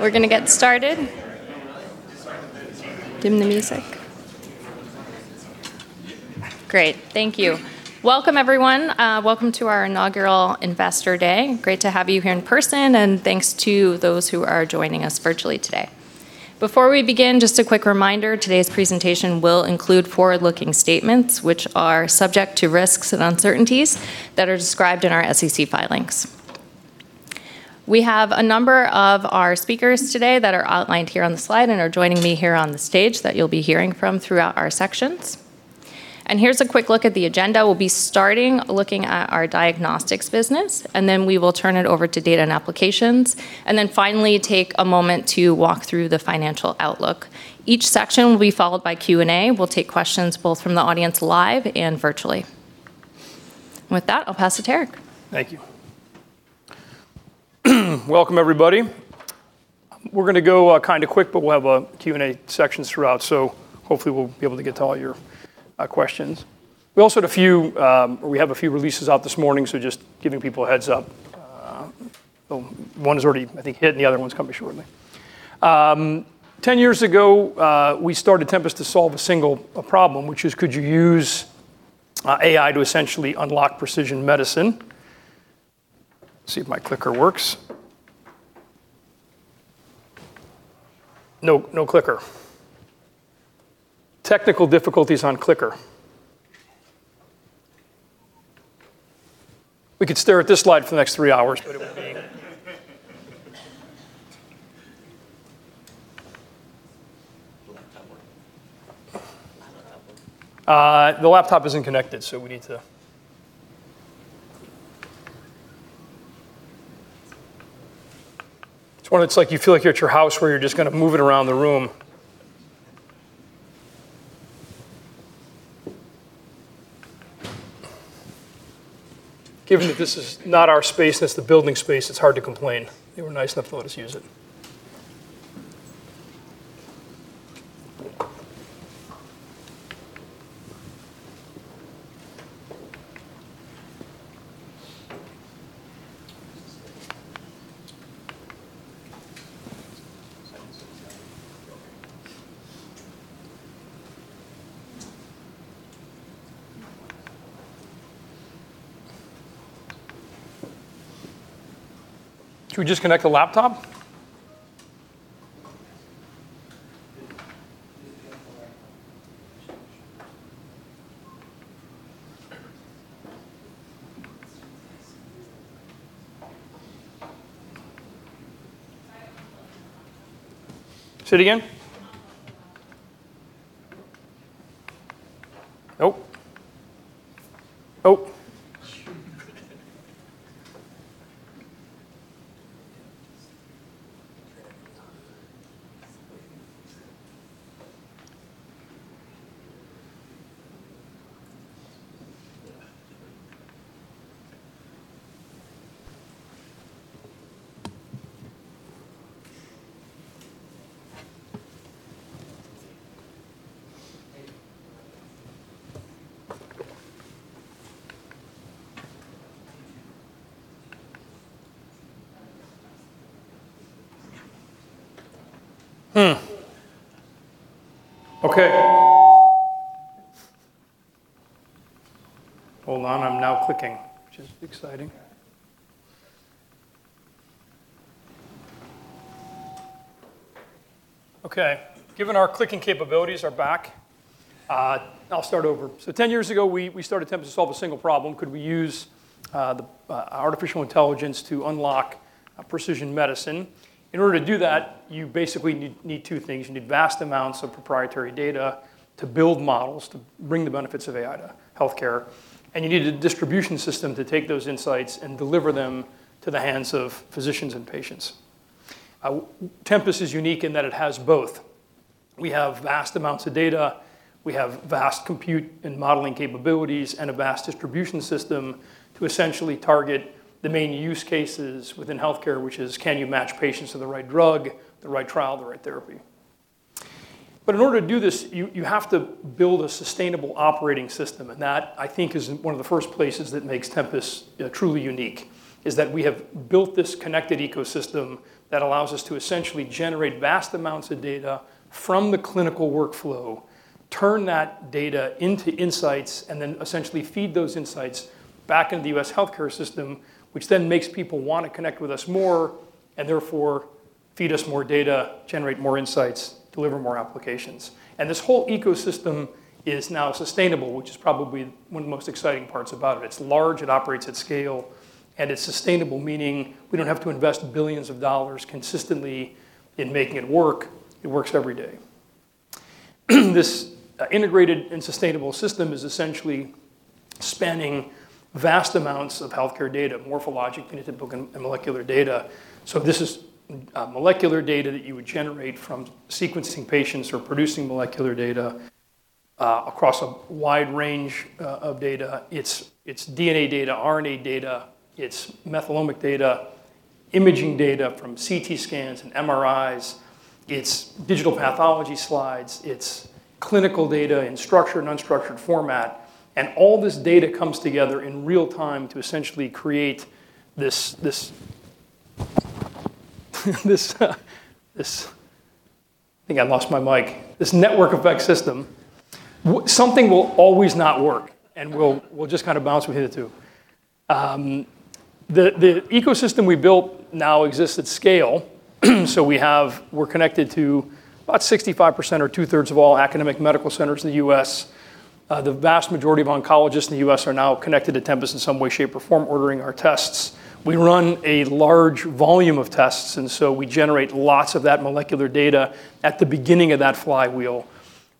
We're going to get started. Dim the music. Great, thank you. Welcome, everyone. Welcome to our inaugural Investor Day. Great to have you here in person, and thanks to those who are joining us virtually today. Before we begin, just a quick reminder, today's presentation will include forward-looking statements, which are subject to risks and uncertainties that are described in our SEC filings. We have a number of our speakers today that are outlined here on the slide and are joining me here on the stage that you'll be hearing from throughout our sections. Here's a quick look at the agenda. We'll be starting looking at our Diagnostics business, and then we will turn it over to Data and Applications, and then finally take a moment to walk through the financial outlook. Each section will be followed by Q&A. We'll take questions both from the audience live and virtually. With that, I'll pass to Eric. Thank you. Welcome, everybody. We're going to go quick, but we'll have Q&A sections throughout, so hopefully we'll be able to get to all your questions. We have a few releases out this morning, so just giving people a heads-up. One's already, I think, hit, and the other one's coming shortly. 10 years ago, we started Tempus AI to solve a single problem, which is could you use AI to essentially unlock precision medicine? See if my clicker works. No clicker. Technical difficulties on clicker. We could stare at this slide for the next three hours. The laptop isn't connected. It's one of those you feel like you're at your house where you're just going to move it around the room. Given that this is not our space, this is the building's space, it's hard to complain. They were nice enough to let us use it. Should we just connect a laptop? Say it again? Nope. Nope. Okay. Hold on, I'm now clicking, which is exciting. Okay, given our clicking capabilities are back, I'll start over. 10 years ago, we started Tempus to solve a single problem. Could we use artificial intelligence to unlock precision medicine? In order to do that, you basically need two things. You need vast amounts of proprietary data to build models to bring the benefits of AI to healthcare, and you need a distribution system to take those insights and deliver them to the hands of physicians and patients. Tempus is unique in that it has both. We have vast amounts of data, we have vast compute and modeling capabilities, and a vast distribution system to essentially target the main use cases within healthcare, which is can you match patients to the right drug, the right trial, the right therapy? In order to do this, you have to build a sustainable operating system, and that, I think, is one of the first places that makes Tempus truly unique, is that we have built this connected ecosystem that allows us to essentially generate vast amounts of data from the clinical workflow, turn that data into insights, and then essentially feed those insights back into the U.S. healthcare system, which then makes people want to connect with us more and therefore feed us more data, generate more insights, deliver more applications. This whole ecosystem is now sustainable, which is probably one of the most exciting parts about it. It's large, it operates at scale, and it's sustainable, meaning we don't have to invest billions of dollars consistently in making it work. It works every day. This integrated and sustainable system is essentially spanning vast amounts of healthcare data, morphologic, phenotypic, and molecular data. This is molecular data that you would generate from sequencing patients or producing molecular data across a wide range of data. It's DNA data, RNA data, it's metabolomic data, imaging data from CT scans and MRIs. It's digital pathology slides, it's clinical data in structured and unstructured format, and all this data comes together in real-time to essentially create this I think I lost my mic, this network effect system. Something will always not work, and we'll just kind of bounce. We'll hit it, too. The ecosystem we built now exists at scale, so we're connected to about 65% or two-thirds of all academic medical centers in the U.S. The vast majority of oncologists in the U.S. are now connected to Tempus in some way, shape, or form, ordering our tests. We run a large volume of tests, we generate lots of that molecular data at the beginning of that flywheel.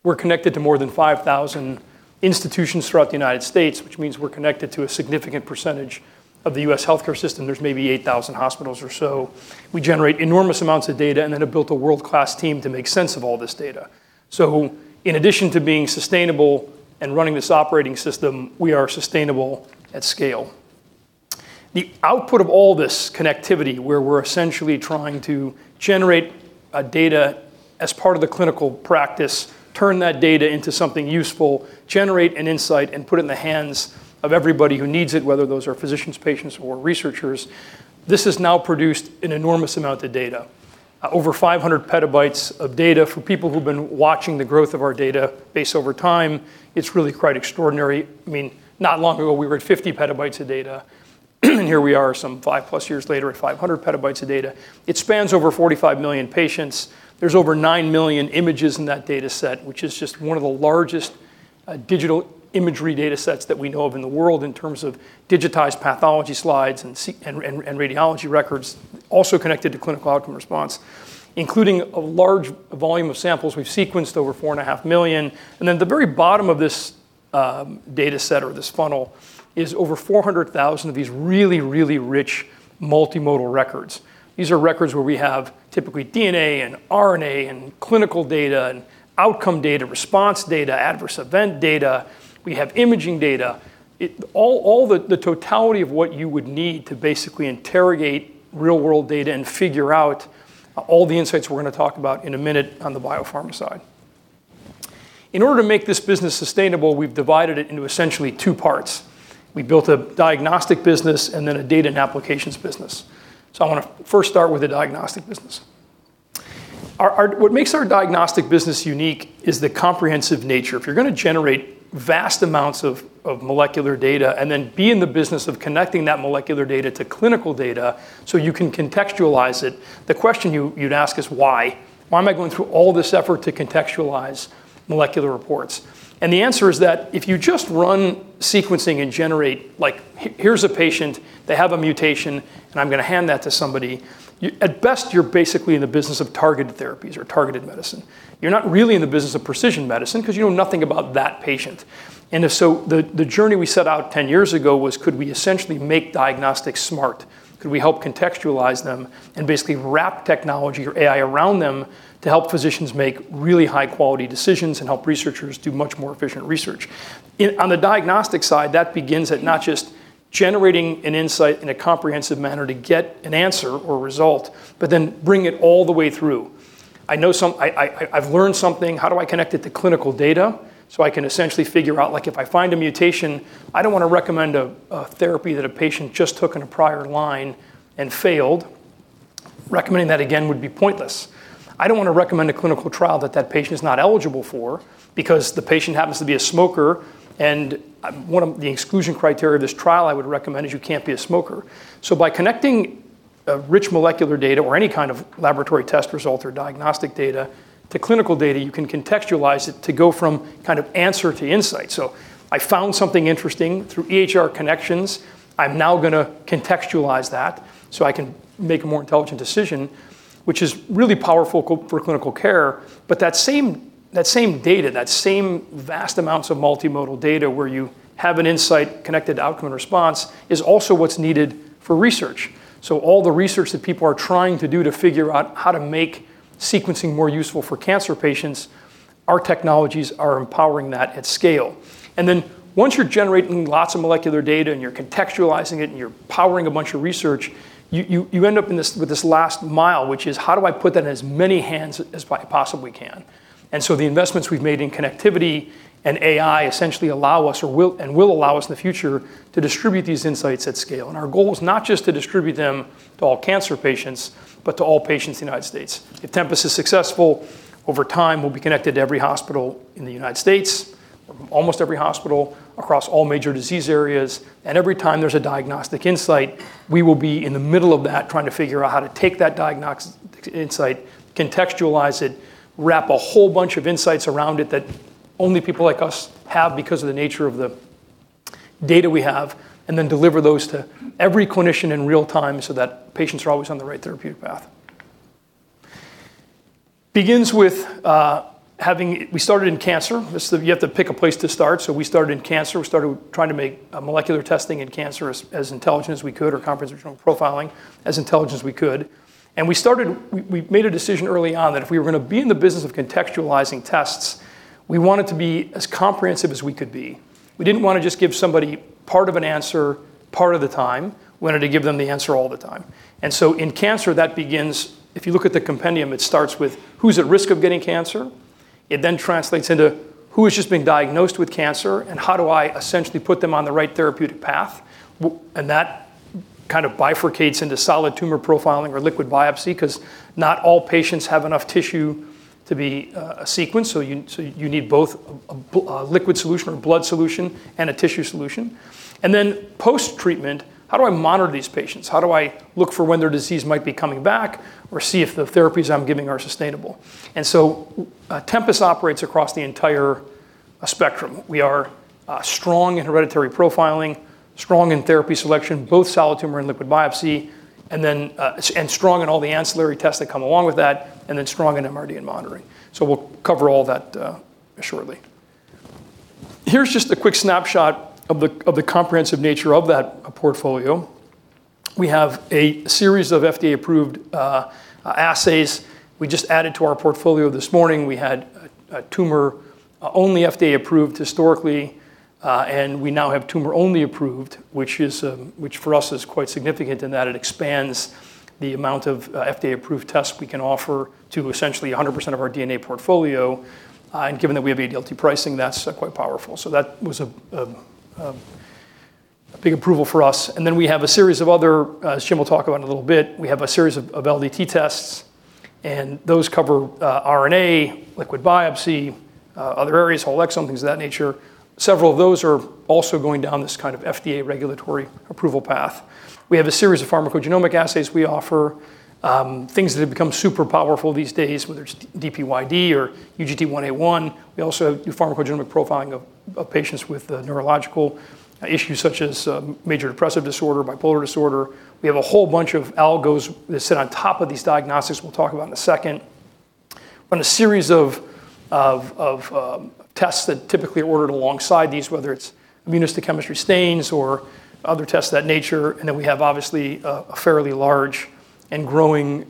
We're connected to more than 5,000 institutions throughout the U.S., which means we're connected to a significant percentage of the U.S. healthcare system. There's maybe 8,000 hospitals or so. We generate enormous amounts of data, have built a world-class team to make sense of all this data. In addition to being sustainable and running this operating system, we are sustainable at scale. The output of all this connectivity, where we're essentially trying to generate data as part of the clinical practice, turn that data into something useful, generate an insight, and put it in the hands of everybody who needs it, whether those are physicians, patients, or researchers. This has now produced an enormous amount of data. Over 500 petabytes of data for people who've been watching the growth of our database over time, it's really quite extraordinary. Not long ago, we were at 50 petabytes of data, and here we are some five-plus years later at 500 petabytes of data. It spans over 45 million patients. There's over nine million images in that data set, which is just one of the largest digital imagery data sets that we know of in the world in terms of digitized pathology slides and radiology records. Also connected to clinical outcome response, including a large volume of samples. We've sequenced over four and a half million. And then the very bottom of this data set or this funnel is over 400,000 of these really, really rich multimodal records. These are records where we have typically DNA and RNA and clinical data and outcome data, response data, adverse event data. We have imaging data. All the totality of what you would need to basically interrogate real-world data and figure out all the insights we're going to talk about in a minute on the biopharma side. In order to make this business sustainable, we've divided it into essentially two parts. We built a diagnostic business and then a data and applications business. I want to first start with the diagnostic business. What makes our diagnostic business unique is the comprehensive nature. If you're going to generate vast amounts of molecular data and then be in the business of connecting that molecular data to clinical data so you can contextualize it, the question you'd ask is why? Why am I going through all this effort to contextualize molecular reports? The answer is that if you just run sequencing and generate, like here's a patient, they have a mutation, and I'm going to hand that to somebody. At best, you're basically in the business of targeted therapies or targeted medicine. You're not really in the business of precision medicine because you know nothing about that patient. If so, the journey we set out 10 years ago was could we essentially make diagnostics smart? Could we help contextualize them and basically wrap technology or AI around them to help physicians make really high-quality decisions and help researchers do much more efficient research? On the diagnostic side, that begins at not just generating an insight in a comprehensive manner to get an answer or result, but then bring it all the way through. I've learned something. How do I connect it to clinical data so I can essentially figure out, if I find a mutation, I don't want to recommend a therapy that a patient just took in a prior line and failed. Recommending that again would be pointless. I don't want to recommend a clinical trial that that patient is not eligible for because the patient happens to be a smoker, and one of the exclusion criteria of this trial I would recommend is you can't be a smoker. By connecting rich molecular data or any kind of laboratory test result or diagnostic data to clinical data, you can contextualize it to go from kind of answer to insight. I found something interesting through EHR connections. I'm now going to contextualize that so I can make a more intelligent decision, which is really powerful for clinical care. That same data, that same vast amounts of multimodal data where you have an insight connected to outcome and response, is also what's needed for research. All the research that people are trying to do to figure out how to make sequencing more useful for cancer patients, our technologies are empowering that at scale. Once you're generating lots of molecular data and you're contextualizing it and you're powering a bunch of research, you end up with this last mile, which is how do I put that in as many hands as I possibly can? The investments we've made in connectivity and AI essentially allow us, and will allow us in the future, to distribute these insights at scale. Our goal is not just to distribute them to all cancer patients, but to all patients in the U.S. If Tempus is successful, over time, we'll be connected to every hospital in the U.S., or almost every hospital across all major disease areas. Every time there's a diagnostic insight, we will be in the middle of that, trying to figure out how to take that diagnostic insight, contextualize it, wrap a whole bunch of insights around it that only people like us have because of the nature of the data we have, then deliver those to every clinician in real-time so that patients are always on the right therapeutic path. Begins with we started in cancer. You have to pick a place to start, we started in cancer. We started trying to make molecular testing in cancer as intelligent as we could, or comprehensive profiling, as intelligent as we could. We made a decision early on that if we were going to be in the business of contextualizing tests. We wanted to be as comprehensive as we could be. We didn't want to just give somebody part of an answer part of the time. We wanted to give them the answer all the time. In cancer, that begins, if you look at the compendium, it starts with who's at risk of getting cancer? Translates into who has just been diagnosed with cancer, and how do I essentially put them on the right therapeutic path? That kind of bifurcates into solid tumor profiling or liquid biopsy, because not all patients have enough tissue to be sequenced, so you need both a liquid solution or blood solution and a tissue solution. Post-treatment, how do I monitor these patients? How do I look for when their disease might be coming back or see if the therapies I'm giving are sustainable? Tempus operates across the entire spectrum. We are strong in hereditary profiling, strong in therapy selection, both solid tumor and liquid biopsy, and strong in all the ancillary tests that come along with that, and then strong in MRD and monitoring. We'll cover all that shortly. Here's just a quick snapshot of the comprehensive nature of that portfolio. We have a series of FDA-approved assays we just added to our portfolio this morning. We had a tumor-only FDA-approved historically, and we now have tumor-only approved, which for us is quite significant in that it expands the amount of FDA-approved tests we can offer to essentially 100% of our DNA portfolio. Given that we have ADLT pricing, that's quite powerful. That was a big approval for us. Then we have a series of other, as Jim will talk about in a little bit, we have a series of LDT tests, and those cover RNA, liquid biopsy other areas, whole exome, things of that nature. Several of those are also going down this kind of FDA regulatory approval path. We have a series of pharmacogenomic assays we offer, things that have become super powerful these days, whether it's DPYD or UGT1A1. We also do pharmacogenomic profiling of patients with neurological issues such as major depressive disorder, bipolar disorder. We have a whole bunch of algos that sit on top of these diagnostics we'll talk about in a second. On a series of tests that typically are ordered alongside these, whether it's immunochemistry stains or other tests of that nature, and then we have obviously a fairly large and growing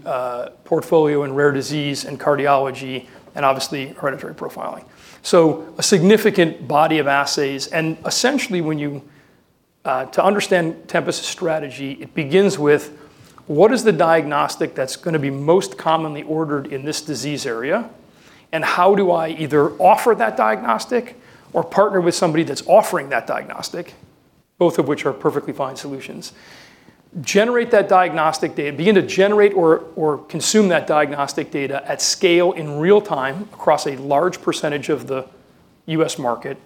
portfolio in rare disease and cardiology and obviously hereditary profiling. A significant body of assays. Essentially, to understand Tempus's strategy, it begins with what is the diagnostic that's going to be most commonly ordered in this disease area, and how do I either offer that diagnostic or partner with somebody that's offering that diagnostic, both of which are perfectly fine solutions. Generate that diagnostic data, begin to generate or consume that diagnostic data at scale in real-time across a large percentage of the U.S. market,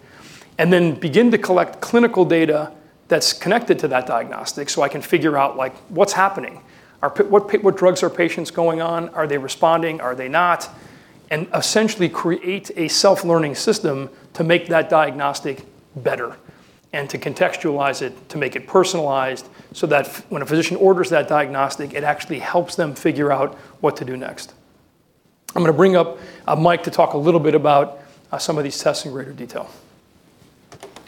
and then begin to collect clinical data that's connected to that diagnostic so I can figure out what's happening. What drugs are patients going on? Are they responding? Are they not? Essentially create a self-learning system to make that diagnostic better and to contextualize it, to make it personalized so that when a physician orders that diagnostic, it actually helps them figure out what to do next. I'm going to bring up Mike to talk a little bit about some of these tests in greater detail.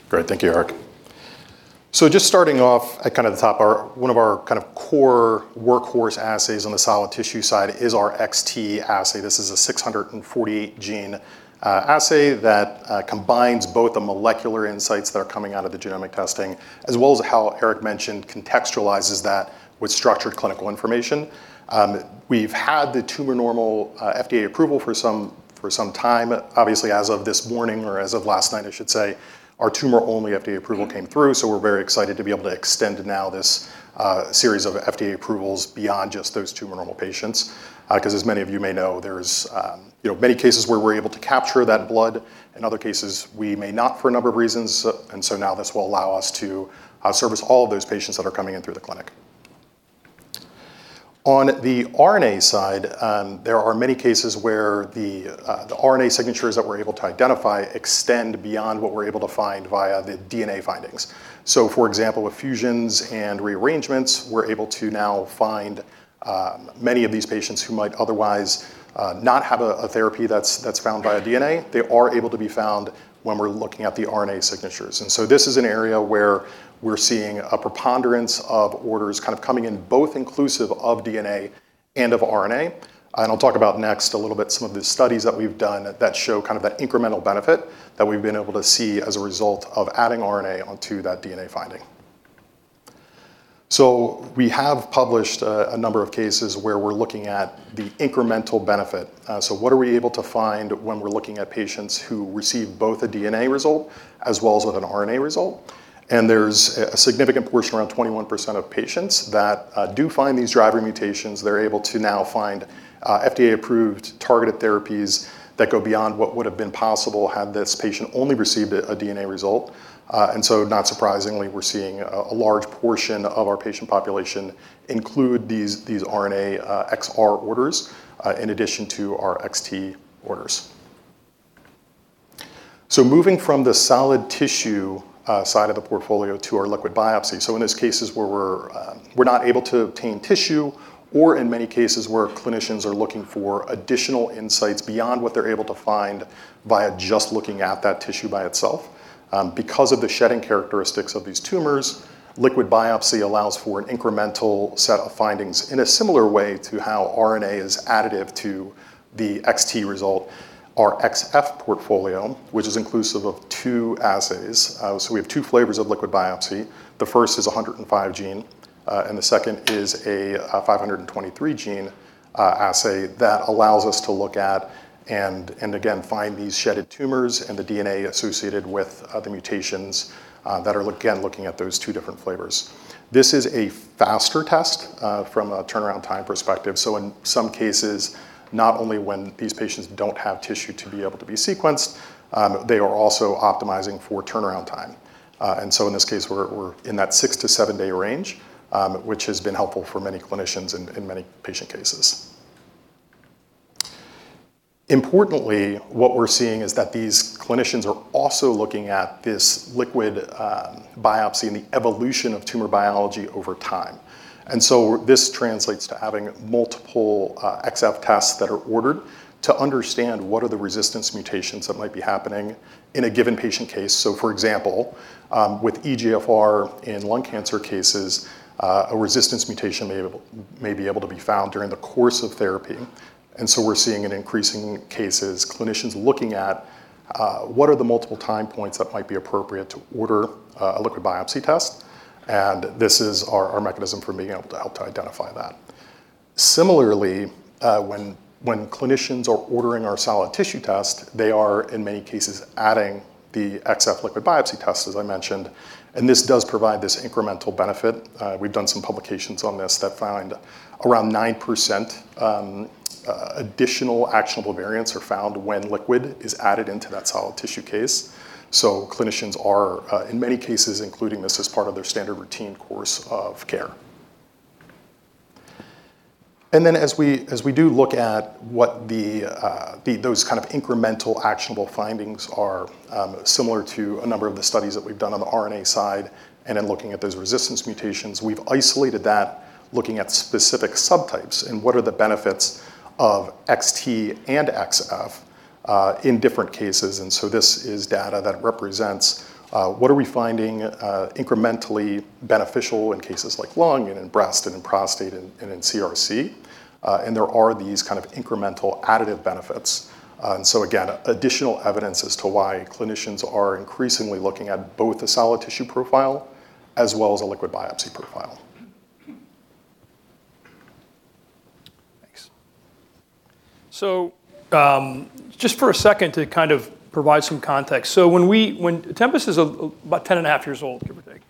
Great. Thank you, Eric. Just starting off at the top, one of our core workhorse assays on the solid tissue side is our xT assay. This is a 648-gene assay that combines both the molecular insights that are coming out of the genomic testing, as well as how Eric mentioned, contextualizes that with structured clinical information. We've had the tumor normal FDA approval for some time. Obviously, as of this morning, or as of last night, I should say, our tumor-only FDA approval came through, so we're very excited to be able to extend now this series of FDA approvals beyond just those tumor normal patients, because as many of you may know, there's many cases where we're able to capture that blood and other cases we may not for a number of reasons. Now this will allow us to service all of those patients that are coming in through the clinic. On the RNA side, there are many cases where the RNA signatures that we're able to identify extend beyond what we're able to find via the DNA findings. For example, with fusions and rearrangements, we're able to now find many of these patients who might otherwise not have a therapy that's found via DNA. They are able to be found when we're looking at the RNA signatures. This is an area where we're seeing a preponderance of orders coming in both inclusive of DNA and of RNA. I'll talk about next a little bit some of the studies that we've done that show that incremental benefit that we've been able to see as a result of adding RNA onto that DNA finding. We have published a number of cases where we're looking at the incremental benefit. What are we able to find when we're looking at patients who receive both a DNA result as well as with an RNA result? There's a significant portion, around 21% of patients that do find these driver mutations. They're able to now find FDA-approved targeted therapies that go beyond what would have been possible had this patient only received a DNA result. Not surprisingly, we're seeing a large portion of our patient population include these RNA xR orders in addition to our xT orders. Moving from the solid tissue side of the portfolio to our liquid biopsy. In those cases where we're not able to obtain tissue, or in many cases, where clinicians are looking for additional insights beyond what they're able to find via just looking at that tissue by itself. Because of the shedding characteristics of these tumors, liquid biopsy allows for an incremental set of findings in a similar way to how RNA is additive to the xT result. Our xF portfolio, which is inclusive of two assays. We have two flavors of liquid biopsy. The first is 105 gene, and the second is a 523 gene assay that allows us to look at and again find these shedded tumors and the DNA associated with the mutations that are, again, looking at those two different flavors. This is a faster test from a turnaround time perspective. In some cases, not only when these patients don't have tissue to be able to be sequenced, they are also optimizing for turnaround time. In this case, we're in that 6 to 7-day range, which has been helpful for many clinicians in many patient cases. Importantly, what we're seeing is that these clinicians are also looking at this liquid biopsy and the evolution of tumor biology over time. This translates to having multiple xF tests that are ordered to understand what are the resistance mutations that might be happening in a given patient case. For example, with EGFR in lung cancer cases, a resistance mutation may be able to be found during the course of therapy. We're seeing in increasing cases, clinicians looking at what are the multiple time points that might be appropriate to order a liquid biopsy test, and this is our mechanism for being able to help to identify that. Similarly, when clinicians are ordering our solid tissue test, they are, in many cases, adding the xF liquid biopsy test, as I mentioned, and this does provide this incremental benefit. We've done some publications on this that found around 9% additional actionable variants are found when liquid is added into that solid tissue case. Clinicians are, in many cases, including this as part of their standard routine course of care. As we do look at what those kind of incremental actionable findings are similar to a number of the studies that we've done on the RNA side and in looking at those resistance mutations, we've isolated that looking at specific subtypes and what are the benefits of xT and xF in different cases. This is data that represents what are we finding incrementally beneficial in cases like lung and in breast and in prostate and in CRC. There are these kind of incremental additive benefits. Again, additional evidence as to why clinicians are increasingly looking at both a solid tissue profile as well as a liquid biopsy profile. Thanks. Just for a second to kind of provide some context. Tempus is about 10.5 years old, give or take.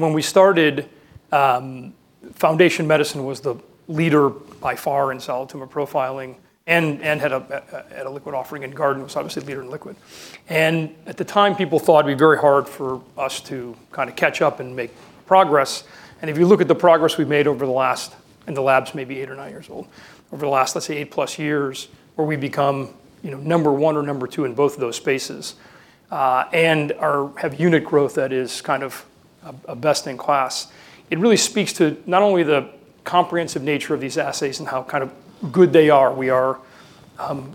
When we started, Foundation Medicine was the leader by far in solid tumor profiling and had a liquid offering, and Guardant was obviously the leader in liquid. At the time, people thought it'd be very hard for us to catch up and make progress. If you look at the progress we've made over the last, and the lab's maybe eight or nine years old, over the last, let's say, 8+ years, where we've become number one or number two in both of those spaces, and have unit growth that is a best-in-class. It really speaks to not only the comprehensive nature of these assays and how good they are. We are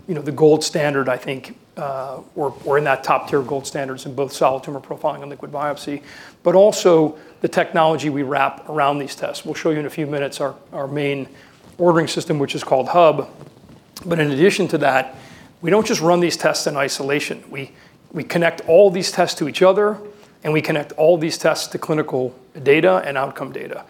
the gold standard, I think. We're in that top tier gold standards in both solid tumor profiling and liquid biopsy, but also the technology we wrap around these tests. We'll show you in a few minutes our main ordering system, which is called Hub. In addition to that, we don't just run these tests in isolation. We connect all these tests to each other, and we connect all these tests to clinical data and outcome data.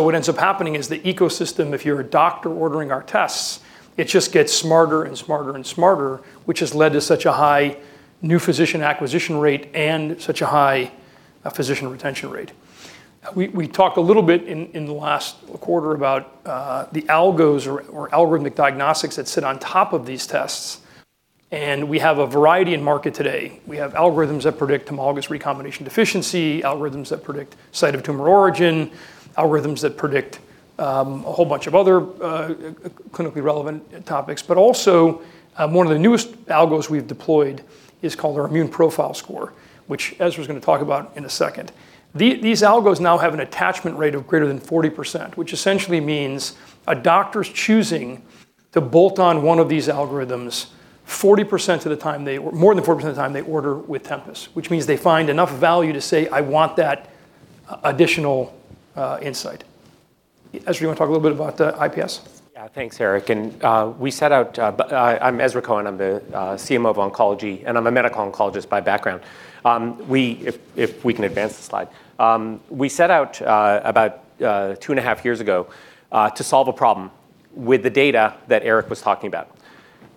What ends up happening is the ecosystem, if you're a doctor ordering our tests, it just gets smarter and smarter, which has led to such a high new physician acquisition rate and such a high physician retention rate. We talked a little bit in the last quarter about the algos or algorithmic diagnostics that sit on top of these tests. We have a variety in market today. We have algorithms that predict homologous recombination deficiency, algorithms that predict site of tumor origin, algorithms that predict a whole bunch of other clinically relevant topics. One of the newest algos we've deployed is called our Immune Profile Score, which Ezra's going to talk about in a second. These algos now have an attachment rate of greater than 40%, which essentially means a doctor's choosing to bolt on one of these algorithms more than 40% of the time they order with Tempus. Which means they find enough value to say, I want that additional insight. Ezra, do you want to talk a little bit about IPS? Yeah. Thanks, Eric. I'm Ezra Cohen, I'm the CMO of Oncology, and I'm a medical oncologist by background. If we can advance the slide. We set out about two and a half years ago to solve a problem with the data that Eric was talking about.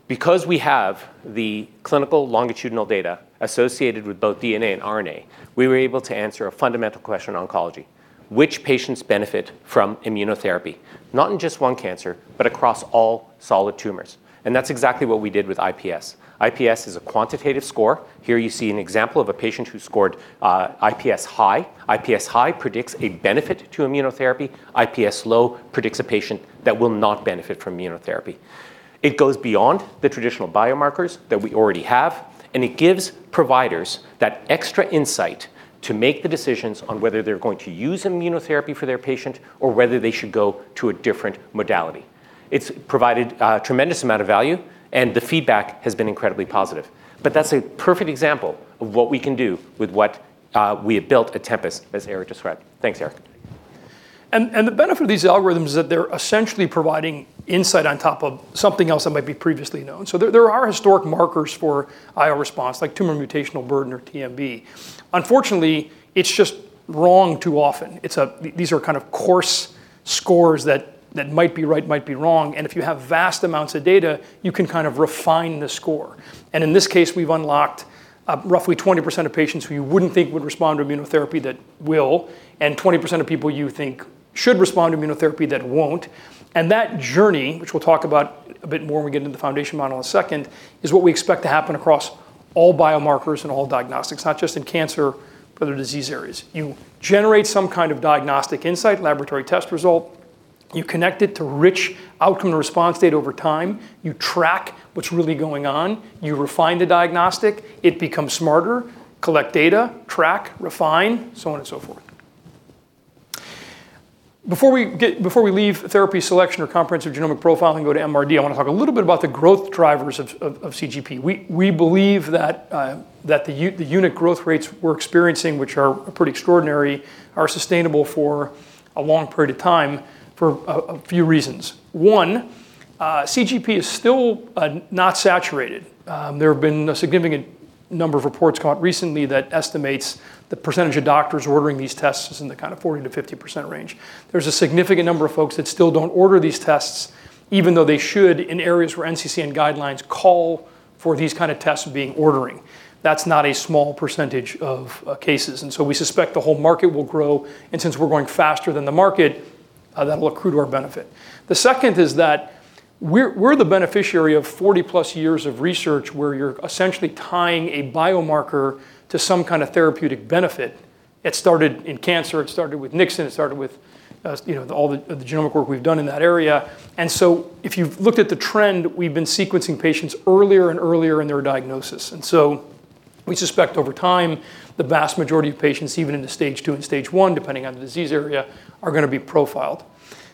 Because we have the clinical longitudinal data associated with both DNA and RNA, we were able to answer a fundamental question in oncology, which patients benefit from immunotherapy, not in just one cancer, but across all solid tumors. That's exactly what we did with IPS. IPS is a quantitative score. Here you see an example of a patient who scored IPS high. IPS high predicts a benefit to immunotherapy. IPS low predicts a patient that will not benefit from immunotherapy. It goes beyond the traditional biomarkers that we already have. It gives providers that extra insight to make the decisions on whether they're going to use immunotherapy for their patient or whether they should go to a different modality. It's provided a tremendous amount of value. The feedback has been incredibly positive. That's a perfect example of what we can do with what we have built at Tempus, as Eric just read. Thanks, Eric. The benefit of these algorithms is that they're essentially providing insight on top of something else that might be previously known. There are historic markers for IO response, like tumor mutational burden or TMB. Unfortunately, it's just wrong too often. These are kind of coarse scores that might be right, might be wrong, and if you have vast amounts of data, you can kind of refine the score. In this case, we've unlocked roughly 20% of patients who you wouldn't think would respond to immunotherapy that will, and 20% of people you think should respond to immunotherapy that won't. That journey, which we'll talk about a bit more when we get into the foundation model in a second, is what we expect to happen across all biomarkers and all diagnostics, not just in cancer, but other disease areas. You generate some kind of diagnostic insight, laboratory test result, you connect it to rich outcome response data over time, you track what's really going on, you refine the diagnostic, it becomes smarter, collect data, track, refine, so on and so forth. Before we leave therapy selection or comprehensive genomic profiling and go to MRD, I want to talk a little bit about the growth drivers of CGP. We believe that the unit growth rates we're experiencing, which are pretty extraordinary, are sustainable for a long period of time for a few reasons. One, CGP is still not saturated. There have been a significant number of reports come out recently that estimates the percentage of doctors ordering these tests is in the kind of 40%-50% range. There's a significant number of folks that still don't order these tests, even though they should, in areas where NCCN guidelines call for these kind of tests being ordered. That's not a small percentage of cases. We suspect the whole market will grow. Since we're growing faster than the market, that'll accrue to our benefit. The second is that we're the beneficiary of 40+ years of research where you're essentially tying a biomarker to some kind of therapeutic benefit. It started in cancer. It started with Nixon. It started with all the genomic work we've done in that area. If you've looked at the trend, we've been sequencing patients earlier and earlier in their diagnosis. We suspect over time the vast majority of patients, even into Stage II and Stage I, depending on the disease area, are going to be profiled.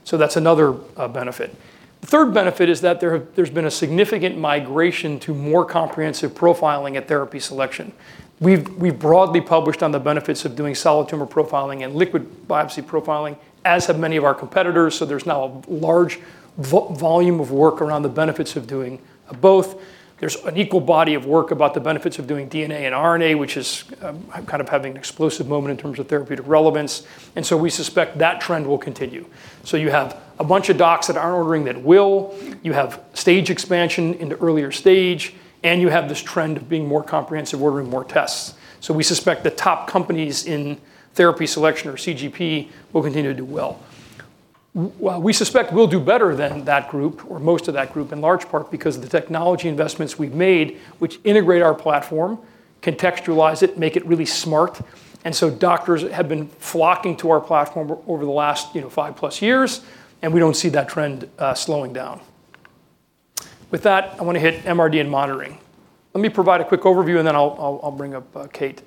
That's another benefit. The third benefit is that there's been a significant migration to more comprehensive profiling at therapy selection. We've broadly published on the benefits of doing solid tumor profiling and liquid biopsy profiling, as have many of our competitors. There's now a large volume of work around the benefits of doing both. There's an equal body of work about the benefits of doing DNA and RNA, which is kind of having an explosive moment in terms of therapeutic relevance. We suspect that trend will continue. You have a bunch of docs that aren't ordering that will, you have stage expansion into earlier stage, and you have this trend of being more comprehensive, ordering more tests. We suspect the top companies in therapy selection or CGP will continue to do well. We suspect we'll do better than that group, or most of that group, in large part because of the technology investments we've made, which integrate our platform, contextualize it, make it really smart. So doctors have been flocking to our platform over the last five-plus years, and we don't see that trend slowing down. With that, I want to hit MRD and monitoring. Let me provide a quick overview and then I'll bring up Kate.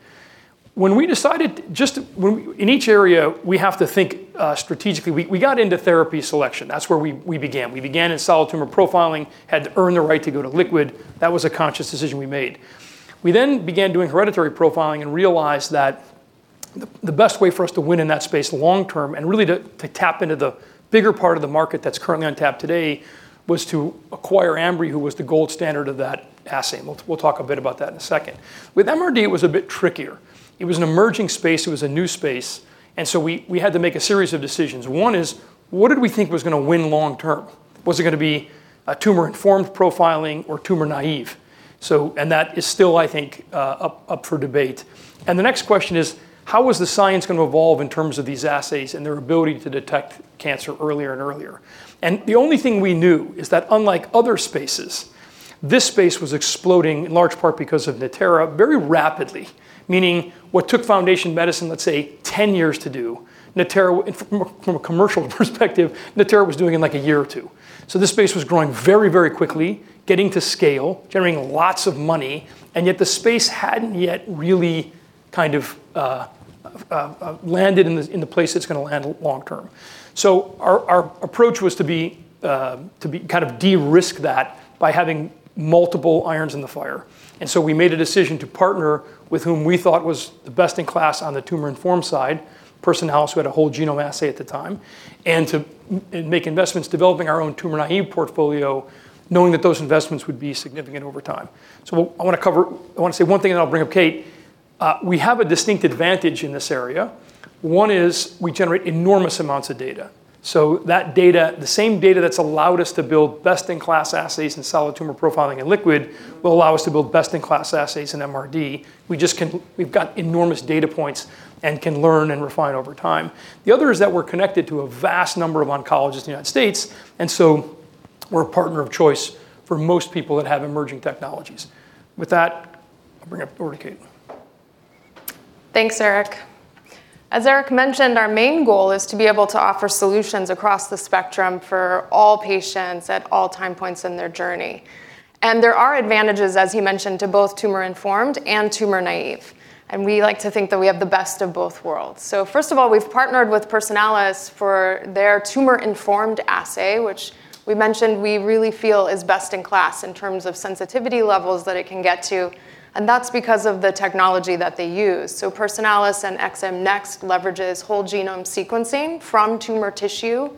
In each area, we have to think strategically. We got into therapy selection. That's where we began. We began in solid tumor profiling, had to earn the right to go to liquid. That was a conscious decision we made. We began doing hereditary profiling and realized that the best way for us to win in that space long term and really to tap into the bigger part of the market that's currently untapped today was to acquire Ambry, who was the gold standard of that assay. With MRD, it was a bit trickier. It was an emerging space. It was a new space. We had to make a series of decisions. One is, what did we think was going to win long term? Was it going to be a tumor-informed profiling or tumor-naive? That is still, I think, up for debate. The next question is, how was the science going to evolve in terms of these assays and their ability to detect cancer earlier and earlier? The only thing we knew is that unlike other spaces, this space was exploding in large part because of Natera very rapidly, meaning what took Foundation Medicine, let's say, 10 years to do, from a commercial perspective, Natera was doing in like a year or two. This space was growing very, very quickly, getting to scale, generating lots of money, and yet the space hadn't yet really kind of landed in the place it's going to land long term. Our approach was to kind of de-risk that by having multiple irons in the fire. We made a decision to partner with whom we thought was the best in class on the tumor-informed side, Personalis, who had a whole genome assay at the time, and to make investments developing our own tumor-naive portfolio, knowing that those investments would be significant over time. I want to say one thing and then I'll bring up Kate. We have a distinct advantage in this area. One is we generate enormous amounts of data. That data, the same data that's allowed us to build best-in-class assays in solid tumor profiling and liquid will allow us to build best-in-class assays in MRD. We've got enormous data points and can learn and refine over time. The other is that we're connected to a vast number of oncologists in the U.S., and so we're a partner of choice for most people that have emerging technologies. With that, I'll bring it over to Kate. Thanks, Eric. As Eric mentioned, our main goal is to be able to offer solutions across the spectrum for all patients at all time points in their journey. There are advantages, as you mentioned, to both tumor-informed and tumor-naive. We like to think that we have the best of both worlds. First of all, we've partnered with Personalis for their tumor-informed assay, which we mentioned we really feel is best in class in terms of sensitivity levels that it can get to. That's because of the technology that they use. Personalis and ImmunoID NeXT leverages whole genome sequencing from tumor tissue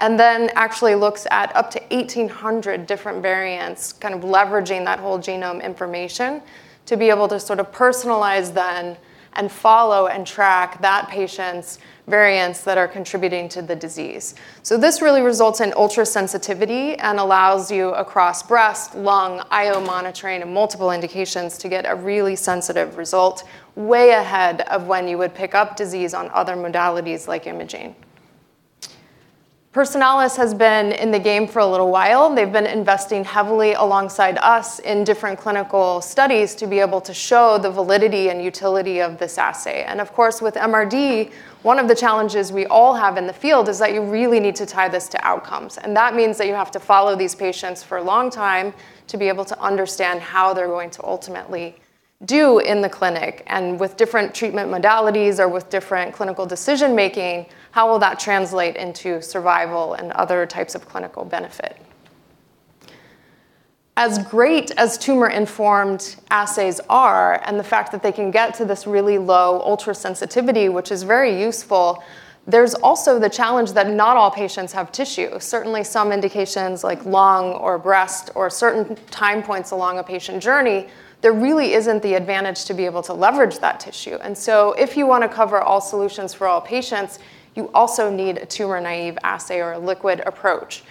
and then actually looks at up to 1,800 different variants, kind of leveraging that whole genome information to be able to sort of personalize then and follow and track that patient's variants that are contributing to the disease. This really results in ultra-sensitivity and allows you across breast, lung, IO monitoring, and multiple indications to get a really sensitive result way ahead of when you would pick up disease on other modalities like imaging. Personalis has been in the game for a little while. They've been investing heavily alongside us in different clinical studies to be able to show the validity and utility of this assay. Of course, with MRD, one of the challenges we all have in the field is that you really need to tie this to outcomes. That means that you have to follow these patients for a long time to be able to understand how they're going to ultimately do in the clinic. With different treatment modalities or with different clinical decision-making, how will that translate into survival and other types of clinical benefit? As great as tumor-informed assays are and the fact that they can get to this really low ultra-sensitivity, which is very useful, there's also the challenge that not all patients have tissue. Certainly, some indications like lung or breast or certain time points along a patient journey, there really isn't the advantage to be able to leverage that tissue. If you want to cover all solutions for all patients, you also need a tumor-naive assay or a liquid approach.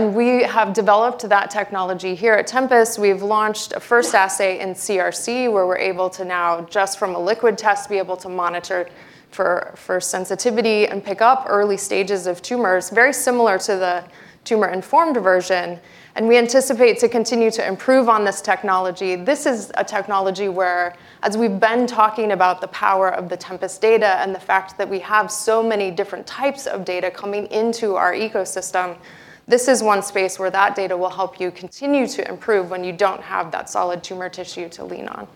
We have developed that technology here at Tempus. We've launched a first assay in CRC where we're able to now just from a liquid test, be able to monitor for sensitivity and pick up early stages of tumors, very similar to the tumor-informed version, and we anticipate to continue to improve on this technology. This is a technology where, as we've been talking about the power of the Tempus data and the fact that we have so many different types of data coming into our ecosystem, this is one space where that data will help you continue to improve when you don't have that solid tumor tissue to lean on.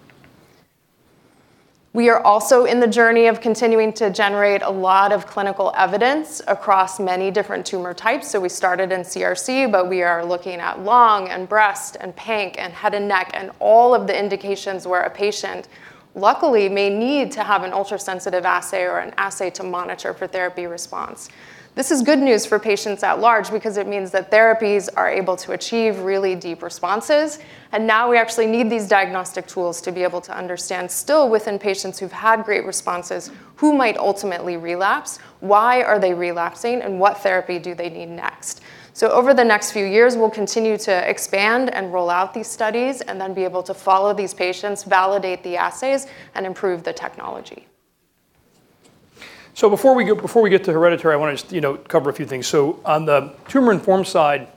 We are also in the journey of continuing to generate a lot of clinical evidence across many different tumor types. We started in CRC, but we are looking at lung and breast and panc and head and neck and all of the indications where a patient luckily may need to have an ultrasensitive assay or an assay to monitor for therapy response. This is good news for patients at large because it means that therapies are able to achieve really deep responses, and now we actually need these diagnostic tools to be able to understand still within patients who've had great responses, who might ultimately relapse, why are they relapsing, and what therapy do they need next? Over the next few years, we'll continue to expand and roll out these studies and then be able to follow these patients, validate the assays, and improve the technology. Before we get to hereditary, I want to just cover a few things. On the tumor-informed side,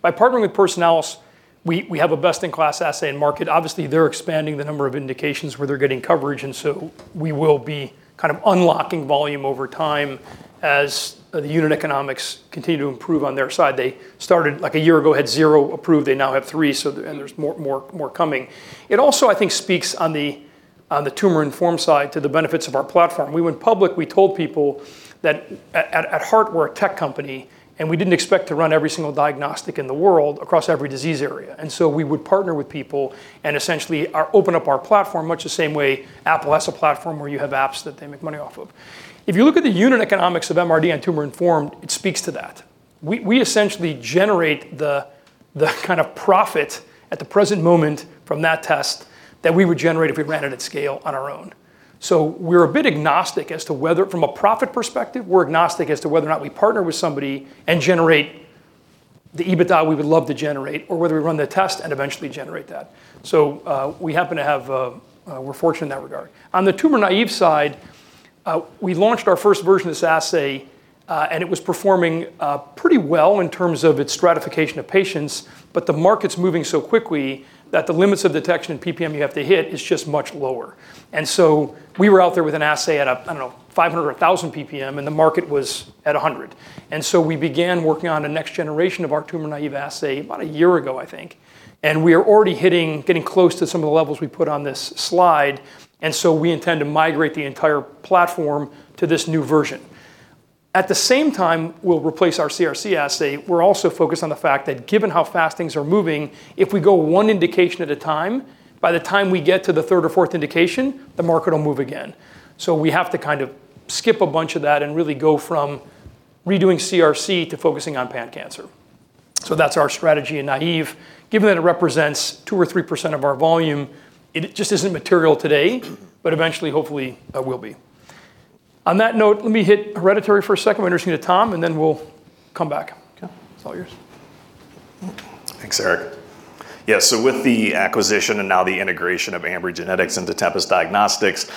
by partnering with Personalis, we have a best-in-class assay in market. Obviously, they're expanding the number of indications where they're getting coverage, and so we will be kind of unlocking volume over time as the unit economics continue to improve on their side. They started, like a year ago, had zero approved. They now have three, and there's more coming. It also, I think, speaks on the tumor-informed side to the benefits of our platform. We went public, we told people that at heart, we're a tech company, and we didn't expect to run every single diagnostic in the world across every disease area. We would partner with people and essentially open up our platform, much the same way Apple has a platform where you have apps that they make money off of. If you look at the unit economics of MRD on tumor-informed, it speaks to that. We essentially generate the kind of profit at the present moment from that test that we would generate if we ran it at scale on our own. We're a bit agnostic. From a profit perspective, we're agnostic as to whether or not we partner with somebody and generate the EBITDA we would love to generate or whether we run the test and eventually generate that. We're fortunate in that regard. On the tumor-naive side, we launched our first version of this assay, and it was performing pretty well in terms of its stratification of patients, but the market's moving so quickly that the limits of detection in PPM you have to hit is just much lower. We were out there with an assay at, I don't know, 500 or 1,000 PPM, and the market was at 100. We began working on a next generation of our tumor-naive assay about a year ago, I think. We are already getting close to some of the levels we put on this slide, and so we intend to migrate the entire platform to this new version. At the same time we'll replace our CRC assay, we're also focused on the fact that given how fast things are moving, if we go one indication at a time, by the time we get to the third or fourth indication, the market will move again. We have to kind of skip a bunch of that and really go from redoing CRC to focusing on pan-cancer. That's our strategy in naive. Given that it represents 2% or 3% of our volume, it just isn't material today, but eventually, hopefully, it will be. On that note, let me hit hereditary for a second. I'm going to turn it to Tom, and then we'll come back. Okay. It's all yours. Thanks, Eric. With the acquisition and now the integration of Ambry Genetics into Tempus Diagnostics,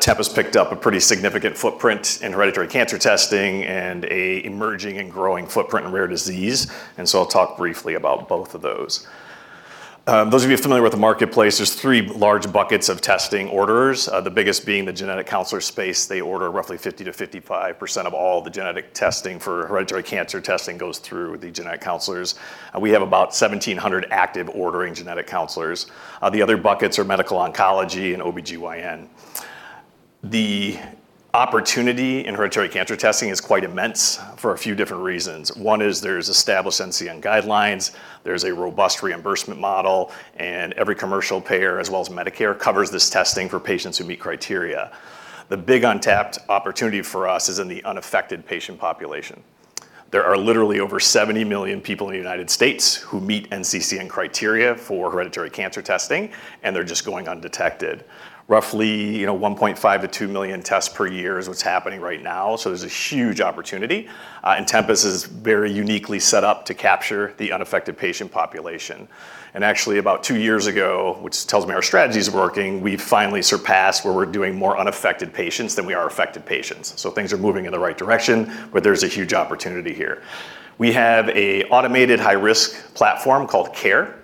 Tempus picked up a pretty significant footprint in hereditary cancer testing and a emerging and growing footprint in rare disease. I'll talk briefly about both of those. Those of you familiar with the marketplace, there's three large buckets of testing orders, the biggest being the genetic counselor space. They order roughly 50%-55% of all the genetic testing for hereditary cancer testing goes through the genetic counselors. We have about 1,700 active ordering genetic counselors. The other buckets are medical oncology and OBGYN. The opportunity in hereditary cancer testing is quite immense for a few different reasons. One is there's established NCCN guidelines, there's a robust reimbursement model, and every commercial payer, as well as Medicare, covers this testing for patients who meet criteria. The big untapped opportunity for us is in the unaffected patient population. There are literally over 70 million people in the U.S. who meet NCCN criteria for hereditary cancer testing, and they're just going undetected. Roughly 1.5 million-2 million tests per year is what's happening right now. There's a huge opportunity. Tempus is very uniquely set up to capture the unaffected patient population. Actually, about two years ago, which tells me our strategy is working, we finally surpassed where we're doing more unaffected patients than we are affected patients. Things are moving in the right direction. There's a huge opportunity here. We have a automated high-risk platform called Care.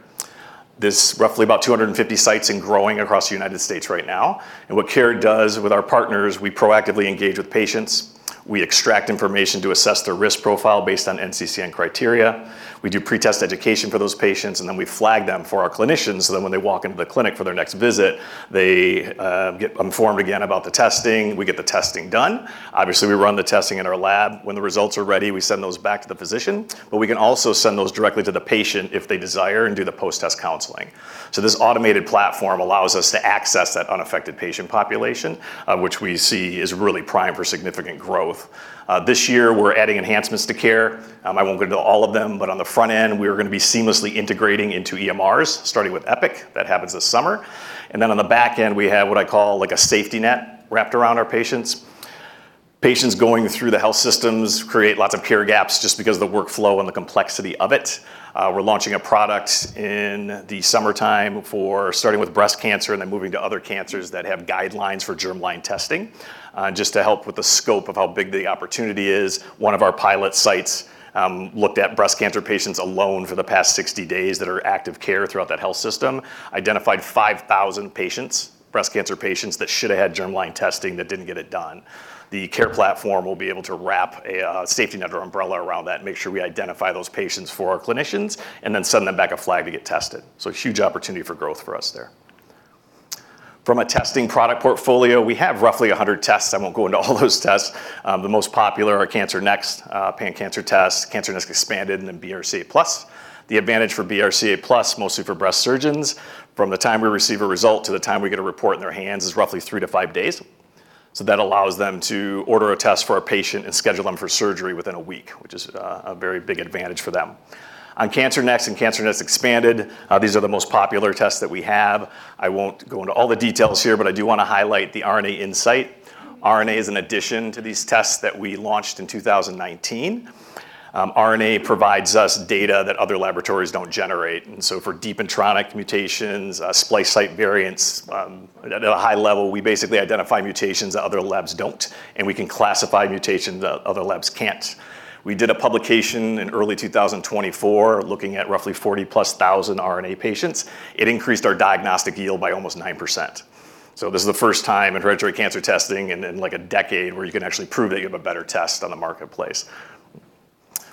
There's roughly about 250 sites and growing across the U.S. right now. What Care does with our partners, we proactively engage with patients, we extract information to assess their risk profile based on NCCN criteria, we do pretest education for those patients, we flag them for our clinicians, when they walk into the clinic for their next visit, they get informed again about the testing. We get the testing done. Obviously, we run the testing in our lab. When the results are ready, we send those back to the physician, we can also send those directly to the patient if they desire and do the post-test counseling. This automated platform allows us to access that unaffected patient population, which we see is really primed for significant growth. This year, we're adding enhancements to Care. I won't go into all of them. On the front end, we are going to be seamlessly integrating into EMRs, starting with Epic. That happens this summer. On the back end, we have what I call a safety net wrapped around our patients. Patients going through the health systems create lots of care gaps just because of the workflow and the complexity of it. We're launching a product in the summertime for starting with breast cancer and then moving to other cancers that have guidelines for germline testing. Just to help with the scope of how big the opportunity is, one of our pilot sites looked at breast cancer patients alone for the past 60 days that are active care throughout that health system, identified 5,000 patients, breast cancer patients, that should have had germline testing that didn't get it done. The Care platform will be able to wrap a safety net or umbrella around that and make sure we identify those patients for our clinicians and then send them back a flag to get tested. A huge opportunity for growth for us there. From a testing product portfolio, we have roughly 100 tests. I won't go into all those tests. The most popular are CancerNext, pan-cancer tests, CancerNext-Expanded and then BRCAplus. The advantage for BRCAplus, mostly for breast surgeons, from the time we receive a result to the time we get a report in their hands is roughly three to five days. That allows them to order a test for a patient and schedule them for surgery within a week, which is a very big advantage for them. On CancerNext and CancerNext-Expanded, these are the most popular tests that we have. I won't go into all the details here, but I do want to highlight the RNAinsight. RNA is an addition to these tests that we launched in 2019. RNA provides us data that other laboratories don't generate. For deep intronic mutations, splice site variants, at a high level, we basically identify mutations that other labs don't, and we can classify mutations that other labs can't. We did a publication in early 2024 looking at roughly 40,000-plus RNA patients. It increased our diagnostic yield by almost 9%. This is the first time in hereditary cancer testing in a decade where you can actually prove that you have a better test on the marketplace.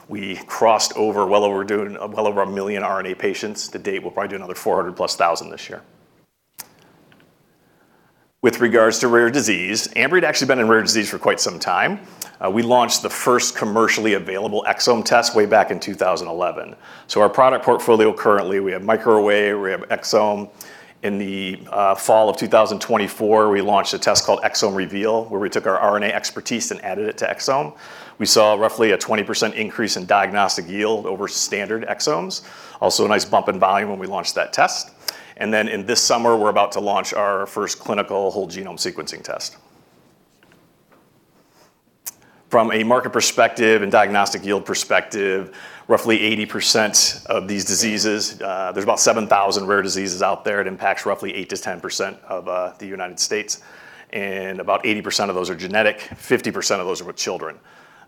We crossed over well over a million RNA patients to date. We'll probably do another 400,000-plus this year. With regards to rare disease, Ambry had actually been in rare disease for quite some time. We launched the first commercially available Exome test way back in 2011. Our product portfolio currently, we have MicroArray, we have Exome. In the fall of 2024, we launched a test called ExomeReveal, where we took our RNA expertise and added it to Exome. We saw roughly a 20% increase in diagnostic yield over standard exomes. Also, a nice bump in volume when we launched that test. In this summer, we're about to launch our first clinical whole genome sequencing test. From a market perspective and diagnostic yield perspective, roughly 80% of these diseases, there's about 7,000 rare diseases out there. It impacts roughly 8%-10% of the U.S., and about 80% of those are genetic, 50% of those are with children.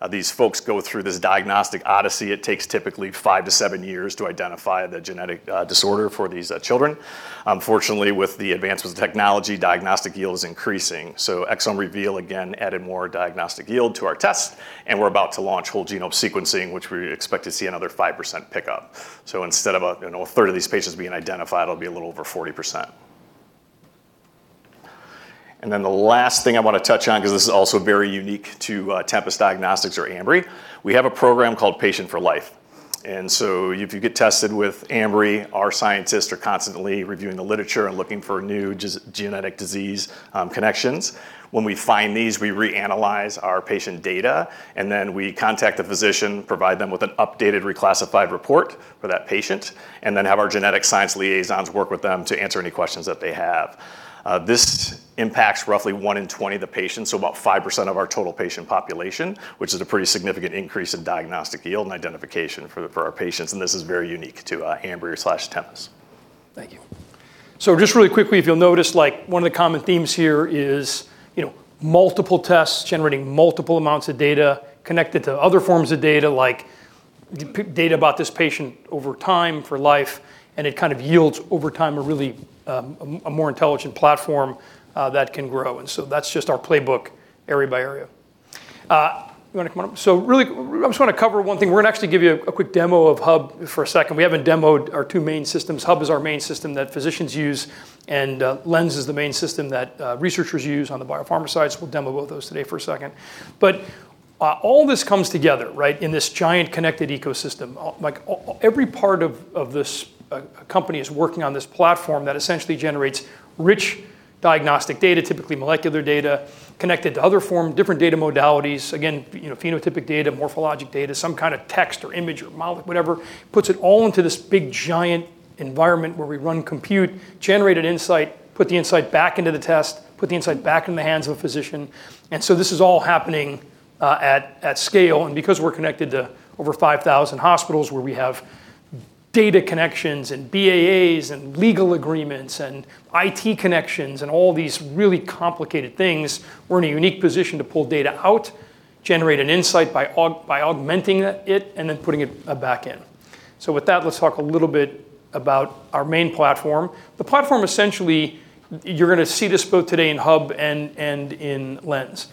These folks go through this diagnostic odyssey. It takes typically five to seven years to identify the genetic disorder for these children. Unfortunately, with the advancements in technology, diagnostic yield is increasing. ExomeReveal, again, added more diagnostic yield to our test, and we're about to launch whole genome sequencing, which we expect to see another 5% pickup. Instead of a third of these patients being identified, it'll be a little over 40%. The last thing I want to touch on, because this is also very unique to Tempus Diagnostics or Ambry, we have a program called Patient for Life. If you get tested with Ambry, our scientists are constantly reviewing the literature and looking for new genetic disease connections. When we find these, we reanalyze our patient data, and then we contact the physician, provide them with an updated reclassified report for that patient, and then have our genetic science liaisons work with them to answer any questions that they have. This impacts roughly one in 20 of the patients, so about 5% of our total patient population, which is a pretty significant increase in diagnostic yield and identification for our patients, and this is very unique to Ambry/Tempus. Thank you. Just really quickly, if you'll notice, one of the common themes here is multiple tests generating multiple amounts of data connected to other forms of data, like data about this patient over time for life, and it kind of yields over time a really more intelligent platform that can grow. That's just our playbook area by area. You want to come on up? Really, I just want to cover one thing. We're going to actually give you a quick demo of Hub for a second. We haven't demoed our two main systems. Hub is our main system that physicians use, and Lens is the main system that researchers use on the biopharma sides. We'll demo both those today for a second. All this comes together, right, in this giant connected ecosystem. Every part of this company is working on this platform that essentially generates rich diagnostic data, typically molecular data, connected to other form, different data modalities. Again, phenotypic data, morphologic data, some kind of text or image or model, whatever, puts it all into this big giant environment where we run compute, generate an insight, put the insight back into the test, put the insight back in the hands of a physician. This is all happening at scale. Because we're connected to over 5,000 hospitals where we have data connections and BAAs and legal agreements and IT connections and all these really complicated things, we're in a unique position to pull data out, generate an insight by augmenting it, and then putting it back in. With that, let's talk a little bit about our main platform. The platform essentially, you're going to see this both today in Hub and in Lens.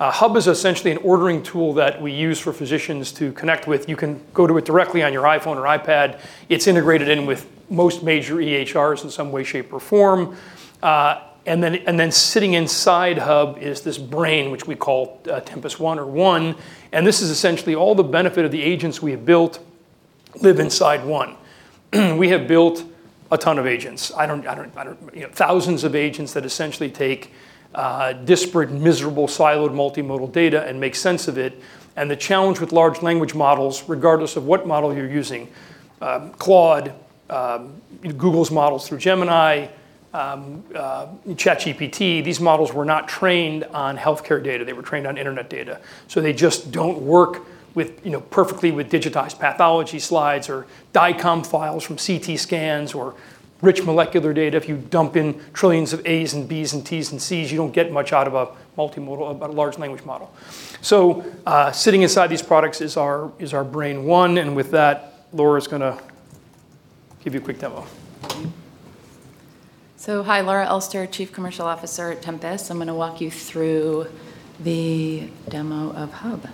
Hub is essentially an ordering tool that we use for physicians to connect with. You can go to it directly on your iPhone or iPad. It's integrated in with most major EHRs in some way, shape, or form. Sitting inside Hub is this brain, which we call Tempus One or One. This is essentially all the benefit of the agents we have built live inside One. We have built a ton of agents. Thousands of agents that essentially take disparate, miserable, siloed, multimodal data and make sense of it. The challenge with large language models, regardless of what model you're using, Claude, Google's models through Gemini, ChatGPT, these models were not trained on healthcare data. They were trained on internet data. They just don't work perfectly with digitized pathology slides or DICOM files from CT scans or rich molecular data. If you dump in trillions of As and Bs and Ts and Cs, you don't get much out of a large language model. Sitting inside these products is our Tempus One, and with that, Laura's going to give you a quick demo. Hi, Laura Elster, Chief Commercial Officer at Tempus. I'm going to walk you through the demo of Hub.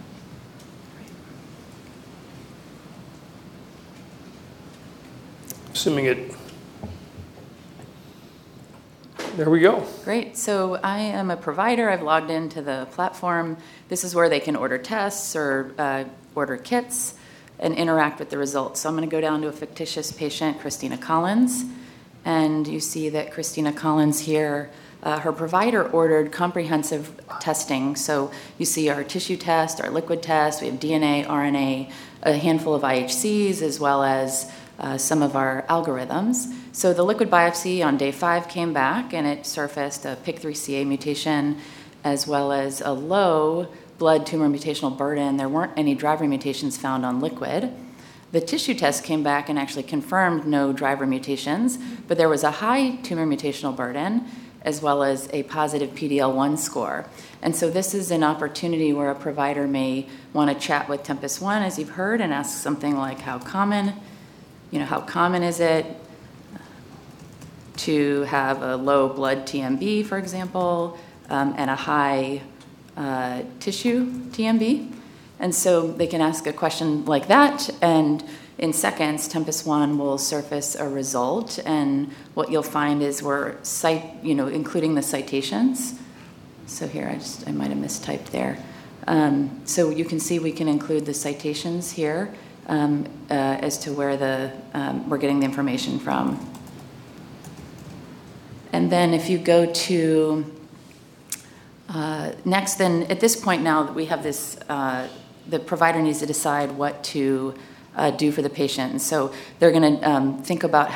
There we go. Great. I am a provider. I've logged into the platform. This is where they can order tests or order kits and interact with the results. I'm going to go down to a fictitious patient, Christina Collins. You see that Christina Collins here, her provider ordered comprehensive testing. You see our tissue test, our liquid test. We have DNA, RNA, a handful of IHCs, as well as some of our algorithms. The liquid biopsy on day five came back, and it surfaced a PIK3CA mutation, as well as a low blood tumor mutational burden. There weren't any driver mutations found on liquid. The tissue test came back and actually confirmed no driver mutations, but there was a high tumor mutational burden, as well as a positive PD-L1 score. This is an opportunity where a provider may want to chat with Tempus One, as you've heard, and ask something like, how common is it to have a low blood TMB, for example, and a high tissue TMB? They can ask a question like that, and in seconds, Tempus One will surface a result. What you'll find is we're including the citations. Here, I might have mistyped there. You can see we can include the citations here as to where we're getting the information from. If you go to next, then at this point now the provider needs to decide what to do for the patient. They're going to think about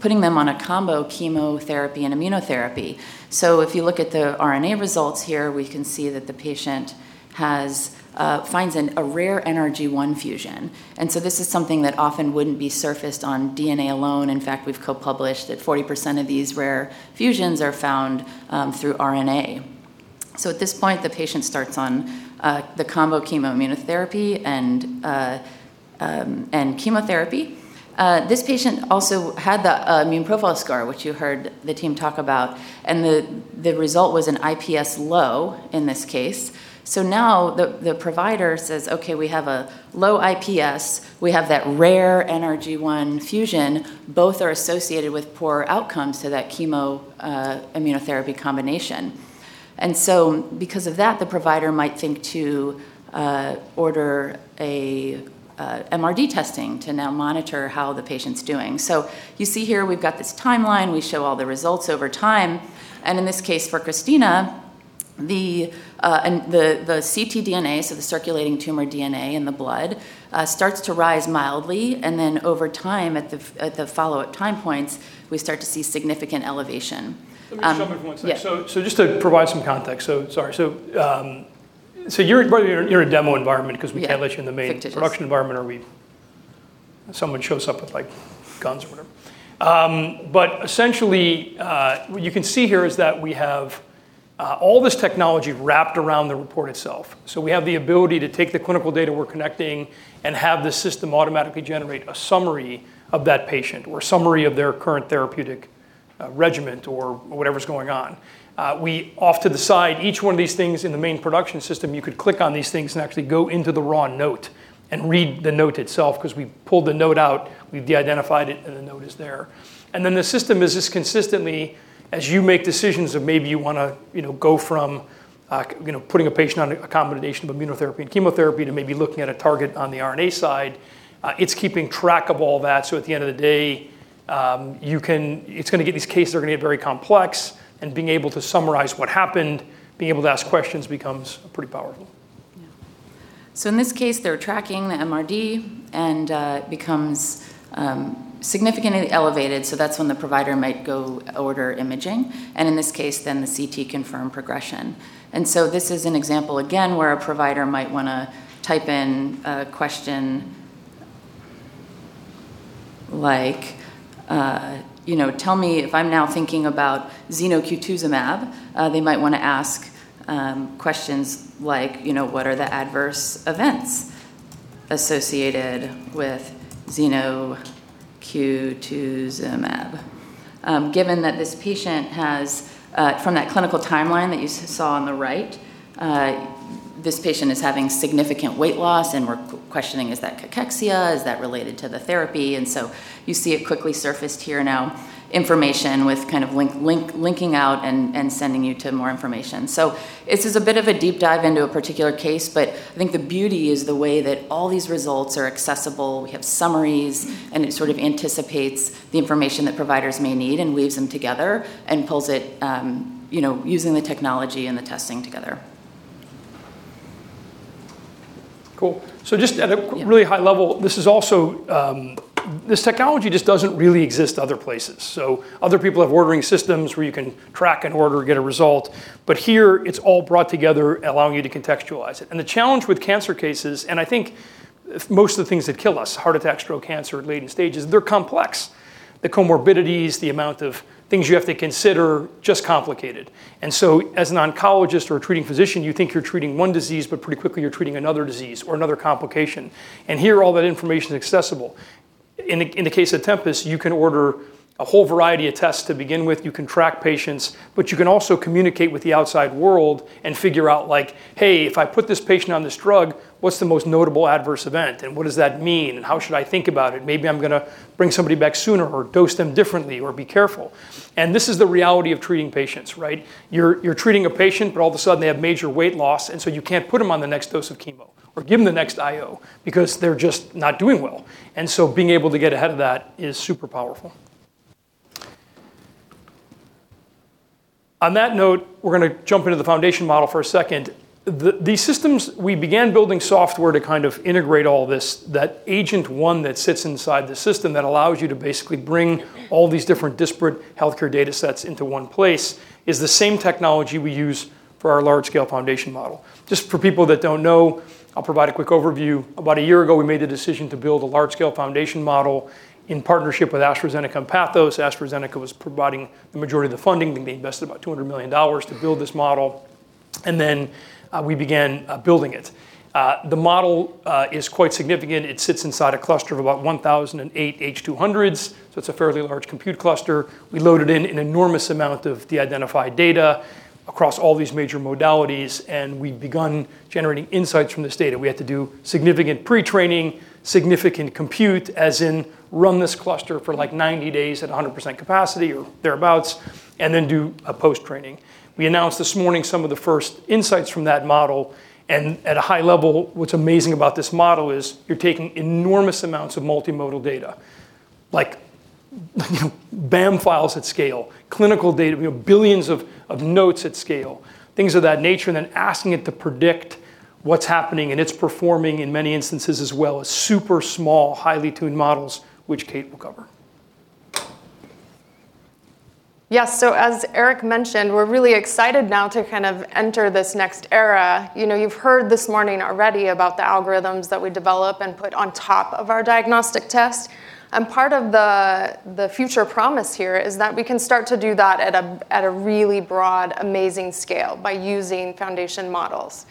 putting them on a combo chemotherapy and immunotherapy. If you look at the RNA results here, we can see that the patient finds a rare NRG1 fusion. This is something that often wouldn't be surfaced on DNA alone. In fact, we've co-published that 40% of these rare fusions are found through RNA. At this point, the patient starts on the combo chemo immunotherapy and chemotherapy. This patient also had the Immune Profile Score, which you heard the team talk about, and the result was an IPS low in this case. Now the provider says, okay, we have a low IPS. We have that rare NRG1 fusion. Both are associated with poor outcomes to that chemo immunotherapy combination. Because of that, the provider might think to order MRD testing to now monitor how the patient's doing. You see here, we've got this timeline. We show all the results over time. In this case, for Christina, the ctDNA, so the circulating tumor DNA in the blood, starts to rise mildly, and then over time, at the follow at time points, we start to see significant elevation. Let me stop you for one second. Yeah. Just to provide some context. Sorry. You're in a demo environment because we can't let you in the. Yeah. Fictitious. production environment or someone shows up with guns or whatever. Essentially, what you can see here is that we have all this technology wrapped around the report itself. We have the ability to take the clinical data we're connecting and have the system automatically generate a summary of that patient, or a summary of their current therapeutic regimen, or whatever's going on. Off to the side, each one of these things in the main production system, you could click on these things and actually go into the raw note and read the note itself because we've pulled the note out, we've de-identified it, and the note is there. The system is just consistently, as you make decisions of maybe you want to go from putting a patient on a combination of immunotherapy and chemotherapy to maybe looking at a target on the RNA side, it's keeping track of all that. At the end of the day, these cases are going to get very complex, and being able to summarize what happened, being able to ask questions becomes pretty powerful. Yeah. In this case, they're tracking the MRD, and it becomes significantly elevated, so that's when the provider might go order imaging. In this case, the CT confirmed progression. This is an example again where a provider might want to type in a question like, tell me if I'm now thinking about zenocutuzumab. They might want to ask questions like, what are the adverse events associated with zenocutuzumab? Given that this patient has, from that clinical timeline that you saw on the right, this patient is having significant weight loss and we're questioning is that cachexia? Is that related to the therapy? You see it quickly surfaced here now, information with linking out and sending you to more information. This is a bit of a deep dive into a particular case, but I think the beauty is the way that all these results are accessible. We have summaries, and it sort of anticipates the information that providers may need and weaves them together and pulls it using the technology and the testing together. Cool. Just at a really high level, this technology just doesn't really exist other places. Other people have ordering systems where you can track an order or get a result, but here it's all brought together allowing you to contextualize it. The challenge with cancer cases, and I think most of the things that kill us, heart attack, stroke, cancer at later stages, they're complex. The comorbidities, the amount of things you have to consider, just complicated. As an oncologist or a treating physician, you think you're treating one disease, but pretty quickly you're treating another disease or another complication. Here, all that information is accessible. In the case of Tempus, you can order a whole variety of tests to begin with, you can track patients, but you can also communicate with the outside world and figure out, like, hey, if I put this patient on this drug, what's the most notable adverse event? What does that mean? How should I think about it? Maybe I'm going to bring somebody back sooner or dose them differently or be careful. This is the reality of treating patients, right? You're treating a patient, but all of a sudden they have major weight loss, and so you can't put them on the next dose of chemo or give them the next IO because they're just not doing well. Being able to get ahead of that is super powerful. On that note, we're going to jump into the foundation model for a second. These systems, we began building software to kind of integrate all this. That agent, one that sits inside the system that allows you to basically bring all these different disparate healthcare data sets into one place, is the same technology we use for our large-scale foundation model. Just for people that don't know, I'll provide a quick overview. About a year ago, we made a decision to build a large-scale foundation model in partnership with AstraZeneca and Pathos AI. AstraZeneca was providing the majority of the funding. I think they invested about $200 million to build this model. Then we began building it. The model is quite significant. It sits inside a cluster of about 1,008 H200s, so it's a fairly large compute cluster. We loaded in an enormous amount of de-identified data across all these major modalities, and we've begun generating insights from this data. We had to do significant pre-training, significant compute, as in run this cluster for 90 days at 100% capacity or thereabouts, and then do a post-training. We announced this morning some of the first insights from that model, and at a high level, what's amazing about this model is you're taking enormous amounts of multimodal data. Like BAM files at scale. Clinical data, billions of notes at scale, things of that nature, and then asking it to predict what's happening, and it's performing in many instances as well as super small, highly tuned models, which Kate will cover. Yeah. As Eric mentioned, we're really excited now to enter this next era. You've heard this morning already about the algorithms that we develop and put on top of our diagnostic test. Part of the future promise here is that we can start to do that at a really broad, amazing scale by using foundation models.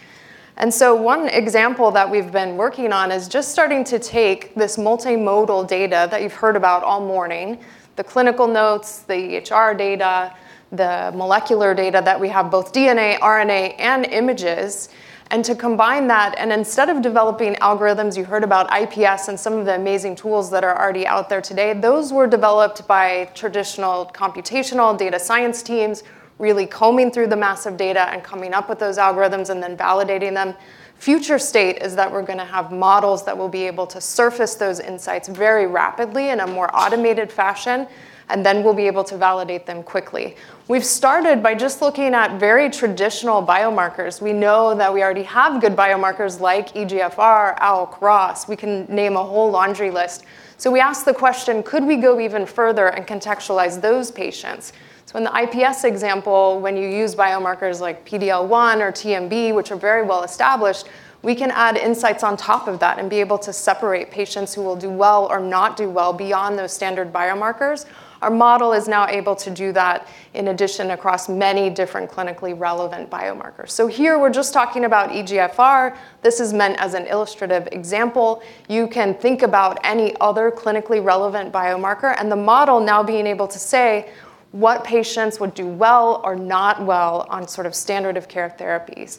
One example that we've been working on is just starting to take this multimodal data that you've heard about all morning, the clinical notes, the EHR data, the molecular data that we have, both DNA, RNA, and images, and to combine that and instead of developing algorithms, you heard about IPS and some of the amazing tools that are already out there today. Those were developed by traditional computational data science teams, really combing through the massive data and coming up with those algorithms and then validating them. Future state is that we're going to have models that will be able to surface those insights very rapidly in a more automated fashion, and then we'll be able to validate them quickly. We've started by just looking at very traditional biomarkers. We know that we already have good biomarkers like EGFR, ALK, ROS1. We can name a whole laundry list. We ask the question: Could we go even further and contextualize those patients? In the IPS example, when you use biomarkers like PD-L1 or TMB, which are very well established, we can add insights on top of that and be able to separate patients who will do well or not do well beyond those standard biomarkers. Our model is now able to do that in addition across many different clinically relevant biomarkers. Here we're just talking about EGFR. This is meant as an illustrative example. You can think about any other clinically relevant biomarker and the model now being able to say what patients would do well or not well on standard of care therapies.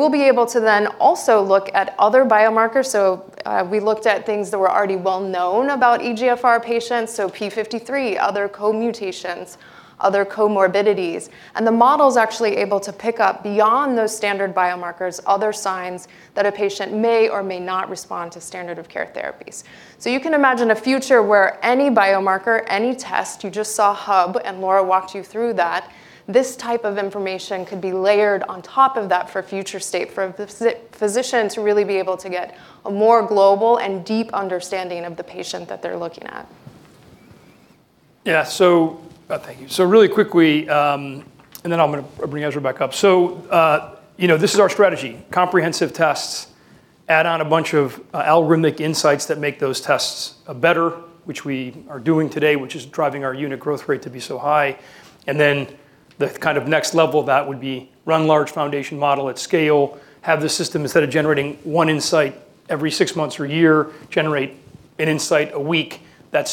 We'll be able to then also look at other biomarkers. We looked at things that were already well known about EGFR patients, P53, other co-mutations, other comorbidities. The model's actually able to pick up beyond those standard biomarkers other signs that a patient may or may not respond to standard of care therapies. You can imagine a future where any biomarker, any test, you just saw Hub, and Laura walked you through that. This type of information could be layered on top of that for future state for a physician to really be able to get a more global and deep understanding of the patient that they're looking at. Yeah. Thank you. Really quickly, and then I'm going to bring Ezra back up. This is our strategy. Comprehensive tests add on a bunch of algorithmic insights that make those tests better, which we are doing today, which is driving our unit growth rate to be so high. The next level of that would be run large foundation model at scale, have the system, instead of generating one insight every six months or a year, generate an insight a week that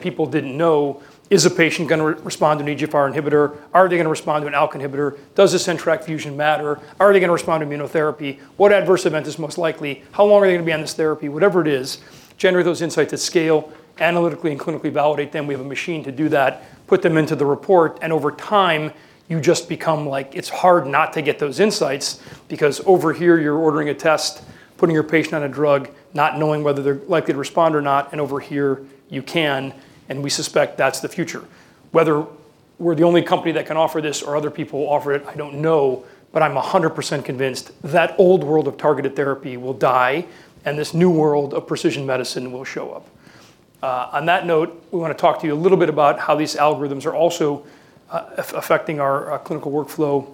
people didn't know. Is a patient going to respond to an EGFR inhibitor? Are they going to respond to an ALK inhibitor? Does this NTRK fusion matter? Are they going to respond to immunotherapy? What adverse event is most likely? How long are they going to be on this therapy? Whatever it is, generate those insights at scale, analytically and clinically validate them. We have a machine to do that, put them into the report, over time, you just become like, it's hard not to get those insights because over here you're ordering a test, putting your patient on a drug, not knowing whether they're likely to respond or not, over here you can, we suspect that's the future. Whether we're the only company that can offer this or other people offer it, I don't know, but I'm 100% convinced that old world of targeted therapy will die and this new world of precision medicine will show up. On that note, we want to talk to you a little bit about how these algorithms are also affecting our clinical workflow.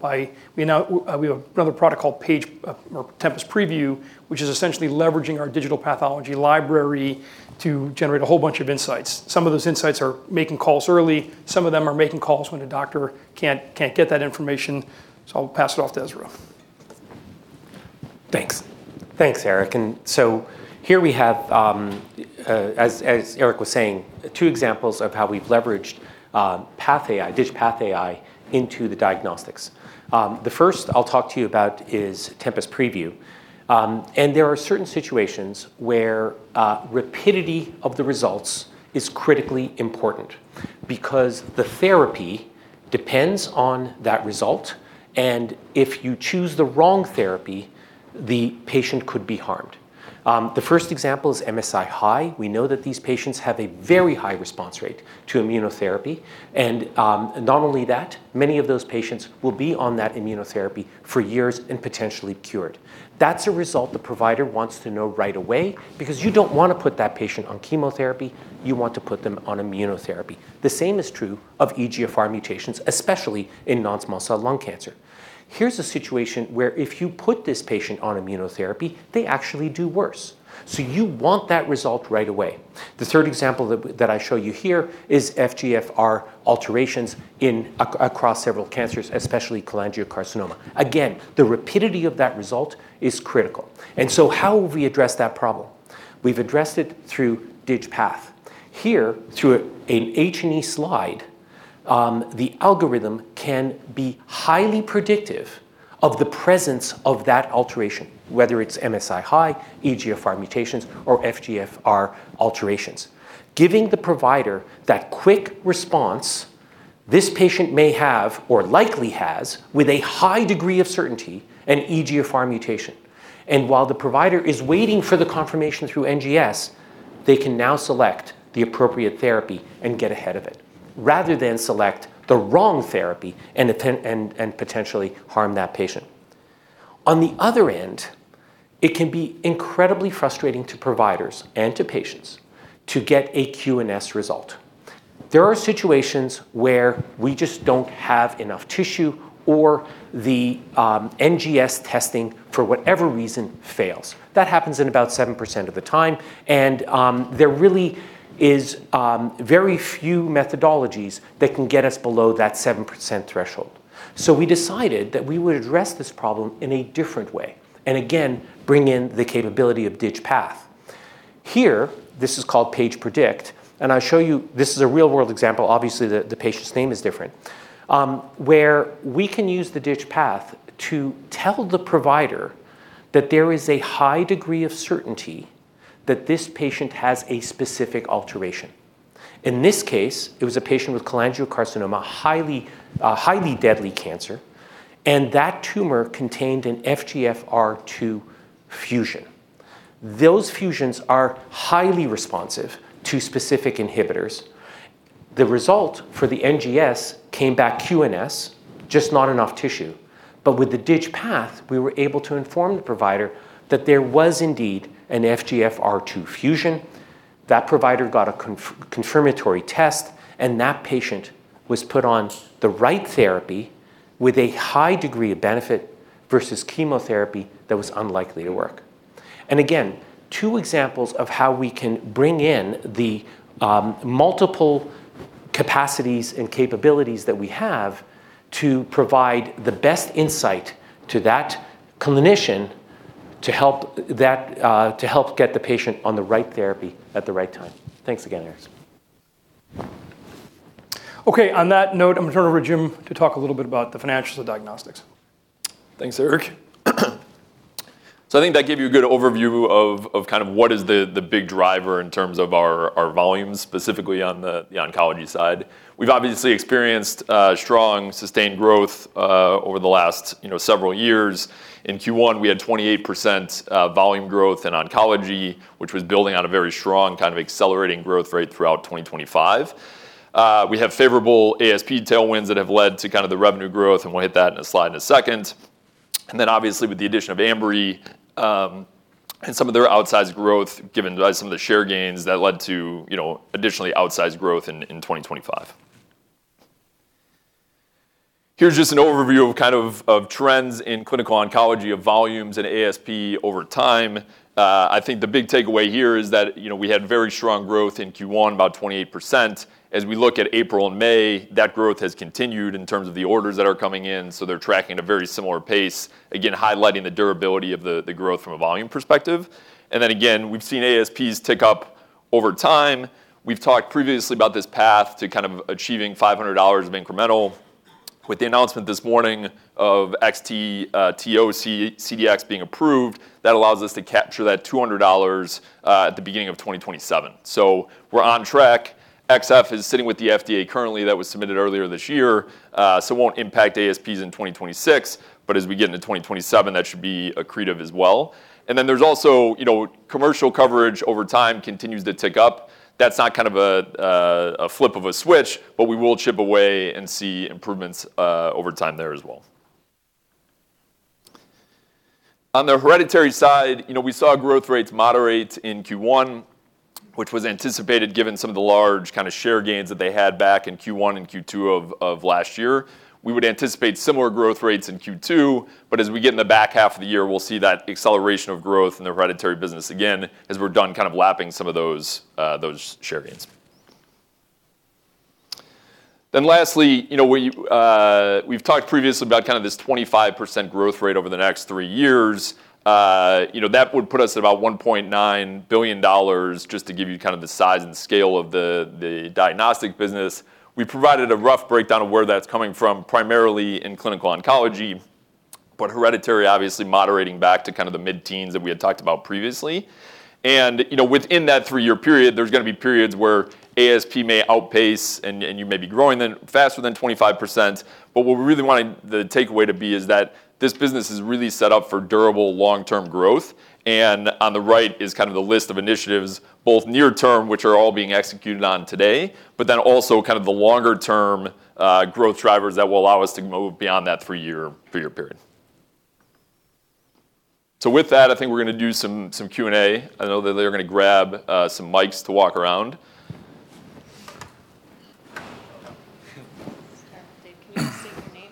We have another product called Tempus Preview, which is essentially leveraging our digital pathology library to generate a whole bunch of insights. Some of those insights are making calls early, some of them are making calls when a doctor can't get that information. I'll pass it off to Ezra. Thanks. Thanks, Eric. Here we have, as Eric was saying, two examples of how we've leveraged DigPath AI into the diagnostics. The first I'll talk to you about is Tempus Preview. There are certain situations where rapidity of the results is critically important because the therapy depends on that result, and if you choose the wrong therapy, the patient could be harmed. The first example is MSI-high. We know that these patients have a very high response rate to immunotherapy. Not only that, many of those patients will be on that immunotherapy for years and potentially cured. That's a result the provider wants to know right away because you don't want to put that patient on chemotherapy. You want to put them on immunotherapy. The same is true of EGFR mutations, especially in non-small cell lung cancer. Here's a situation where if you put this patient on immunotherapy, they actually do worse. You want that result right away. The third example that I show you here is FGFR alterations across several cancers, especially cholangiocarcinoma. Again, the rapidity of that result is critical. How have we addressed that problem? We've addressed it through DigPath. Here, through an H&E slide, the algorithm can be highly predictive of the presence of that alteration, whether it's MSI-high, EGFR mutations, or FGFR alterations. Giving the provider that quick response, this patient may have or likely has, with a high degree of certainty, an EGFR mutation. While the provider is waiting for the confirmation through NGS, they can now select the appropriate therapy and get ahead of it, rather than select the wrong therapy and potentially harm that patient. The other end, it can be incredibly frustrating to providers and to patients to get a QNS result. There are situations where we just don't have enough tissue or the NGS testing, for whatever reason, fails. That happens in about 7% of the time, there really is very few methodologies that can get us below that 7% threshold. We decided that we would address this problem in a different way, again, bring in the capability of DigPath. Here, this is called Paige Predict, I'll show you, this is a real-world example, obviously, the patient's name is different, where we can use the DigPath to tell the provider that there is a high degree of certainty that this patient has a specific alteration. In this case, it was a patient with cholangiocarcinoma, a highly deadly cancer, that tumor contained an FGFR2 fusion. Those fusions are highly responsive to specific inhibitors. The result for the NGS came back QNS, just not enough tissue. With the DigPath, we were able to inform the provider that there was indeed an FGFR2 fusion. That provider got a confirmatory test, and that patient was put on the right therapy with a high degree of benefit versus chemotherapy that was unlikely to work. Again, two examples of how we can bring in the multiple capacities and capabilities that we have to provide the best insight to that clinician to help get the patient on the right therapy at the right time. Thanks again, Eric. On that note, I'm going to turn it over to Jim to talk a little bit about the financials of diagnostics. Thanks, Eric. I think that gave you a good overview of what is the big driver in terms of our volumes, specifically on the oncology side. We've obviously experienced strong, sustained growth over the last several years. In Q1, we had 28% volume growth in oncology, which was building on a very strong accelerating growth rate throughout 2025. We have favorable ASP tailwinds that have led to the revenue growth. We'll hit that in a slide in a second. Obviously with the addition of Ambry and some of their outsized growth, given some of the share gains that led to additionally outsized growth in 2025. Here's just an overview of trends in clinical oncology of volumes and ASP over time. I think the big takeaway here is that we had very strong growth in Q1, about 28%. As we look at April and May, that growth has continued in terms of the orders that are coming in, so they're tracking at a very similar pace, again, highlighting the durability of the growth from a volume perspective. Again, we've seen ASPs tick up over time. We've talked previously about this path to achieving $500 of incremental. With the announcement this morning of xT CDx being approved, that allows us to capture that $200 at the beginning of 2027. We're on track. xF is sitting with the FDA currently. That was submitted earlier this year, so it won't impact ASPs in 2026, but as we get into 2027, that should be accretive as well. There's also commercial coverage over time continues to tick up. That's not a flip of a switch, but we will chip away and see improvements over time there as well. On the hereditary side, we saw growth rates moderate in Q1, which was anticipated given some of the large share gains that they had back in Q1 and Q2 of last year. We would anticipate similar growth rates in Q2, as we get in the back half of the year, we'll see that acceleration of growth in the hereditary business again as we're done lapping some of those share gains. Lastly, we've talked previously about this 25% growth rate over the next three years. That would put us at about $1.9 billion, just to give you the size and scale of the diagnostic business. We provided a rough breakdown of where that's coming from, primarily in clinical oncology, hereditary, obviously moderating back to the mid-teens that we had talked about previously. Within that three-year period, there's going to be periods where ASP may outpace and you may be growing faster than 25%, what we really want the takeaway to be is that this business is really set up for durable long-term growth. On the right is the list of initiatives, both near term, which are all being executed on today, also the longer-term growth drivers that will allow us to move beyond that three-year period. With that, I think we're going to do some Q&A. I know that they're going to grab some mics to walk around.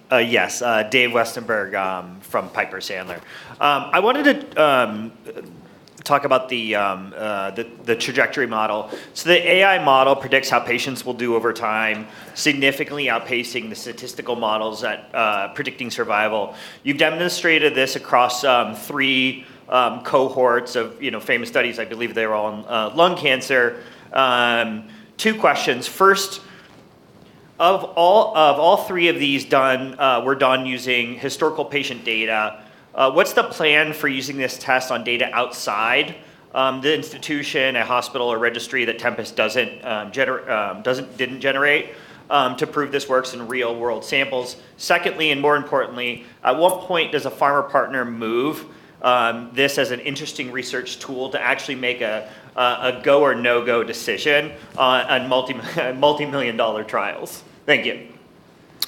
Start with Dave. Can you state your name? Yes. Dave Westenberg from Piper Sandler. I wanted to talk about the trajectory model. The AI model predicts how patients will do over time, significantly outpacing the statistical models at predicting survival. You've demonstrated this across three cohorts of famous studies. I believe they were all in lung cancer. Two questions. First, all three of these were done using historical patient data. What's the plan for using this test on data outside the institution, a hospital, or registry that Tempus didn't generate to prove this works in real-world samples? Secondly, and more importantly, at what point does a pharma partner move this as an interesting research tool to actually make a go or no-go decision on multi-million dollar trials? Thank you. Do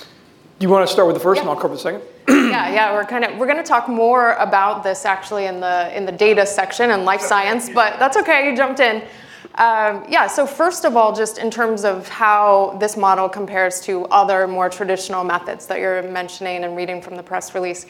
you want to start with the first and I'll cover the second? Yeah. We're going to talk more about this actually in the data section in life science. That's okay, you jumped in. Yeah. First of all, just in terms of how this model compares to other more traditional methods that you're mentioning and reading from the press release.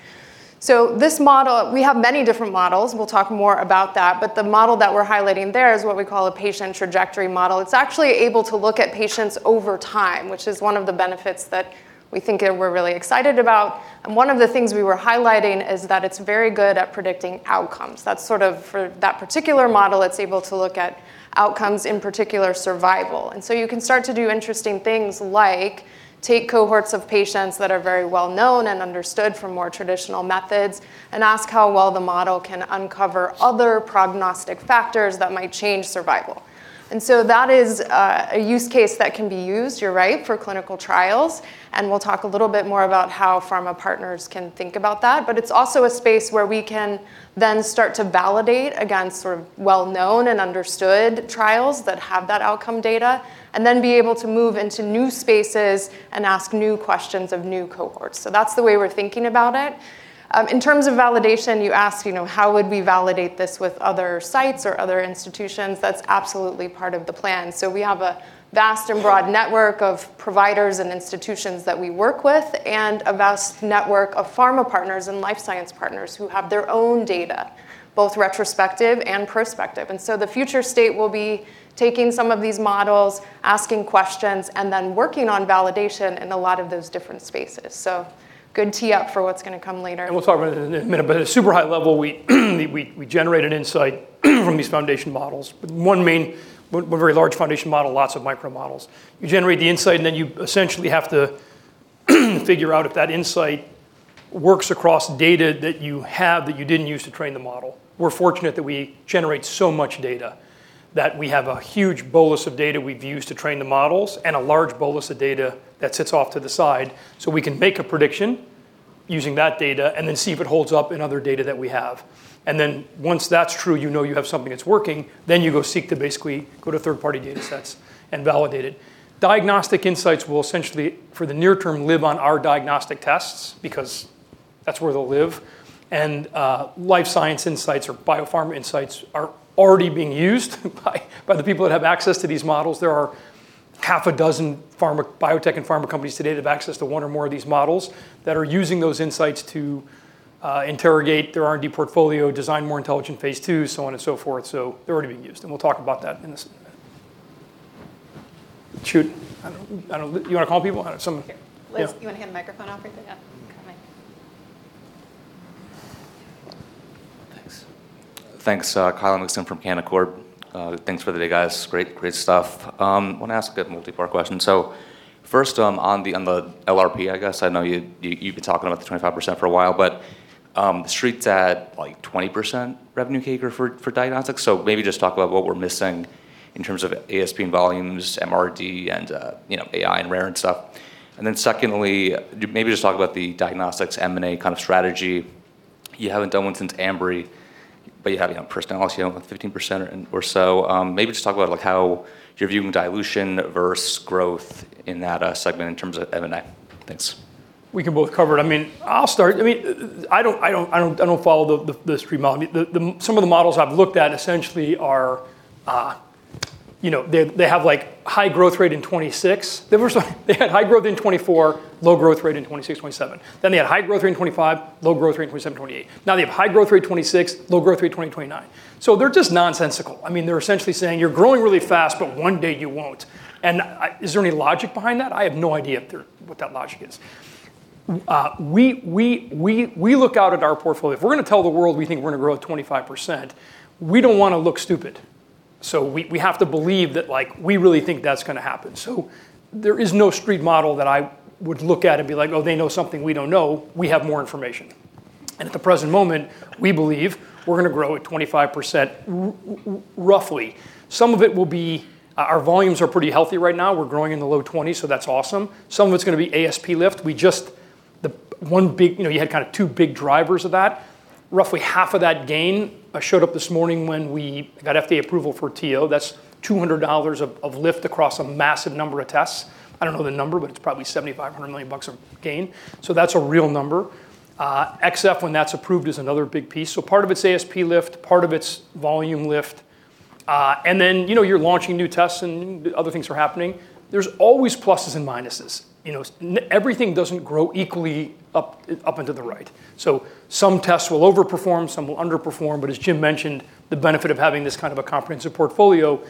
This model, we have many different models. We'll talk more about that, but the model that we're highlighting there is what we call a patient trajectory model. It's actually able to look at patients over time, which is one of the benefits that we think we're really excited about. One of the things we were highlighting is that it's very good at predicting outcomes. For that particular model, it's able to look at outcomes, in particular survival. You can start to do interesting things like take cohorts of patients that are very well known and understood from more traditional methods and ask how well the model can uncover other prognostic factors that might change survival. That is a use case that can be used, you're right, for clinical trials, and we'll talk a little bit more about how pharma partners can think about that. It's also a space where we can then start to validate against well-known and understood trials that have that outcome data and then be able to move into new spaces and ask new questions of new cohorts. That's the way we're thinking about it. In terms of validation, you asked how would we validate this with other sites or other institutions. That's absolutely part of the plan. We have a vast and broad network of providers and institutions that we work with and a vast network of pharma partners and life science partners who have their own data, both retrospective and prospective. The future state will be taking some of these models, asking questions, and then working on validation in a lot of those different spaces. Good tee up for what's going to come later. We'll talk about it in a minute, but at a super high level, we generate an insight from these foundation models. One very large foundation model, lots of micro models. You generate the insight, and then you essentially have to figure out if that insight works across data that you have that you didn't use to train the model. We're fortunate that we generate so much data that we have a huge bolus of data we've used to train the models and a large bolus of data that sits off to the side so we can make a prediction using that data and then see if it holds up in other data that we have. Once that's true, you know you have something that's working, then you go seek to basically go to third-party datasets and validate it. Diagnostic insights will essentially, for the near term, live on our diagnostic tests because That's where they'll live. Life science insights or biopharma insights are already being used by the people that have access to these models. There are half a dozen biotech and pharma companies today that have access to one or more of these models that are using those insights to interrogate their R&D portfolio, design more intelligent phase II, so on and so forth. They're already being used, and we'll talk about that in a second. Shoot. You want to call people out? Liz. You want to hand the microphone off right there? Yeah. Come mic. Thanks. Kyle Mikson from Canaccord. Thanks for the day, guys. Great stuff. I want to ask a bit of a multi-part question. First, on the LRP, I guess, I know you've been talking about the 25% for a while, but the street's at 20% revenue CAGR for diagnostics. Maybe just talk about what we're missing in terms of ASP volumes, MRD, and AI and rare and stuff. Secondly, maybe just talk about the diagnostics M&A strategy. You haven't done one since Ambry, but you have Personalis, about 15% or so. Maybe just talk about how you're viewing dilution versus growth in that segment in terms of M&A. Thanks. We can both cover it. I'll start. I don't follow the street model. Some of the models I've looked at essentially they have high growth rate in 2026. They had high growth in 2024, low growth rate in 2026, 2027. They had high growth rate in 2025, low growth rate in 2027, 2028. Now they have high growth rate 2026, low growth rate 2029. They're just nonsensical. They're essentially saying, "You're growing really fast, but one day you won't." Is there any logic behind that? I have no idea what that logic is. We look out at our portfolio. If we're going to tell the world we think we're going to grow at 25%, we don't want to look stupid. We have to believe that we really think that's going to happen. There is no street model that I would look at and be like, oh, they know something we don't know. We have more information. At the present moment, we believe we're going to grow at 25% roughly. Our volumes are pretty healthy right now. We're growing in the low 20s, that's awesome. Some of it's going to be ASP lift. You had two big drivers of that. Roughly half of that gain showed up this morning when we got FDA approval for xT CDx. That's $200 of lift across a massive number of tests. I don't know the number, it's probably $7500 of gain. That's a real number. xF, when that's approved, is another big piece. Part of it's ASP lift, part of it's volume lift. You're launching new tests and other things are happening. There's always pluses and minuses. Everything doesn't grow equally up and to the right. Some tests will overperform, some will underperform, but as Jim mentioned, the benefit of having this kind of a comprehensive portfolio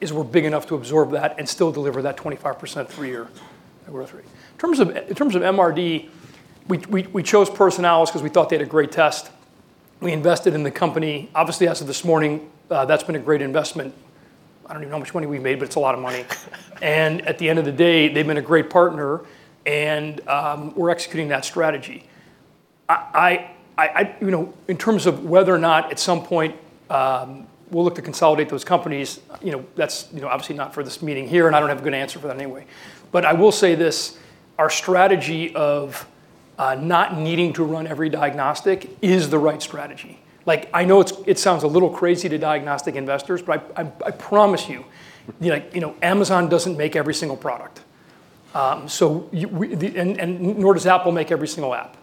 is we're big enough to absorb that and still deliver that 25% three-year growth rate. In terms of MRD, we chose Personalis because we thought they had a great test. We invested in the company. Obviously, as of this morning, that's been a great investment. I don't even know how much money we made, but it's a lot of money. At the end of the day, they've been a great partner and we're executing that strategy. In terms of whether or not at some point we'll look to consolidate those companies, that's obviously not for this meeting here, and I don't have a good answer for that anyway. I will say this, our strategy of not needing to run every diagnostic is the right strategy. I know it sounds a little crazy to diagnostic investors, but I promise you, Amazon doesn't make every single product. Nor does Apple make every single app.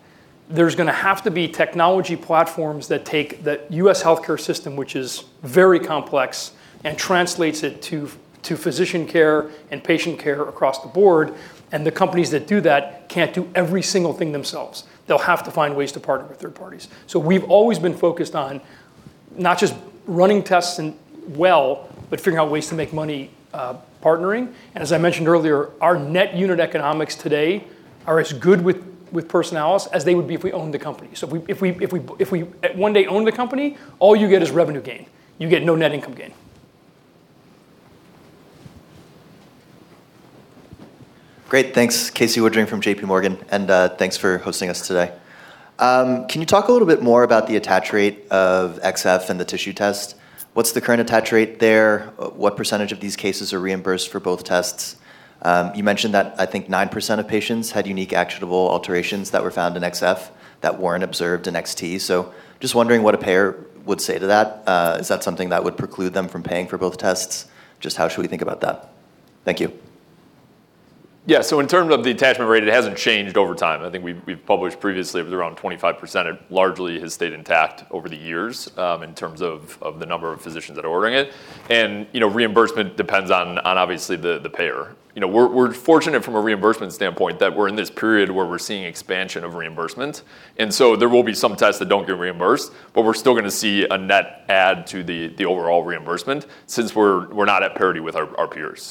There's going to have to be technology platforms that take the U.S. healthcare system, which is very complex, and translates it to physician care and patient care across the board, and the companies that do that can't do every single thing themselves. They'll have to find ways to partner with third parties. We've always been focused on not just running tests well, but figuring out ways to make money partnering. As I mentioned earlier, our net unit economics today are as good with Personalis as they would be if we owned the company. If we one day own the company, all you get is revenue gain. You get no net income gain. Great, thanks. Casey Woodring from JPMorgan, thanks for hosting us today. Can you talk a little bit more about the attach rate of xF and the tissue test? What's the current attach rate there? What % of these cases are reimbursed for both tests? You mentioned that I think 9% of patients had unique actionable alterations that were found in xF that weren't observed in xT. Just wondering what a payer would say to that. Is that something that would preclude them from paying for both tests? Just how should we think about that? Thank you. In terms of the attachment rate, it hasn't changed over time. I think we've published previously it was around 25%. It largely has stayed intact over the years in terms of the number of physicians that are ordering it. Reimbursement depends on obviously the payer. We're fortunate from a reimbursement standpoint that we're in this period where we're seeing expansion of reimbursement. There will be some tests that don't get reimbursed, but we're still going to see a net add to the overall reimbursement since we're not at parity with our peers.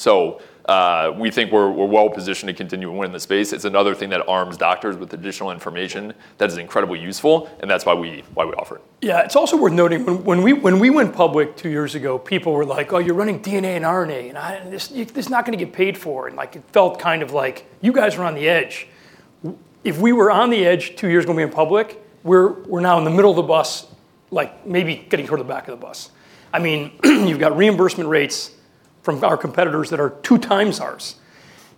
We think we're well-positioned to continue to win the space. It's another thing that arms doctors with additional information that is incredibly useful, and that's why we offer it. Yeah. It's also worth noting when we went public two years ago, people were like, oh, you're running DNA and RNA, and it's not going to get paid for. It felt like, you guys are on the edge. If we were on the edge two years ago when we went public, we're now in the middle of the bus, maybe getting toward the back of the bus. You've got reimbursement rates from our competitors that are two times ours.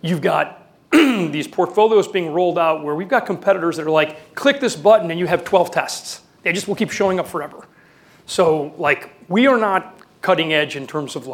You've got these portfolios being rolled out where we've got competitors that are like, click this button, and you have 12 tests. They just will keep showing up forever. We are not cutting edge in terms of-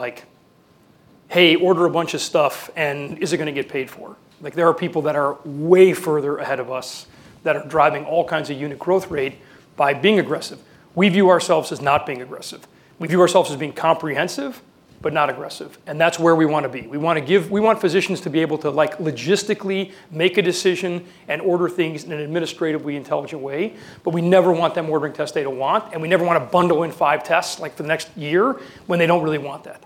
Hey, order a bunch of stuff, and is it going to get paid for? There are people that are way further ahead of us that are driving all kinds of unit growth rate by being aggressive. We view ourselves as not being aggressive. We view ourselves as being comprehensive, but not aggressive, and that's where we want to be. We want physicians to be able to logistically make a decision and order things in an administratively intelligent way, but we never want them ordering tests they don't want, and we never want to bundle in five tests like the next year when they don't really want that.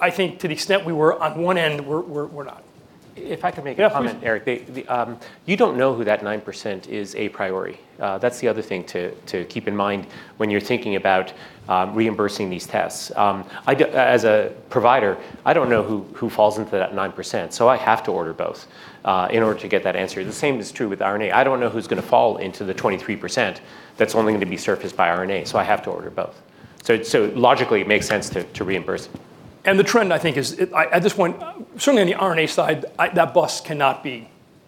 I think to the extent we were on one end, we're not. If I could make a comment, Eric. Yeah. Please. You don't know who that 9% is a priori. That is the other thing to keep in mind when you are thinking about reimbursing these tests. As a provider, I don't know who falls into that 9%, so I have to order both in order to get that answer. The same is true with RNA. I don't know who is going to fall into the 23% that is only going to be surfaced by RNA, so I have to order both. Logically, it makes sense to reimburse. The trend, I think is at this point, certainly on the RNA side,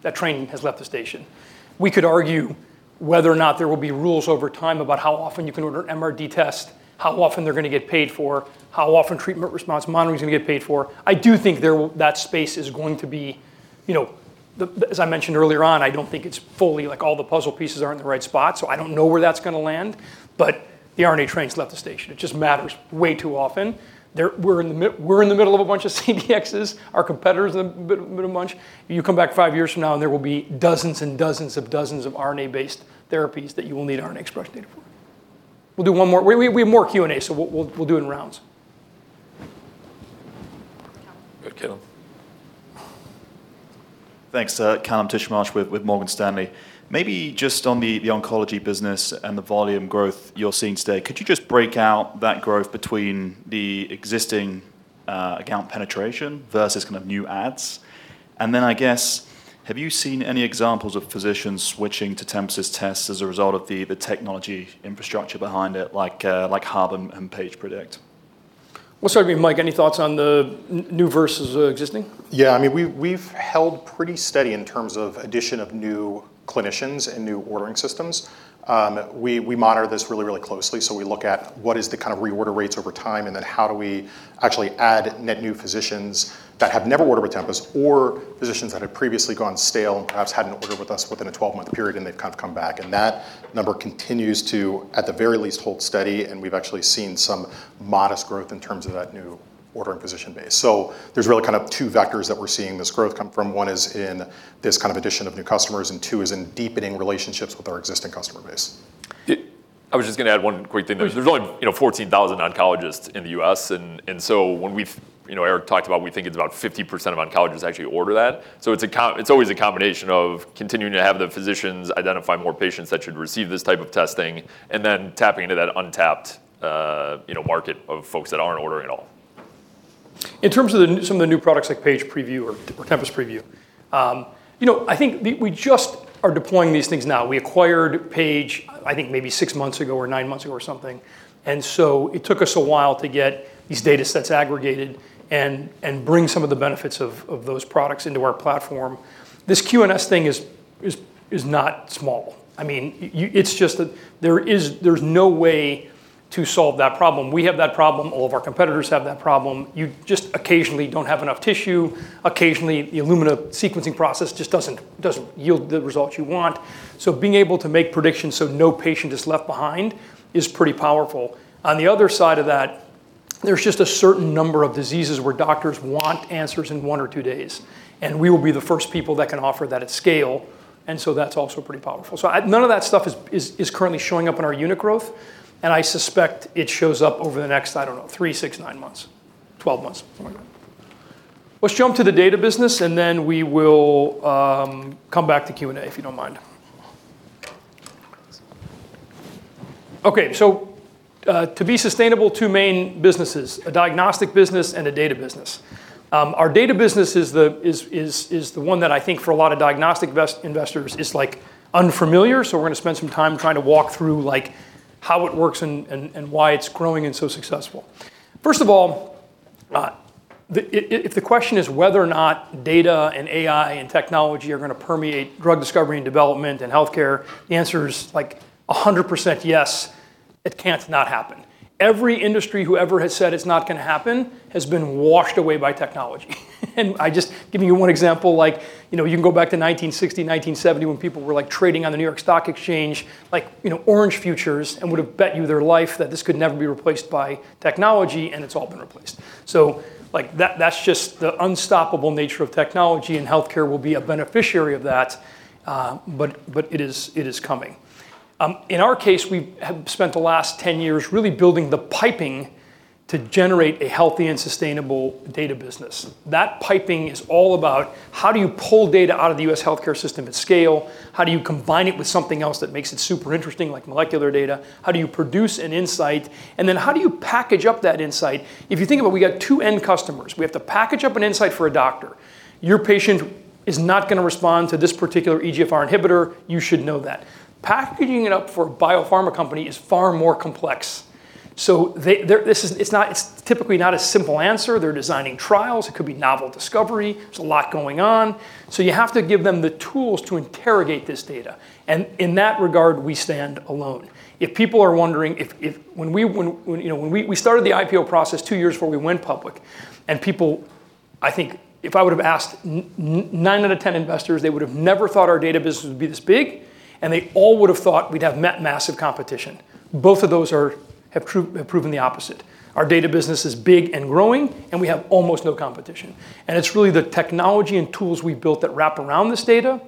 that train has left the station. We could argue whether or not there will be rules over time about how often you can order an MRD test, how often they're going to get paid for, how often treatment response monitoring is going to get paid for. I do think that space is going to be As I mentioned earlier on, I don't think it's fully all the puzzle pieces are in the right spot, so I don't know where that's going to land. The RNA train's left the station. It just matters way too often. We're in the middle of a bunch of CDXs. Our competitors are in the middle of a bunch. You come back five years from now, there will be dozens and dozens of dozens of RNA-based therapies that you will need RNA expression data for. We'll do one more. We have more Q&A. We'll do it in rounds. Go Kallum. Thanks. Kallum Titchmarsh with Morgan Stanley. Maybe just on the oncology business and the volume growth you're seeing today, could you just break out that growth between the existing account penetration versus new adds? Then, I guess, have you seen any examples of physicians switching to Tempus's tests as a result of the technology infrastructure behind it, like Hub and Paige Predict? We'll start with you, Mike. Any thoughts on the new versus existing? Yeah. We've held pretty steady in terms of addition of new clinicians and new ordering systems. We monitor this really closely, so we look at what is the reorder rates over time, and then how do we actually add net new physicians that have never ordered with Tempus or physicians that have previously gone stale, perhaps hadn't ordered with us within a 12-month period, and they've come back. That number continues to, at the very least, hold steady, and we've actually seen some modest growth in terms of that new ordering physician base. There's really two vectors that we're seeing this growth come from. One is in this addition of new customers, and two is in deepening relationships with our existing customer base. I was just going to add one quick thing. There's only 14,000 oncologists in the U.S. Eric talked about we think it's about 50% of oncologists actually order that. It's always a combination of continuing to have the physicians identify more patients that should receive this type of testing and then tapping into that untapped market of folks that aren't ordering at all. In terms of some of the new products like Paige Preview or Tempus Preview, I think we just are deploying these things now. We acquired Paige, I think maybe six months ago or nine months ago or something. It took us a while to get these data sets aggregated and bring some of the benefits of those products into our platform. This QNS thing is not small. It's just that there's no way to solve that problem. We have that problem. All of our competitors have that problem. You just occasionally don't have enough tissue. Occasionally, the Illumina sequencing process just doesn't yield the results you want. Being able to make predictions so no patient is left behind is pretty powerful. On the other side of that, there's just a certain number of diseases where doctors want answers in one or two days, and we will be the first people that can offer that at scale, and so that's also pretty powerful. None of that stuff is currently showing up in our unit growth, and I suspect it shows up over the next, I don't know, three, six, nine months, 12 months. Let's jump to the data business, and then we will come back to Q&A, if you don't mind. Okay. To be sustainable, two main businesses: a diagnostic business and a data business. Our data business is the one that I think for a lot of diagnostic investors is unfamiliar. We're going to spend some time trying to walk through how it works and why it's growing and so successful. First of all, if the question is whether or not data and AI and technology are going to permeate drug discovery and development and healthcare, the answer is 100% yes. It can't not happen. Every industry who ever has said it's not going to happen has been washed away by technology. I just give you one example, you can go back to 1960, 1970, when people were trading on the New York Stock Exchange, orange futures, and would've bet you their life that this could never be replaced by technology, and it's all been replaced. That's just the unstoppable nature of technology, and healthcare will be a beneficiary of that. It is coming. In our case, we have spent the last 10 years really building the piping to generate a healthy and sustainable data business. That piping is all about how do you pull data out of the U.S. healthcare system at scale? How do you combine it with something else that makes it super interesting, like molecular data? How do you produce an insight? Then how do you package up that insight? If you think about it, we got two end customers. We have to package up an insight for a doctor. Your patient is not going to respond to this particular EGFR inhibitor. You should know that. Packaging it up for a biopharma company is far more complex. It's typically not a simple answer. They're designing trials. It could be novel discovery. There's a lot going on. You have to give them the tools to interrogate this data, and in that regard, we stand alone. We started the IPO process two years before we went public. I think if I would have asked nine out of 10 investors, they would have never thought our data business would be this big, and they all would have thought we'd have met massive competition. Both of those have proven the opposite. Our data business is big and growing, and we have almost no competition. It's really the technology and tools we've built that wrap around this data,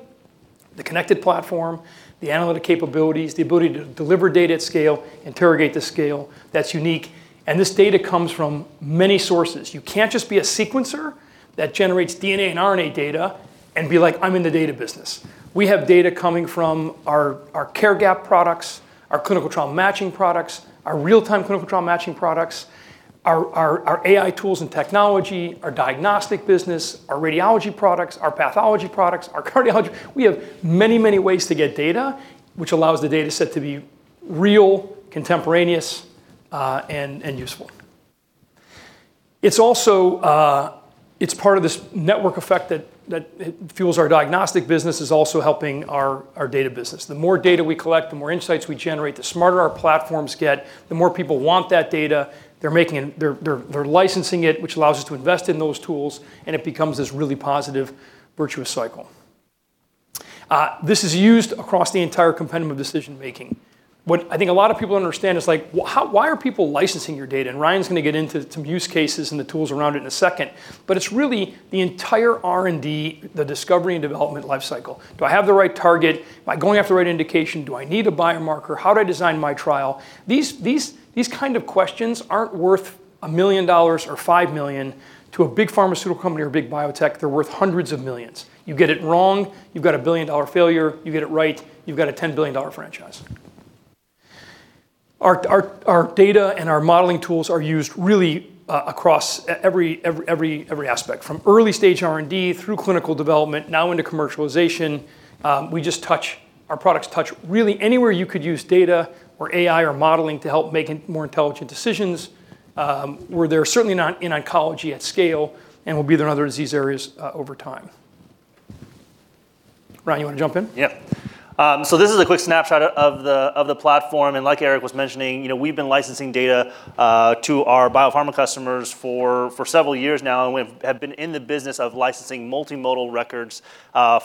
the connected platform, the analytic capabilities, the ability to deliver data at scale, interrogate the scale, that's unique. This data comes from many sources. You can't just be a sequencer that generates DNA and RNA data and be like, I'm in the data business. We have data coming from our care gap products, our clinical trial matching products, our real-time clinical trial matching products, our AI tools and technology, our diagnostic business, our radiology products, our pathology products, our cardiology. We have many, many ways to get data, which allows the data set to be real, contemporaneous, and useful. It's part of this network effect that fuels our diagnostic business, is also helping our data business. The more data we collect, the more insights we generate, the smarter our platforms get, the more people want that data. They're licensing it, which allows us to invest in those tools. It becomes this really positive, virtuous cycle. This is used across the entire compendium of decision-making. What I think a lot of people don't understand is, why are people licensing your data? Ryan's going to get into some use cases and the tools around it in a second. It's really the entire R&D, the discovery and development life cycle. Do I have the right target? Am I going after the right indication? Do I need a biomarker? How do I design my trial? These kind of questions aren't worth $1 million or $5 million to a big pharmaceutical company or a big biotech. They're worth hundreds of millions. You get it wrong, you've got a billion-dollar failure. You get it right, you've got a $10 billion franchise. Our data and our modeling tools are used really across every aspect. From early-stage R&D through clinical development, now into commercialization, our products touch really anywhere you could use data or AI or modeling to help make more intelligent decisions, where they're certainly not in oncology at scale and will be in other disease areas over time. Ryan, you want to jump in? Yeah. This is a quick snapshot of the platform. Like Eric was mentioning, we've been licensing data to our biopharma customers for several years now, and we have been in the business of licensing multimodal records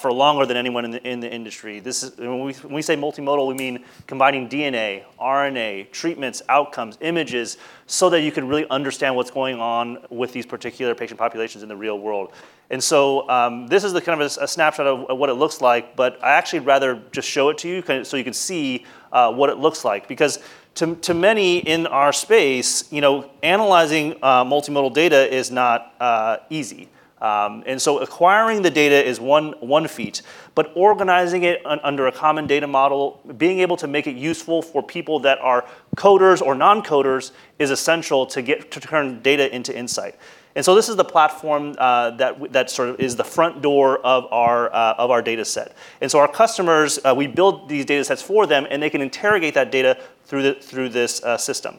for longer than anyone in the industry. When we say multimodal, we mean combining DNA, RNA, treatments, outcomes, images, so that you can really understand what's going on with these particular patient populations in the real world. This is a snapshot of what it looks like, but I actually rather just show it to you so you can see what it looks like, because to many in our space, analyzing multimodal data is not easy. Acquiring the data is one feat, but organizing it under a common data model, being able to make it useful for people that are coders or non-coders is essential to turn data into insight. This is the platform that is the front door of our data set. Our customers, we build these data sets for them, and they can interrogate that data through this system.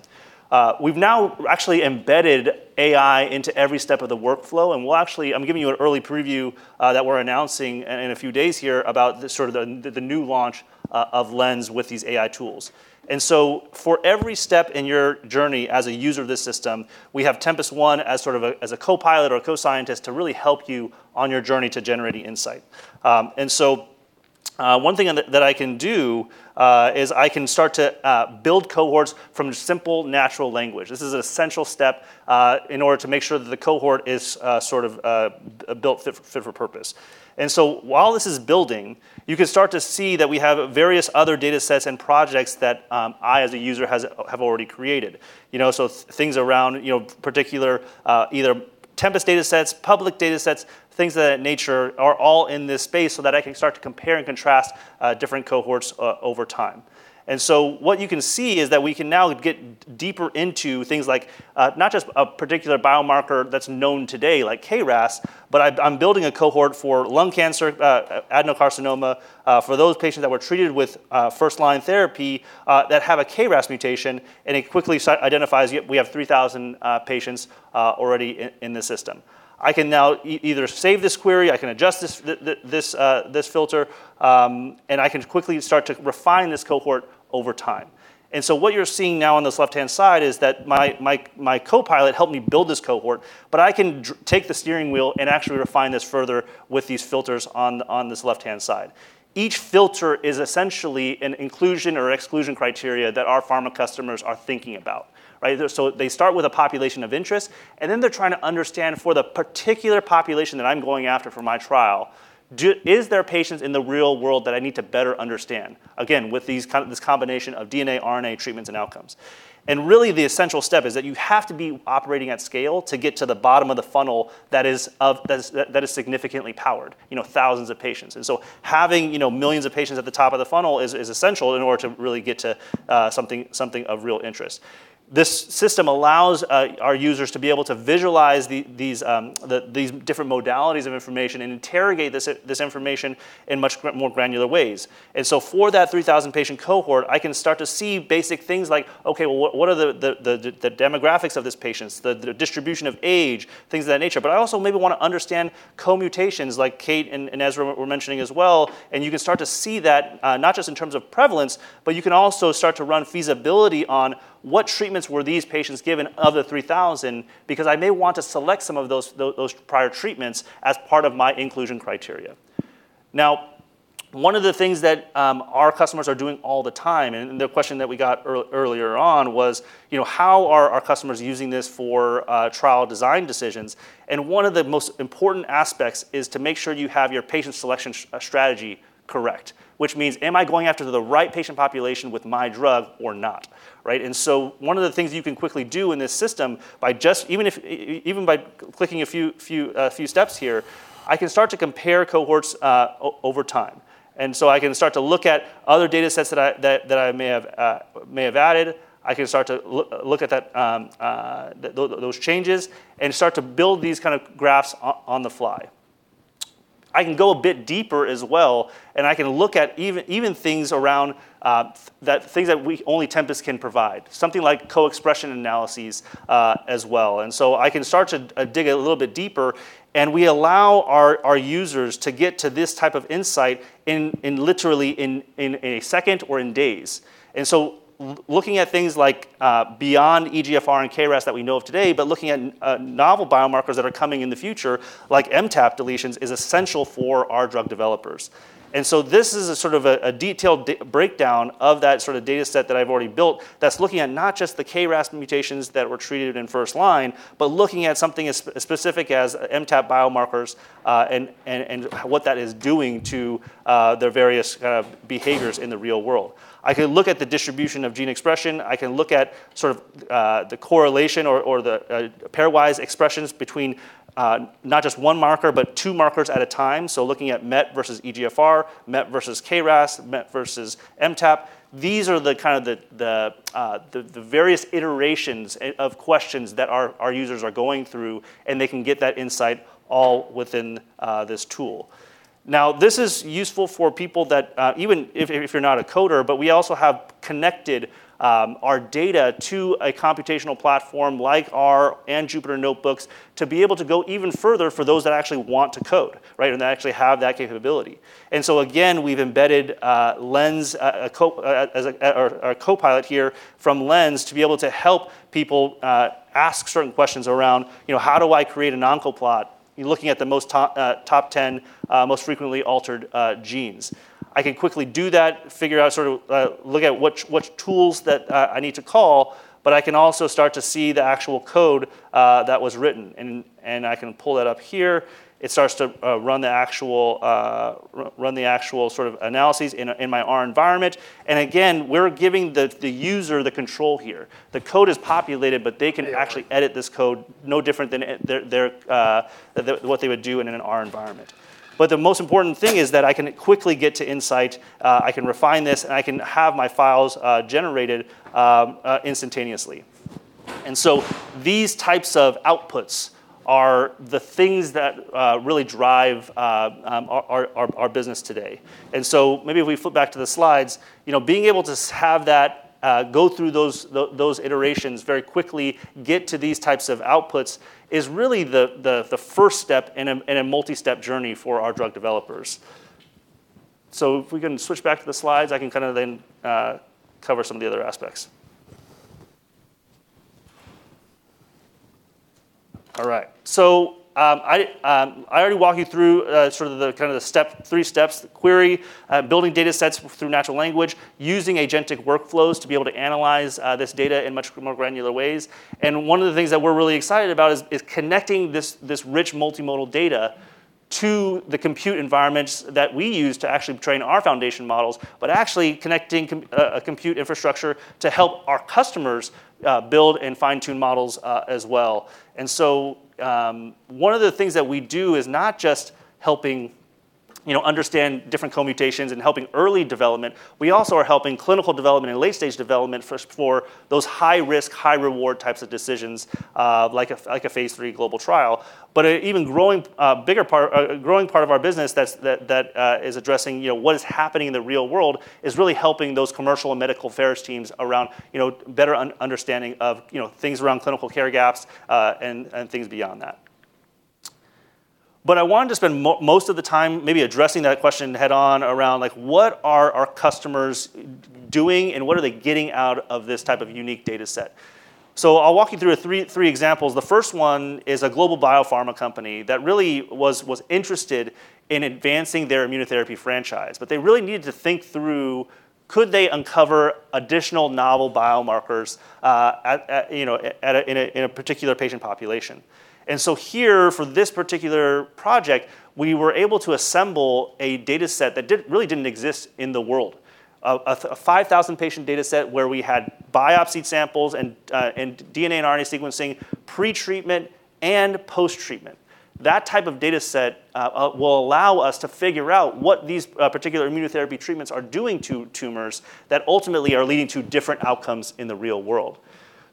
We've now actually embedded AI into every step of the workflow, and I'm giving you an early preview that we're announcing in a few days here about the new launch of Lens with these AI tools. For every step in your journey as a user of this system, we have Tempus One as a co-pilot or a co-scientist to really help you on your journey to generating insight. One thing that I can do is I can start to build cohorts from simple natural language. This is an essential step in order to make sure that the cohort is built fit for purpose. While this is building, you can start to see that we have various other data sets and projects that I as a user have already created. Things around particular either Tempus data sets, public data sets, things of that nature are all in this space so that I can start to compare and contrast different cohorts over time. What you can see is that we can now get deeper into things like not just a particular biomarker that's known today, like KRAS, but I'm building a cohort for lung cancer adenocarcinoma for those patients that were treated with first-line therapy that have a KRAS mutation, and it quickly identifies we have 3,000 patients already in the system. I can now either save this query, I can adjust this filter, and I can quickly start to refine this cohort over time. What you're seeing now on this left-hand side is that my co-pilot helped me build this cohort, but I can take the steering wheel and actually refine this further with these filters on this left-hand side. Each filter is essentially an inclusion or exclusion criteria that our pharma customers are thinking about. Right? They start with a population of interest. Then they're trying to understand for the particular population that I'm going after for my trial, is there patients in the real world that I need to better understand? Again, with this combination of DNA, RNA treatments, and outcomes. Really the essential step is that you have to be operating at scale to get to the bottom of the funnel that is significantly powered, thousands of patients. Having millions of patients at the top of the funnel is essential in order to really get to something of real interest. This system allows our users to be able to visualize these different modalities of information and interrogate this information in much more granular ways. For that 3,000-patient cohort, I can start to see basic things like, okay, what are the demographics of these patients? The distribution of age, things of that nature. I also maybe want to understand co-mutations like Kate and Ezra were mentioning as well. You can start to see that not just in terms of prevalence, but you can also start to run feasibility on what treatments were these patients given of the 3,000, because I may want to select some of those prior treatments as part of my inclusion criteria. Now, one of the things that our customers are doing all the time, the question that we got earlier on was, how are our customers using this for trial design decisions? One of the most important aspects is to make sure you have your patient selection strategy correct. Which means, am I going after the right patient population with my drug or not, right? One of the things you can quickly do in this system, even by clicking a few steps here, I can start to compare cohorts over time. I can start to look at other data sets that I may have added. I can start to look at those changes and start to build these kind of graphs on the fly. I can go a bit deeper as well, and I can look at even things around, things that only Tempus can provide. Something like co-expression analyses as well. I can start to dig a little bit deeper and we allow our users to get to this type of insight in literally in a second or in days. Looking at things like beyond EGFR and KRAS that we know of today, but looking at novel biomarkers that are coming in the future, like MTAP deletions, is essential for our drug developers. This is a detailed breakdown of that data set that I've already built that's looking at not just the KRAS mutations that were treated in first line, but looking at something as specific as MTAP biomarkers, and what that is doing to their various behaviors in the real world. I can look at the distribution of gene expression. I can look at the correlation or the pairwise expressions between not just one marker, but two markers at a time. Looking at MET versus EGFR, MET versus KRAS, MET versus MTAP. These are the kind of the various iterations of questions that our users are going through, and they can get that insight all within this tool. This is useful for people that even if you're not a coder, we also have connected our data to a computational platform like R and Jupyter Notebooks to be able to go even further for those that actually want to code, right, and that actually have that capability. Again, we've embedded a copilot here from Lens to be able to help people ask certain questions around, how do I create an oncoplot? You're looking at the top 10 most frequently altered genes. I can quickly do that, look at which tools that I need to call, but I can also start to see the actual code that was written. I can pull that up here. It starts to run the actual sort of analyses in my R environment. Again, we're giving the user the control here. The code is populated, they can actually edit this code no different than what they would do in an R environment. The most important thing is that I can quickly get to insight. I can refine this, and I can have my files generated instantaneously. These types of outputs are the things that really drive our business today. Maybe if we flip back to the slides, being able to have that go through those iterations very quickly, get to these types of outputs, is really the first step in a multi-step journey for our drug developers. If we can switch back to the slides, I can kind of then cover some of the other aspects. All right. I already walked you through the three steps, the query, building data sets through natural language, using agentic workflows to be able to analyze this data in much more granular ways. One of the things that we're really excited about is connecting this rich multimodal data to the compute environments that we use to actually train our foundation models, but actually connecting a compute infrastructure to help our customers build and fine-tune models as well. One of the things that we do is not just helping understand different co-mutations and helping early development, we also are helping clinical development and late-stage development for those high-risk, high-reward types of decisions, like a phase III global trial. Even a growing part of our business that is addressing what is happening in the real world is really helping those commercial and medical affairs teams around better understanding of things around clinical care gaps, and things beyond that. I wanted to spend most of the time maybe addressing that question head-on around what are our customers doing and what are they getting out of this type of unique data set? I'll walk you through three examples. The first one is a global biopharma company that really was interested in advancing their immunotherapy franchise. They really needed to think through could they uncover additional novel biomarkers in a particular patient population. Here, for this particular project, we were able to assemble a data set that really didn't exist in the world. A 5,000-patient data set where we had biopsied samples and DNA and RNA sequencing, pre-treatment and post-treatment. That type of data set will allow us to figure out what these particular immunotherapy treatments are doing to tumors that ultimately are leading to different outcomes in the real world.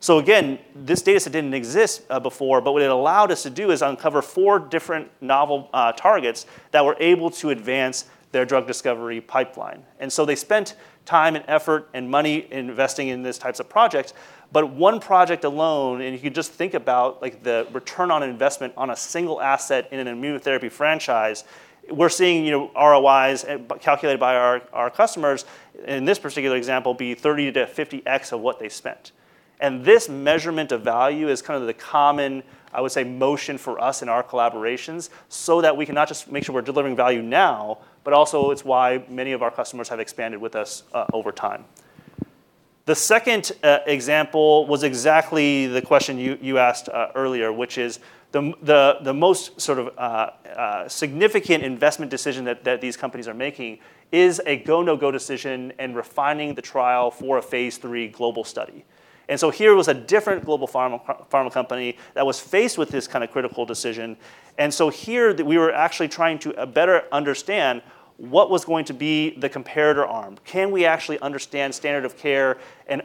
Again, this data set didn't exist before, but what it allowed us to do is uncover four different novel targets that were able to advance their drug discovery pipeline. They spent time and effort and money investing in these types of projects, but one project alone, and if you just think about the return on investment on a single asset in an immunotherapy franchise, we're seeing ROIs calculated by our customers in this particular example be 30x-50x of what they spent. This measurement of value is the common, I would say, motion for us in our collaborations so that we can not just make sure we're delivering value now, but also it's why many of our customers have expanded with us over time. The second example was exactly the question you asked earlier, which is the most significant investment decision that these companies are making is a go, no-go decision in refining the trial for a phase III global study. Here was a different global pharma company that was faced with this kind of critical decision. Here we were actually trying to better understand what was going to be the comparator arm. Can we actually understand standard of care and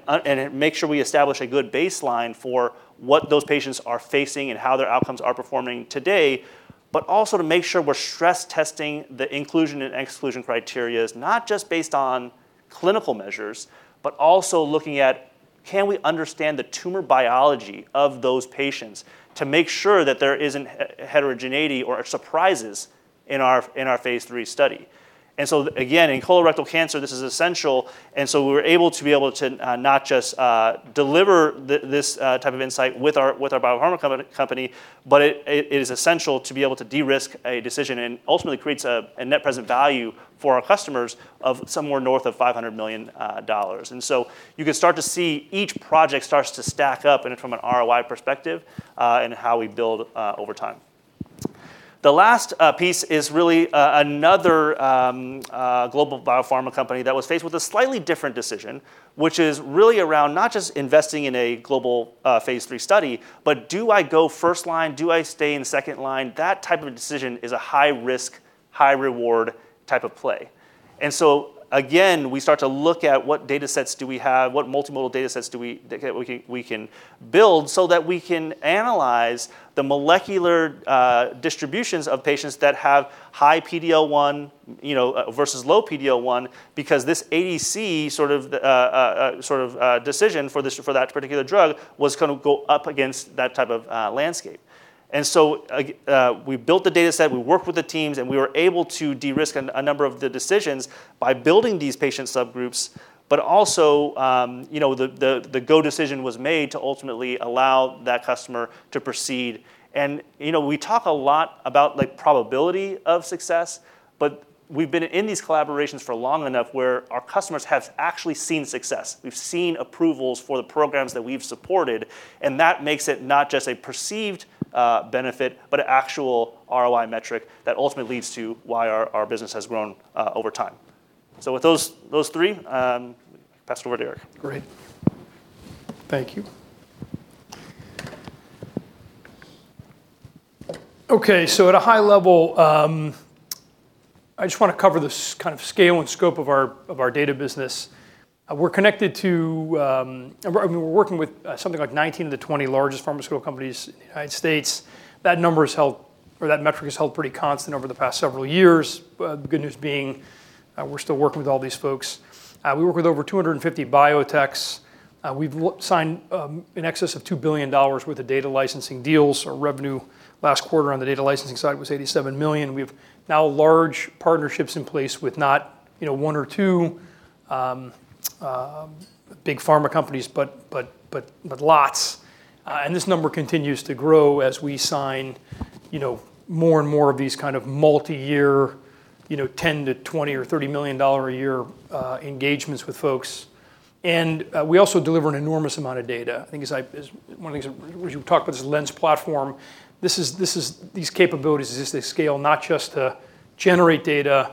make sure we establish a good baseline for what those patients are facing and how their outcomes are performing today, but also to make sure we're stress-testing the inclusion and exclusion criteria, not just based on clinical measures, but also looking at, can we understand the tumor biology of those patients to make sure that there isn't heterogeneity or surprises in our phase III study? Again, in colorectal cancer, this is essential. We were able to not just deliver this type of insight with our biopharma company, but it is essential to be able to de-risk a decision and ultimately creates a net present value for our customers of somewhere north of $500 million. You can start to see each project starts to stack up and from an ROI perspective, in how we build over time. The last piece is really another global biopharma company that was faced with a slightly different decision, which is really around not just investing in a global phase III study, but do I go first line? Do I stay in second line? That type of a decision is a high risk, high reward type of play. Again, we start to look at what data sets do we have, what multimodal data sets we can build so that we can analyze the molecular distributions of patients that have high PD-L1 versus low PD-L1, because this ADC sort of decision for that particular drug was going to go up against that type of landscape. We built the data set, we worked with the teams, and we were able to de-risk a number of the decisions by building these patient subgroups. Also, the go decision was made to ultimately allow that customer to proceed. We talk a lot about probability of success, but we've been in these collaborations for long enough where our customers have actually seen success. We've seen approvals for the programs that we've supported, and that makes it not just a perceived benefit, but an actual ROI metric that ultimately leads to why our business has grown over time. With those three, pass it over to Eric. Great. Thank you. At a high level, I just want to cover the scale and scope of our data business. We're working with something like 19 of the 20 largest pharmaceutical companies in the U.S. That metric has held pretty constant over the past several years. The good news being, we're still working with all these folks. We work with over 250 biotechs. We've signed in excess of $2 billion worth of data licensing deals. Our revenue last quarter on the data licensing side was $87 million. We have now large partnerships in place with not one or two big pharma companies, but lots. This number continues to grow as we sign more and more of these multi-year, $10 million-$20 million or $30 million a year engagements with folks. We also deliver an enormous amount of data. I think as one of these, as you talk about this Lens platform, these capabilities is they scale not just to generate data,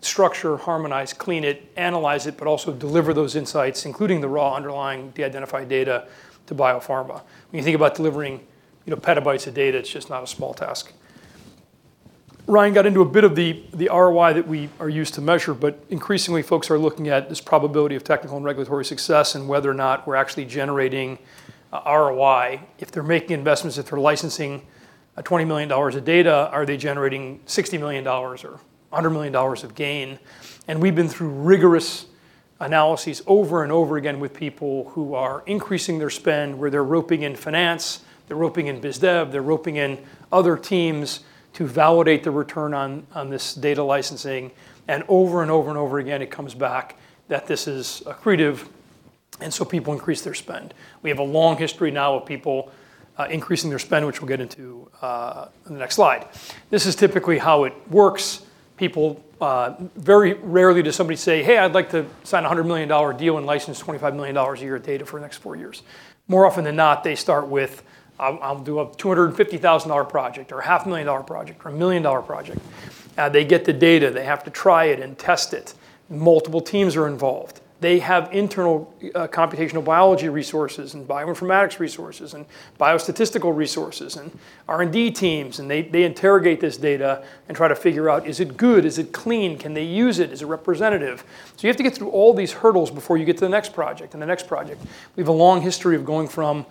structure, harmonize, clean it, analyze it, but also deliver those insights, including the raw underlying de-identified data to biopharma. When you think about delivering petabytes of data, it's just not a small task. Ryan got into a bit of the ROI that we are used to measure. Increasingly folks are looking at this probability of technical and regulatory success and whether or not we're actually generating ROI. If they're making investments, if they're licensing $20 million of data, are they generating $60 million or $100 million of gain? We've been through rigorous analyses over and over again with people who are increasing their spend, where they're roping in finance, they're roping in biz dev, they're roping in other teams to validate the return on this data licensing. Over and over and over again, it comes back that this is accretive, and so people increase their spend. We have a long history now of people increasing their spend, which we'll get into in the next slide. This is typically how it works. Very rarely does somebody say, hey, I'd like to sign a $100 million deal and license $25 million a year of data for the next four years. More often than not, they start with, I'll do a $250,000 project or $0.5 Million project or a $1 million project." They get the data. They have to try it and test it. Multiple teams are involved. They have internal computational biology resources and bioinformatics resources and biostatistical resources and R&D teams, and they interrogate this data and try to figure out is it good, is it clean, can they use it, is it representative? You have to get through all these hurdles before you get to the next project and the next project. We have a long history of going from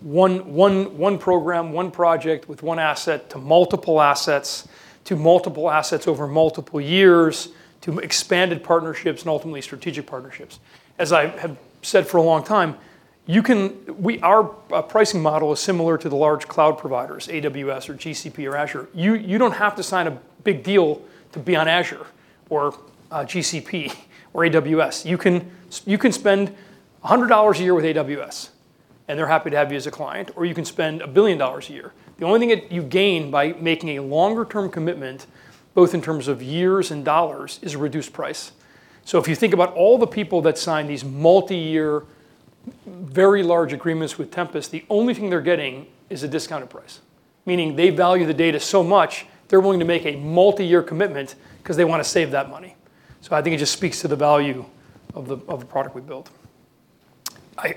one program, one project with one asset to multiple assets, to multiple assets over multiple years, to expanded partnerships and ultimately strategic partnerships. As I have said for a long time, our pricing model is similar to the large cloud providers, AWS or GCP or Azure. You don't have to sign a big deal to be on Azure or GCP or AWS. You can spend $100 a year with AWS. They're happy to have you as a client, or you can spend $1 billion a year. The only thing that you gain by making a longer-term commitment, both in terms of years and dollars, is a reduced price. If you think about all the people that sign these multi-year, very large agreements with Tempus, the only thing they're getting is a discounted price, meaning they value the data so much they're willing to make a multi-year commitment because they want to save that money. I think it just speaks to the value of the product we built.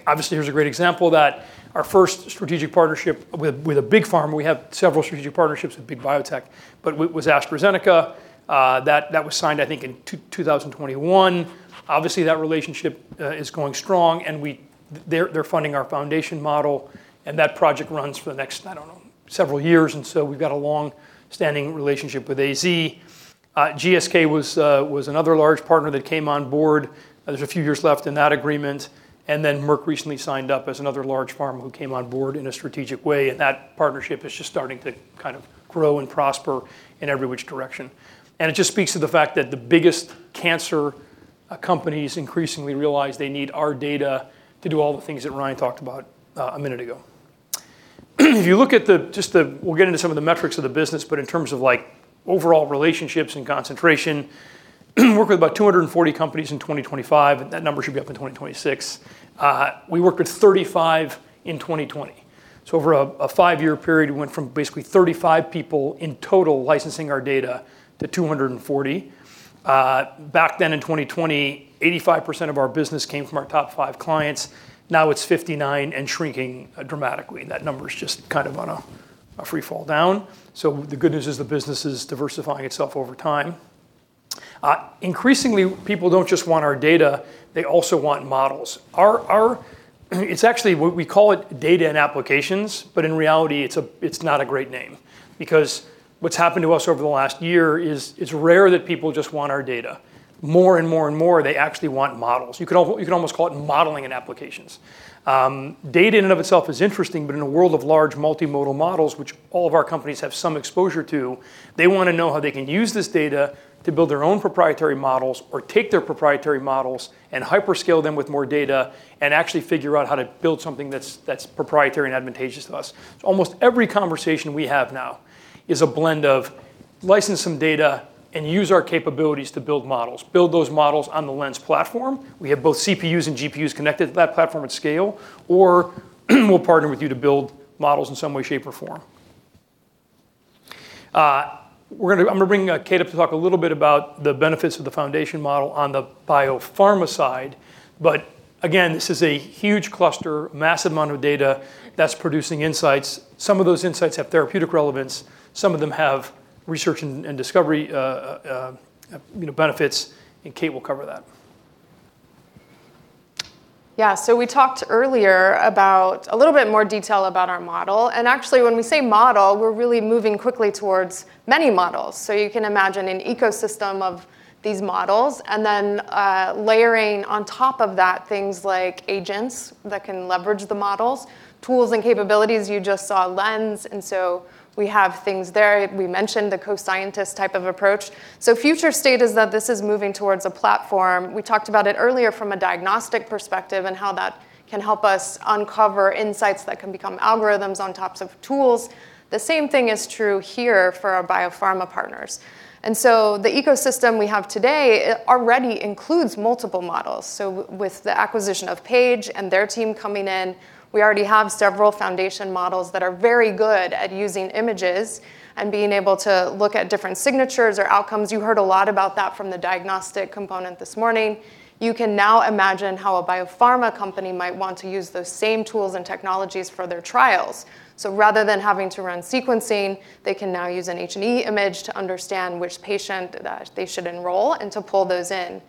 Obviously, here's a great example of that. Our first strategic partnership with a big pharma, we have several strategic partnerships with big biotech, but it was AstraZeneca. That was signed, I think, in 2021. Obviously, that relationship is going strong, they're funding our foundation model, and that project runs for the next, I don't know, several years. We've got a long-standing relationship with AZ. GSK was another large partner that came on board. There's a few years left in that agreement. Merck recently signed up as another large pharma who came on board in a strategic way, and that partnership is just starting to kind of grow and prosper in every which direction. It just speaks to the fact that the biggest cancer companies increasingly realize they need our data to do all the things that Ryan talked about a minute ago. We'll get into some of the metrics of the business, but in terms of overall relationships and concentration, we work with about 240 companies in 2025, and that number should be up in 2026. We worked with 35 in 2020. Over a five-year period, we went from basically 35 people in total licensing our data to 240. Back then in 2020, 85% of our business came from our top five clients. Now it's 59% and shrinking dramatically. That number is just on a free fall down. The good news is the business is diversifying itself over time. Increasingly, people don't just want our data, they also want models. We call it data and applications, but in reality, it's not a great name, because what's happened to us over the last year is it's rare that people just want our data. More and more and more, they actually want models. You can almost call it modeling and applications. Data in and of itself is interesting, but in a world of large multimodal models, which all of our companies have some exposure to, they want to know how they can use this data to build their own proprietary models or take their proprietary models and hyperscale them with more data and actually figure out how to build something that's proprietary and advantageous to us. Almost every conversation we have now is a blend of license some data and use our capabilities to build models. Build those models on the Lens platform. We have both CPUs and GPUs connected to that platform at scale, or we'll partner with you to build models in some way, shape, or form. I'm going to bring Kate up to talk a little bit about the benefits of the foundation model on the biopharma side. Again, this is a huge cluster, massive amount of data that's producing insights. Some of those insights have therapeutic relevance. Some of them have research and discovery benefits. Kate will cover that. Yeah. We talked earlier about a little bit more detail about our model. Actually, when we say model, we're really moving quickly towards many models. You can imagine an ecosystem of these models and then layering on top of that things like agents that can leverage the models, tools and capabilities. You just saw Lens, we have things there. We mentioned the co-scientist type of approach. Future state is that this is moving towards a platform. We talked about it earlier from a diagnostic perspective and how that can help us uncover insights that can become algorithms on tops of tools. The same thing is true here for our biopharma partners. The ecosystem we have today already includes multiple models. With the acquisition of Paige and their team coming in, we already have several foundation models that are very good at using images and being able to look at different signatures or outcomes. You heard a lot about that from the diagnostic component this morning. You can now imagine how a biopharma company might want to use those same tools and technologies for their trials. Rather than having to run sequencing, they can now use an H&E image to understand which patient that they should enroll and to pull those in.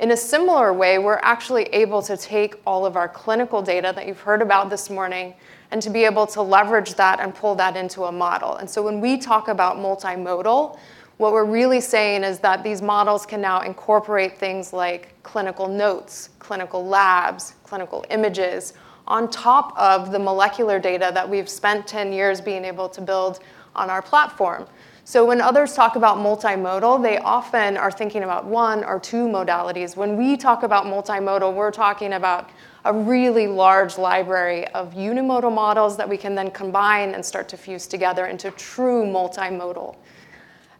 In a similar way, we're actually able to take all of our clinical data that you've heard about this morning and to be able to leverage that and pull that into a model. When we talk about multimodal, what we're really saying is that these models can now incorporate things like clinical notes, clinical labs, clinical images on top of the molecular data that we've spent 10 years being able to build on our platform. When others talk about multimodal, they often are thinking about one or two modalities. When we talk about multimodal, we're talking about a really large library of unimodal models that we can then combine and start to fuse together into true multimodal.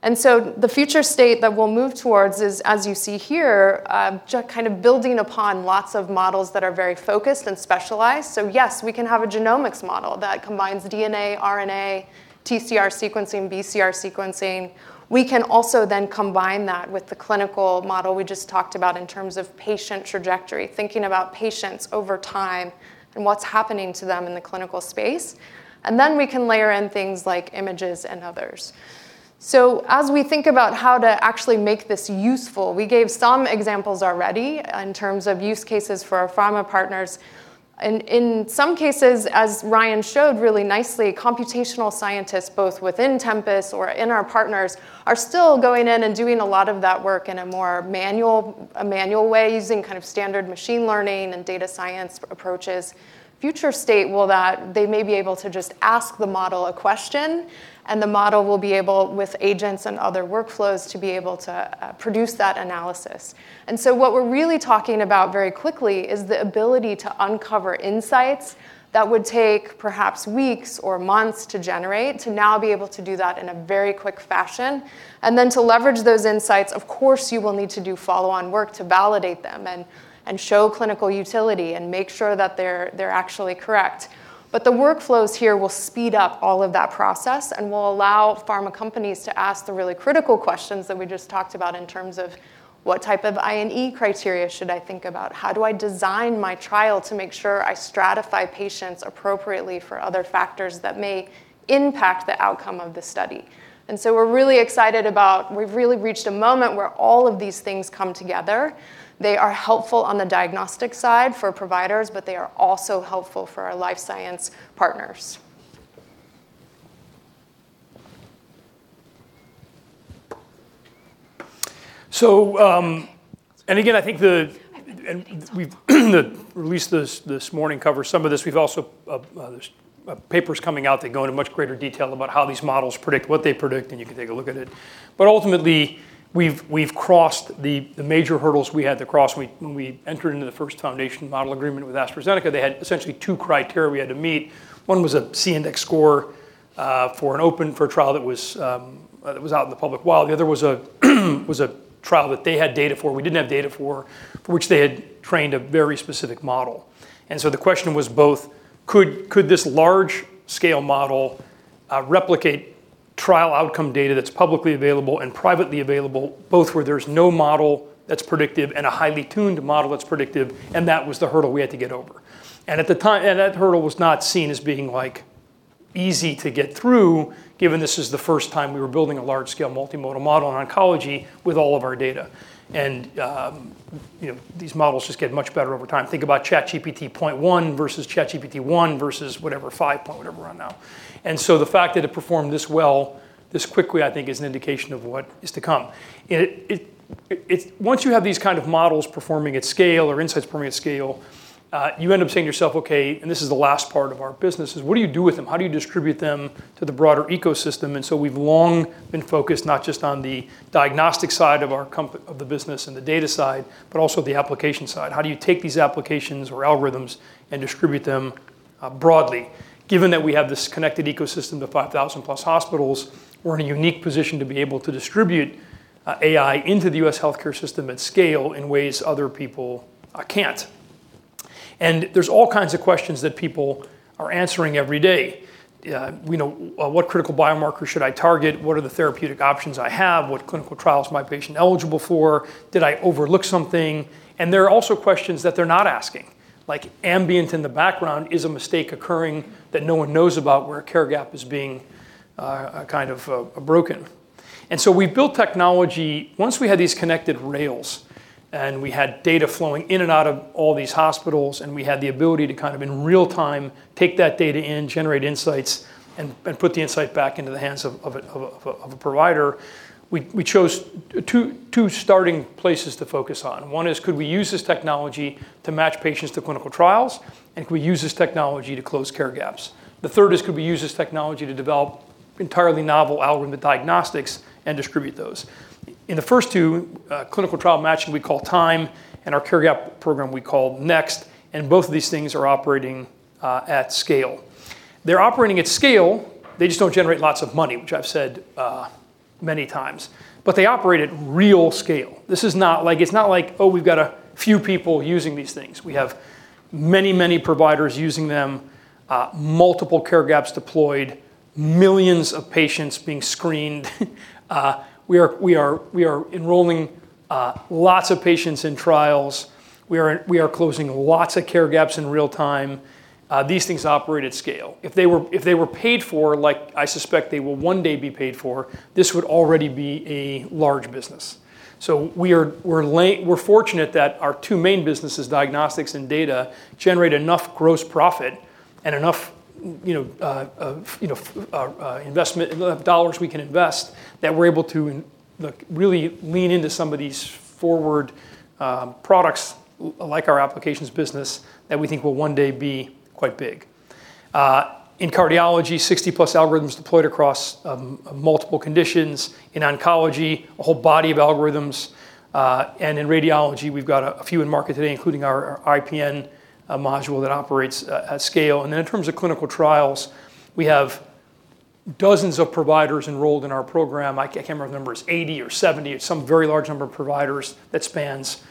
The future state that we'll move towards is, as you see here, just kind of building upon lots of models that are very focused and specialized. Yes, we can have a genomics model that combines DNA, RNA, TCR sequencing, BCR sequencing. We can also then combine that with the clinical model we just talked about in terms of patient trajectory, thinking about patients over time and what's happening to them in the clinical space. Then we can layer in things like images and others. As we think about how to actually make this useful, we gave some examples already in terms of use cases for our pharma partners. In some cases, as Ryan showed really nicely, computational scientists, both within Tempus or in our partners, are still going in and doing a lot of that work in a more manual way, using standard machine learning and data science approaches. Future state they may be able to just ask the model a question, and the model will be able, with agents and other workflows, to be able to produce that analysis. What we're really talking about very quickly is the ability to uncover insights that would take perhaps weeks or months to generate, to now be able to do that in a very quick fashion. To leverage those insights, of course, you will need to do follow-on work to validate them and show clinical utility and make sure that they're actually correct. The workflows here will speed up all of that process and will allow pharma companies to ask the really critical questions that we just talked about in terms of what type of I/E criteria should I think about? How do I design my trial to make sure I stratify patients appropriately for other factors that may impact the outcome of the study? We're really excited about, we've really reached a moment where all of these things come together. They are helpful on the diagnostic side for providers, but they are also helpful for our life science partners. Again, I think the release this morning covers some of this. There's papers coming out that go into much greater detail about how these models predict what they predict, and you can take a look at it. Ultimately, we've crossed the major hurdles we had to cross when we entered into the first foundation model agreement with AstraZeneca. They had essentially two criteria we had to meet. One was a C-index score for an open for a trial that was out in the public. While the other was a trial that they had data for, we didn't have data for which they had trained a very specific model. The question was both could this large-scale model replicate trial outcome data that's publicly available and privately available, both where there's no model that's predictive and a highly tuned model that's predictive? That was the hurdle we had to get over. That hurdle was not seen as being easy to get through, given this is the first time we were building a large-scale multimodal model in oncology with all of our data. These models just get much better over time. Think about ChatGPT 0.1 versus ChatGPT 1 versus whatever 5 point whatever we're on now. The fact that it performed this well this quickly, I think, is an indication of what is to come. Once you have these kind of models performing at scale or insights performing at scale, you end up saying to yourself, okay, and this is the last part of our business, is what do you do with them? How do you distribute them to the broader ecosystem? We've long been focused not just on the Diagnostics side of the business and the Data side, but also the Application side. How do you take these applications or algorithms and distribute them broadly? Given that we have this connected ecosystem to 5,000+ hospitals, we're in a unique position to be able to distribute AI into the U.S. healthcare system at scale in ways other people can't. There's all kinds of questions that people are answering every day. What critical biomarkers should I target? What are the therapeutic options I have? What clinical trials is my patient eligible for? Did I overlook something? There are also questions that they're not asking, like ambient in the background is a mistake occurring that no one knows about where a care gap is being kind of broken. We built technology. Once we had these connected rails and we had data flowing in and out of all these hospitals, and we had the ability to kind of in real-time take that data in, generate insights, and put the insight back into the hands of a provider. We chose two starting places to focus on. One is could we use this technology to match patients to clinical trials? Could we use this technology to close care gaps? The third is could we use this technology to develop entirely novel algorithm diagnostics and distribute those? In the first two clinical trial matching we call TIME and our care gap program we call Next, and both of these things are operating at scale. They're operating at scale. They just don't generate lots of money, which I've said many times. They operate at real scale. It's not like, oh, we've got a few people using these things. We have many, many providers using them, multiple care gaps deployed, millions of patients being screened. We are enrolling lots of patients in trials. We are closing lots of care gaps in real-time. These things operate at scale. If they were paid for like I suspect they will one day be paid for, this would already be a large business. We're fortunate that our two main businesses, Diagnostics and Data, generate enough gross profit and enough dollars we can invest that we're able to really lean into some of these forward products like our applications business that we think will one day be quite big. In cardiology, 60+ algorithms deployed across multiple conditions. In oncology, a whole body of algorithms. In radiology, we've got a few in market today, including our IPN module that operates at scale. In terms of clinical trials, we have dozens of providers enrolled in our program. I can't remember if the number is 80 or 70. It's some very large number of providers that spans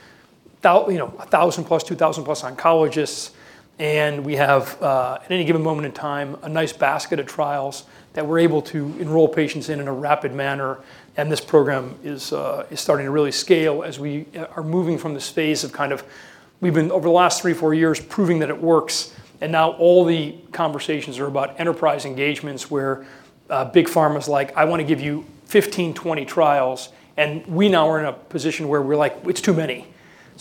1,000+, 2,000+ oncologists. We have at any given moment in time a nice basket of trials that we're able to enroll patients in in a rapid manner. This program is starting to really scale as we are moving from the space of kind of we've been over the last three, four years proving that it works, and now all the conversations are about enterprise engagements where big pharma's like, I want to give you 15, 20 trials. We now are in a position where we're like, it's too many.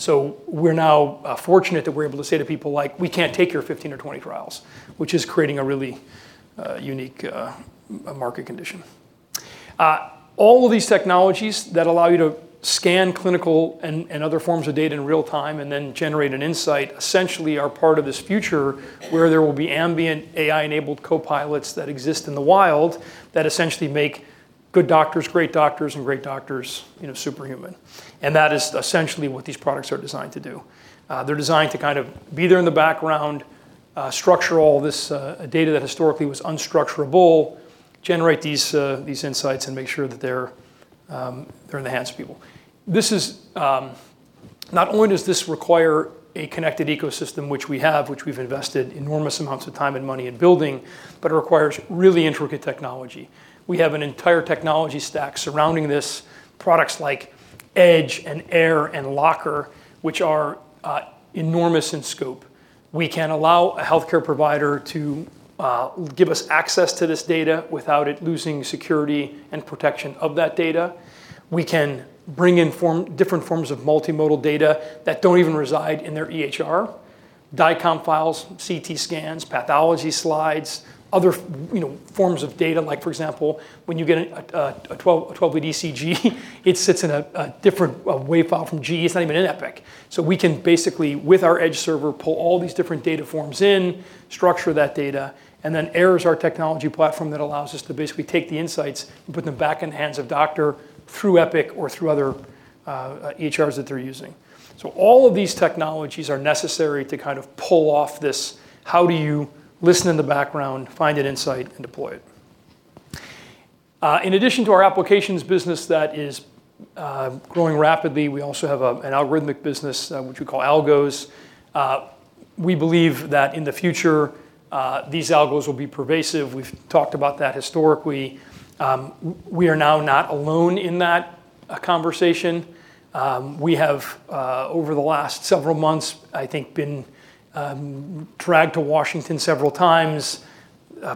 We're now fortunate that we're able to say to people like, we can't take your 15 or 20 trials, which is creating a really unique market condition. All of these technologies that allow you to scan clinical and other forms of data in real-time and then generate an insight essentially are part of this future where there will be ambient AI-enabled copilots that exist in the wild that essentially make good doctors great doctors, and great doctors superhuman. That is essentially what these products are designed to do. They're designed to kind of be there in the background, structure all this data that historically was unstructurable, generate these insights, and make sure that they're in the hands of people. Not only does this require a connected ecosystem, which we have, which we've invested enormous amounts of time and money in building, but it requires really intricate technology. We have an entire technology stack surrounding this, products like Edge and Air and Locker, which are enormous in scope. We can allow a healthcare provider to give us access to this data without it losing security and protection of that data. We can bring in different forms of multimodal data that don't even reside in their EHR. DICOM files, CT scans, pathology slides, other forms of data, like for example, when you get a 12-lead ECG, it sits in a different wave file from GE. It's not even in Epic. We can basically, with our Edge server, pull all these different data forms in, structure that data, and then Air is our technology platform that allows us to basically take the insights and put them back in the hands of doctor through Epic or through other EHRs that they're using. All of these technologies are necessary to kind of pull off this, how do you listen in the background, find an insight, and deploy it? In addition to our applications business that is growing rapidly, we also have an algorithmic business, which we call algos. We believe that in the future, these algos will be pervasive. We've talked about that historically. We are now not alone in that conversation. We have over the last several months, I think, been dragged to Washington several times.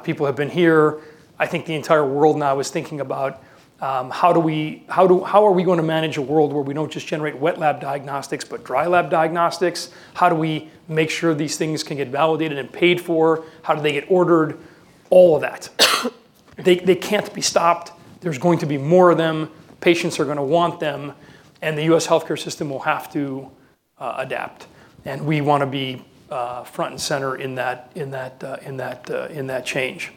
People have been here. I think the entire world now is thinking about how are we going to manage a world where we don't just generate wet lab diagnostics, but dry lab diagnostics. How do we make sure these things can get validated and paid for? How do they get ordered? All of that. They can't be stopped. There's going to be more of them. Patients are going to want them, and the U.S. healthcare system will have to adapt. We want to be front and center in that change.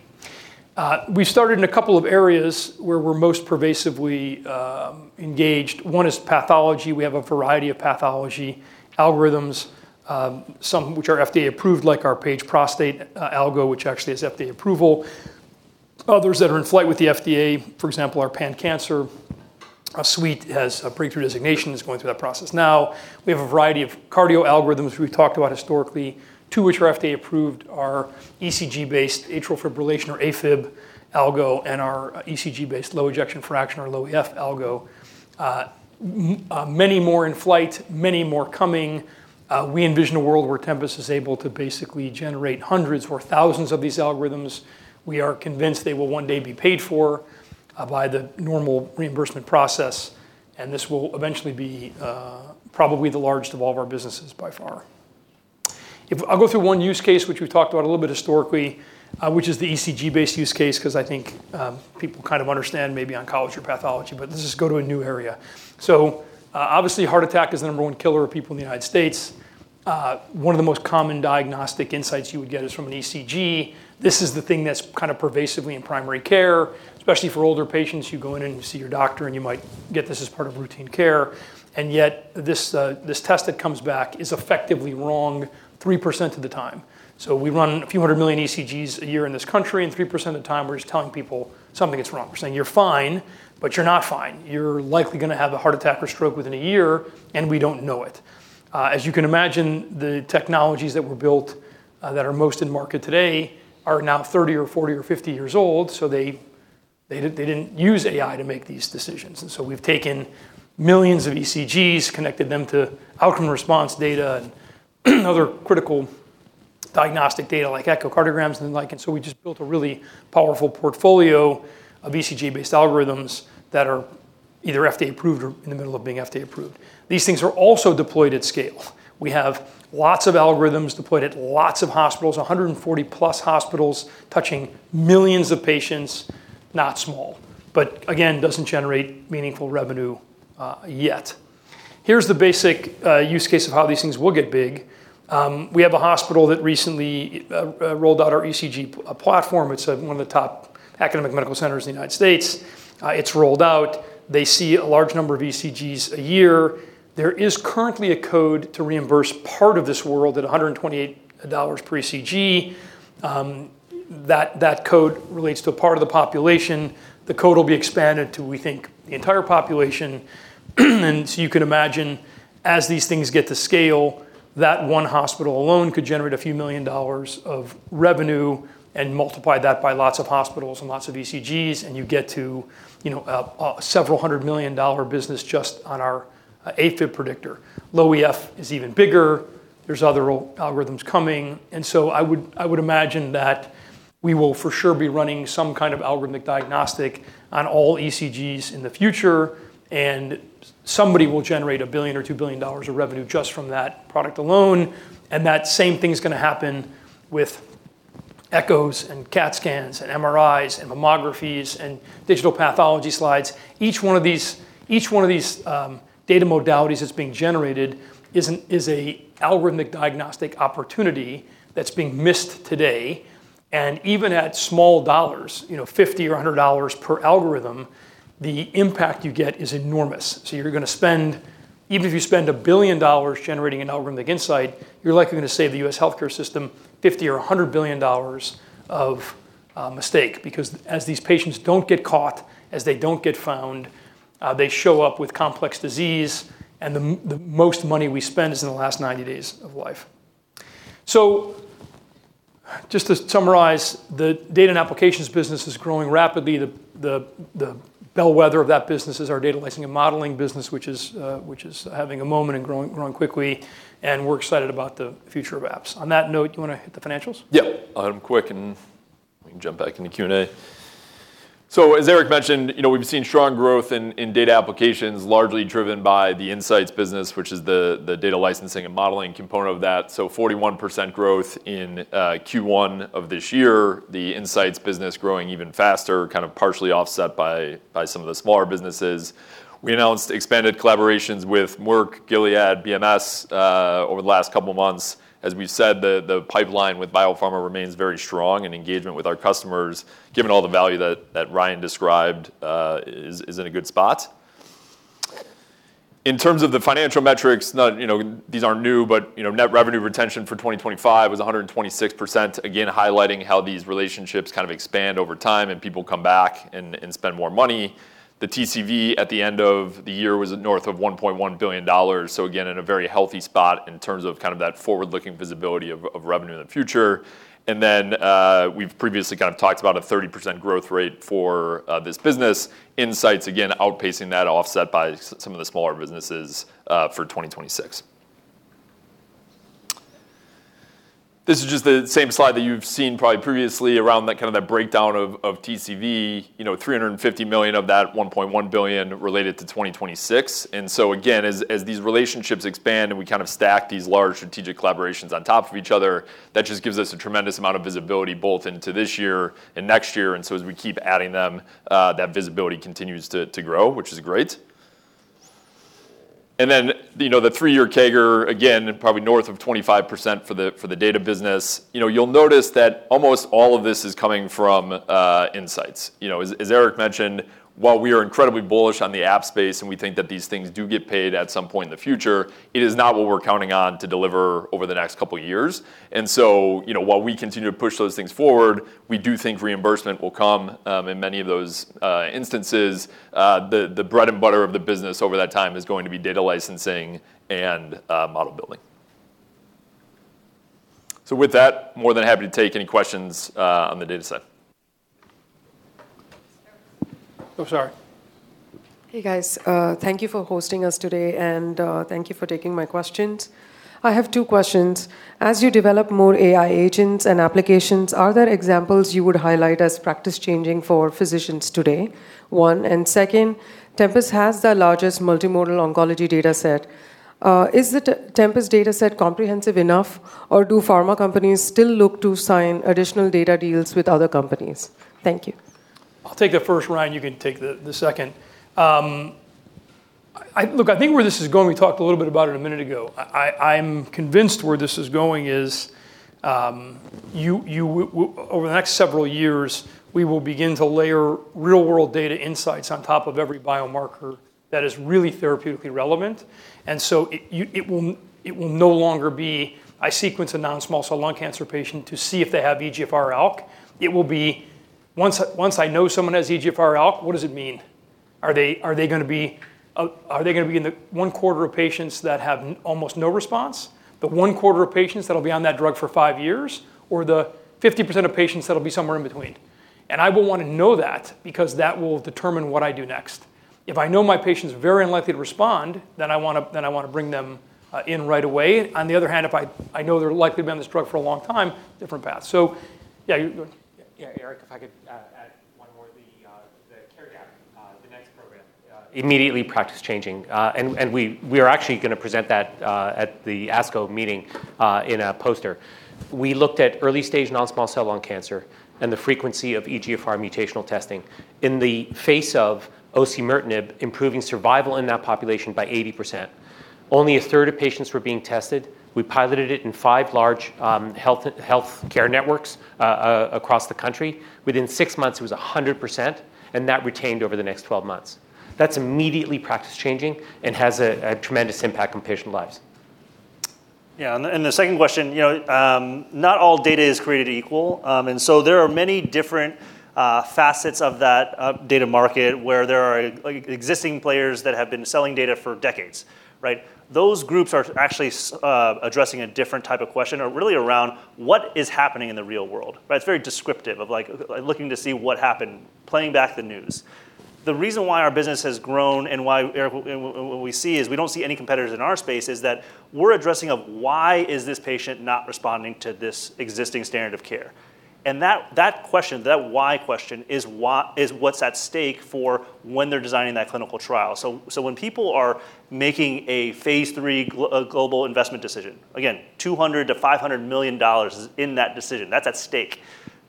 We started in a couple of areas where we're most pervasively engaged. One is pathology. We have a variety of pathology algorithms, some which are FDA-approved, like our Paige Prostate algo, which actually has FDA approval. Others that are in flight with the FDA, for example, our pan-cancer suite has a breakthrough designation, is going through that process now. We have a variety of cardio algorithms we've talked about historically. Two which are FDA-approved are ECG-based atrial fibrillation or AFib algo, and our ECG-based low ejection fraction or low EF algo. Many more in flight, many more coming. We envision a world where Tempus is able to basically generate hundreds or thousands of these algorithms. We are convinced they will one day be paid for by the normal reimbursement process, and this will eventually be probably the largest of all of our businesses by far. I'll go through one use case, which we've talked about a little bit historically, which is the ECG-based use case, because I think people kind of understand maybe oncology or pathology, but this is go to a new area. Obviously heart attack is the number one killer of people in the United States. One of the most common diagnostic insights you would get is from an ECG. This is the thing that's kind of pervasively in primary care, especially for older patients. You go in and you see your doctor and you might get this as part of routine care, and yet this test that comes back is effectively wrong 3% of the time. We run a few hundred million ECGs a year in this country, and 3% of the time, we're just telling people something is wrong. We're saying, you're fine, but you're not fine. You're likely going to have a heart attack or stroke within a year, and we don't know it. As you can imagine, the technologies that were built that are most in market today are now 30 or 40 or 50 years old. They didn't use AI to make these decisions. We've taken millions of ECGs, connected them to outcome response data and other critical diagnostic data like echocardiograms. We just built a really powerful portfolio of ECG-based algorithms that are either FDA approved or in the middle of being FDA approved. These things are also deployed at scale. We have lots of algorithms deployed at lots of hospitals, 140+ hospitals, touching millions of patients. Not small, again, doesn't generate meaningful revenue yet. Here's the basic use case of how these things will get big. We have a hospital that recently rolled out our ECG platform. It's one of the top academic medical centers in the U.S. It's rolled out. They see a large number of ECGs a year. There is currently a code to reimburse part of this world at $128 per ECG. That code relates to a part of the population. The code will be expanded to, we think, the entire population. You can imagine as these things get to scale, that one hospital alone could generate a $few million of revenue and multiply that by lots of hospitals and lots of ECGs, and you get to a $several hundred million business just on our AFib predictor. Low EF is even bigger. There's other algorithms coming. I would imagine that we will for sure be running some kind of algorithmic diagnostic on all ECGs in the future, and somebody will generate a billion or $2 billion of revenue just from that product alone. That same thing's going to happen with echos and CAT scans and MRIs and mammographies and digital pathology slides. Each one of these data modalities that's being generated is a algorithmic diagnostic opportunity that's being missed today. Even at small dollars, $50 or $100 per algorithm, the impact you get is enormous. Even if you spend $1 billion generating an algorithmic insight, you're likely going to save the U.S. healthcare system $50 billion or $100 billion of mistake because as these patients don't get caught, as they don't get found, they show up with complex disease and the most money we spend is in the last 90 days of life. Just to summarize, the data and applications business is growing rapidly. The bellwether of that business is our data licensing and modeling business, which is having a moment and growing quickly, and we're excited about the future of apps. On that note, you want to hit the financials? Yeah. I'll hit them quick, and we can jump back into Q&A. As Eric mentioned, we've seen strong growth in data applications, largely driven by the insights business, which is the data licensing and modeling component of that. 41% growth in Q1 of this year. The insights business growing even faster, kind of partially offset by some of the smaller businesses. We announced expanded collaborations with Merck, Gilead, BMS, over the last couple of months. As we've said, the pipeline with biopharma remains very strong and engagement with our customers, given all the value that Ryan described, is in a good spot. In terms of the financial metrics, these aren't new, but net revenue retention for 2025 was 126%, again, highlighting how these relationships kind of expand over time and people come back and spend more money. The TCV at the end of the year was north of $1.1 billion. Again, in a very healthy spot in terms of that forward-looking visibility of revenue in the future. We've previously talked about a 30% growth rate for this business. Insights, again, outpacing that offset by some of the smaller businesses for 2026. This is just the same slide that you've seen probably previously around that breakdown of TCV, $350 million of that $1.1 billion related to 2026. Again, as these relationships expand and we stack these large strategic collaborations on top of each other, that just gives us a tremendous amount of visibility both into this year and next year. As we keep adding them, that visibility continues to grow, which is great. The three-year CAGR, again, probably north of 25% for the data business. You'll notice that almost all of this is coming from Insights. As Eric mentioned, while we are incredibly bullish on the app space and we think that these things do get paid at some point in the future, it is not what we're counting on to deliver over the next couple of years. While we continue to push those things forward, we do think reimbursement will come in many of those instances. The bread and butter of the business over that time is going to be data licensing and model building. With that, more than happy to take any questions on the data set. Oh, sorry. Hey, guys. Thank you for hosting us today, and thank you for taking my questions. I have two questions. As you develop more AI agents and applications, are there examples you would highlight as practice-changing for physicians today? One. Second, Tempus AI has the largest multimodal oncology data set. Is the Tempus AI data set comprehensive enough, or do pharma companies still look to sign additional data deals with other companies? Thank you. I'll take the first. Ryan, you can take the second. Look, I think where this is going, we talked a little bit about it a minute ago. I'm convinced where this is going is over the next several years, we will begin to layer real-world data insights on top of every biomarker that is really therapeutically relevant. It will no longer be, I sequence a non-small cell lung cancer patient to see if they have EGFR/ALK. It will be, once I know someone has EGFR/ALK, what does it mean? Are they going to be in the one-quarter of patients that have almost no response, the one-quarter of patients that'll be on that drug for five years, or the 50% of patients that'll be somewhere in between? I will want to know that because that will determine what I do next. I know my patient's very unlikely to respond, I want to bring them in right away. On the other hand, if I know they're likely to be on this drug for a long time, different path. Yeah, Eric, if I could add one more. The Care Gap, the Tempus Next program, immediately practice-changing. We are actually going to present that at the ASCO meeting in a poster. We looked at early-stage non-small cell lung cancer and the frequency of EGFR mutational testing. In the face of osimertinib improving survival in that population by 80%, only a third of patients were being tested. We piloted it in five large healthcare networks across the country. Within six months, it was 100%, and that retained over the next 12 months. That's immediately practice-changing and has a tremendous impact on patient lives. Yeah, the second question, not all data is created equal. There are many different facets of that data market where there are existing players that have been selling data for decades, right? Those groups are actually addressing a different type of question, are really around what is happening in the real world, right? It's very descriptive of looking to see what happened, playing back the news. The reason why our business has grown and what we see is we don't see any competitors in our space, is that we're addressing of why is this patient not responding to this existing standard of care? That question, that why question, is what's at stake for when they're designing that clinical trial. When people are making a phase III global investment decision, again, $200 million-$500 million is in that decision. That's at stake.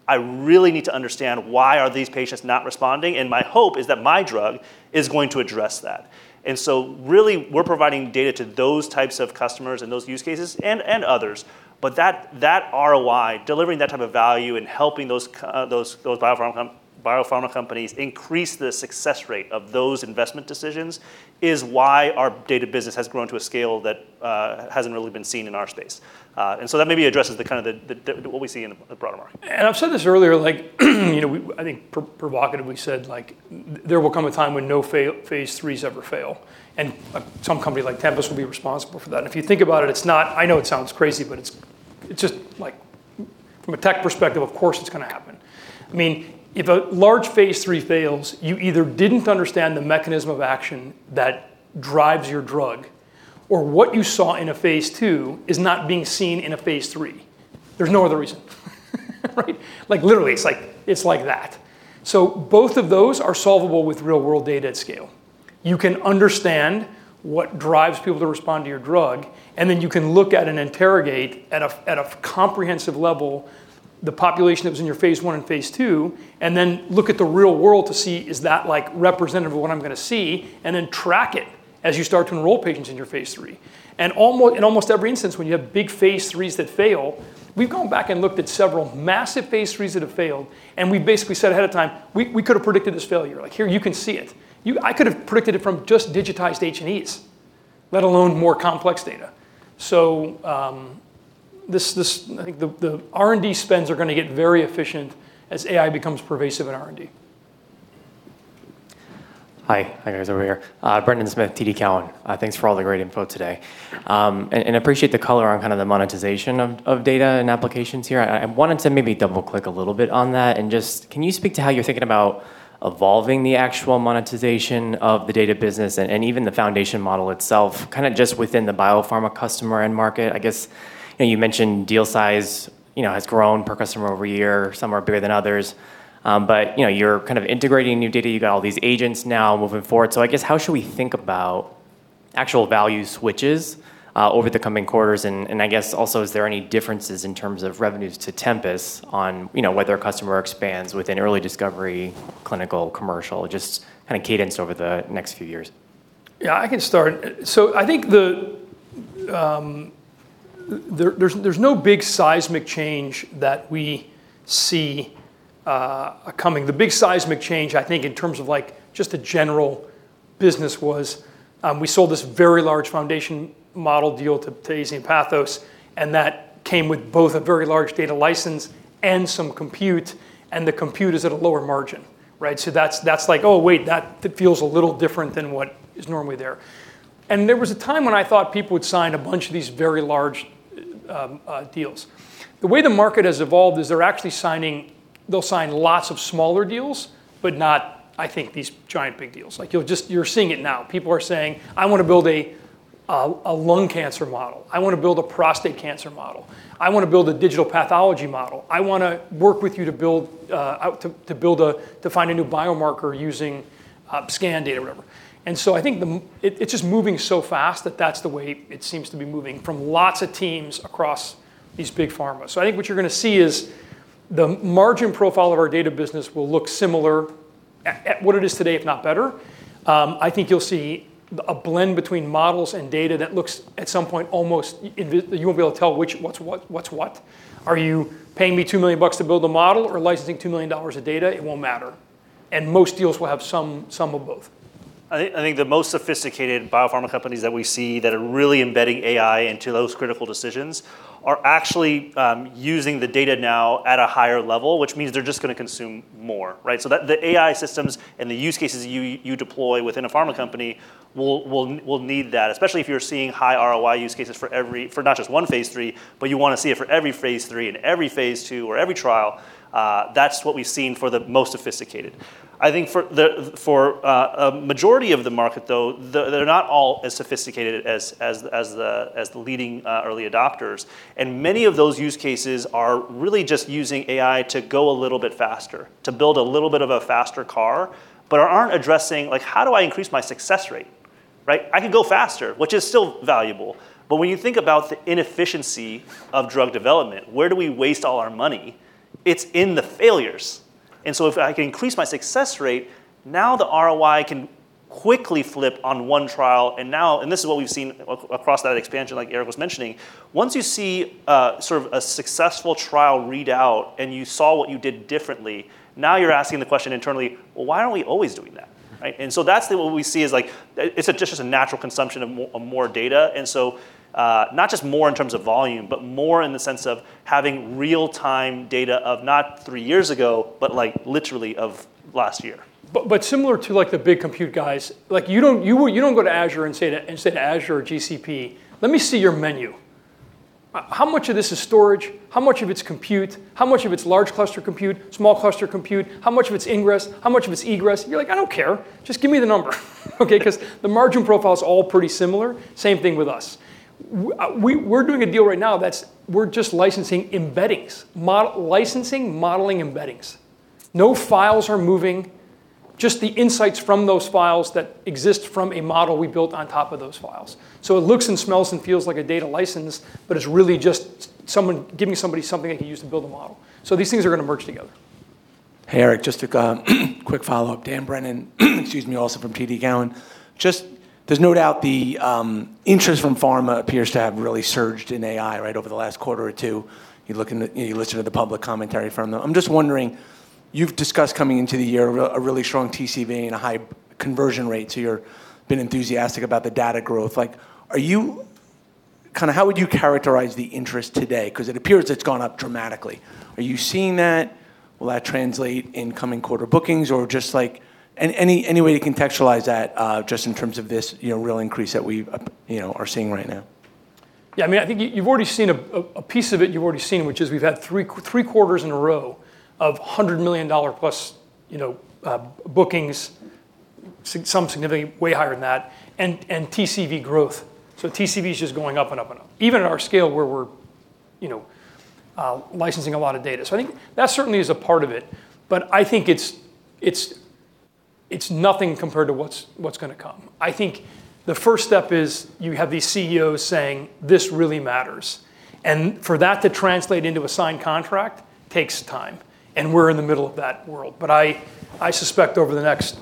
I really need to understand why are these patients not responding, and my hope is that my drug is going to address that. Really, we're providing data to those types of customers and those use cases and others. That ROI, delivering that type of value and helping those biopharma companies increase the success rate of those investment decisions is why our data business has grown to a scale that hasn't really been seen in our space. That maybe addresses what we see in the broader market. I've said this earlier I think provocatively said, there will come a time when no phase IIIs ever fail. Some company like Tempus will be responsible for that. If you think about it, I know it sounds crazy, but from a tech perspective, of course, it's going to happen. If a large phase III fails, you either didn't understand the mechanism of action that drives your drug, or what you saw in a phase II is not being seen in a phase III. There's no other reason. Literally, it's like that. Both of those are solvable with real-world data at scale. You can understand what drives people to respond to your drug, and then you can look at and interrogate at a comprehensive level the population that was in your phase I and phase II, and then look at the real world to see is that representative of what I'm going to see, and then track it as you start to enroll patients in your phase III. In almost every instance, when you have big phase IIIs that fail, we've gone back and looked at several massive phase IIIs that have failed, and we basically said ahead of time, we could've predicted this failure." Here you can see it. I could've predicted it from just digitized H&Es, let alone more complex data. I think the R&D spends are going to get very efficient as AI becomes pervasive in R&D. Hi, guys. Over here. Brendan Smith, TD Cowen. Thanks for all the great info today. Appreciate the color on the monetization of data and applications here. I wanted to maybe double-click a little bit on that and just can you speak to how you're thinking about evolving the actual monetization of the data business and even the foundation model itself, just within the biopharma customer end market? I guess, you mentioned deal size has grown per customer over year. Some are bigger than others. You're integrating new data. You've got all these agents now moving forward. I guess, how should we think about actual value switches over the coming quarters, and I guess also is there any differences in terms of revenues to Tempus on whether a customer expands within early discovery, clinical, commercial, just cadence over the next few years? Yeah, I can start. I think there's no big seismic change that we see coming. The big seismic change, I think, in terms of just a general business was, we sold this very large foundation model deal to AstraZeneca and Pathos, and that came with both a very large data license and some compute, and the compute is at a lower margin, right? That's like, oh, wait, that feels a little different than what is normally there." There was a time when I thought people would sign a bunch of these very large deals. The way the market has evolved is they'll sign lots of smaller deals, but not, I think, these giant big deals. You're seeing it now. People are saying, I want to build a lung cancer model. I want to build a prostate cancer model. I want to build a digital pathology model. I want to work with you to find a new biomarker using scan data, whatever. I think it's just moving so fast that that's the way it seems to be moving from lots of teams across these big pharmas. I think what you're going to see is the margin profile of our data business will look similar at what it is today, if not better. I think you'll see a blend between models and data that looks, at some point, almost you won't be able to tell what's what. Are you paying me $2 million bucks to build a model or licensing $2 million of data? It won't matter. Most deals will have some of both. I think the most sophisticated biopharma companies that we see that are really embedding AI into those critical decisions are actually using the data now at a higher level, which means they're just going to consume more, right? The AI systems and the use cases you deploy within a pharma company will need that, especially if you're seeing high ROI use cases for not just one phase III, but you want to see it for every phase III and every phase II or every trial. That's what we've seen for the most sophisticated. I think for a majority of the market, though, they're not all as sophisticated as the leading early adopters. Many of those use cases are really just using AI to go a little bit faster, to build a little bit of a faster car, but aren't addressing how do I increase my success rate, right? I could go faster, which is still valuable. When you think about the inefficiency of drug development, where do we waste all our money? It's in the failures. If I can increase my success rate, now the ROI can quickly flip on one trial. This is what we've seen across that expansion, like Eric was mentioning. Once you see a successful trial readout and you saw what you did differently, now you're asking the question internally, well, why aren't we always doing that? Right? That's what we see is it's just a natural consumption of more data, not just more in terms of volume, but more in the sense of having real time data of not three years ago, but literally of last year. Similar to the big compute guys, you don't go to Azure and say to Azure or GCP, let me see your menu. How much of this is storage? How much of it's compute? How much of it's large cluster compute, small cluster compute? How much of it's ingress? How much of it's egress? You're like: I don't care. Just give me the number. Okay? Because the margin profile is all pretty similar. Same thing with us. We're doing a deal right now that we're just licensing embeddings, licensing modeling embeddings. No files are moving, just the insights from those files that exist from a model we built on top of those files. It looks and smells and feels like a data license, but it's really just giving somebody something they can use to build a model. These things are going to merge together. Hey, Eric, just a quick follow-up. Dan Brennan, excuse me, also from TD Cowen. There's no doubt the interest from pharma appears to have really surged in AI over the last quarter or two. You listen to the public commentary from them. I'm just wondering, you've discussed coming into the year a really strong TCV and a high conversion rate, so you've been enthusiastic about the data growth. How would you characterize the interest today? It appears it's gone up dramatically. Are you seeing that? Will that translate in coming quarter bookings? Any way to contextualize that just in terms of this real increase that we are seeing right now? Yeah, I think a piece of it you've already seen, which is we've had three quarters in a row of $100 million+ bookings, some significantly way higher than that, and TCV growth. TCV's just going up and up and up. Even at our scale where we're licensing a lot of data. I think that certainly is a part of it. I think it's nothing compared to what's going to come. I think the first step is you have these CEOs saying, this really matters.. For that to translate into a signed contract takes time, and we're in the middle of that world. I suspect over the next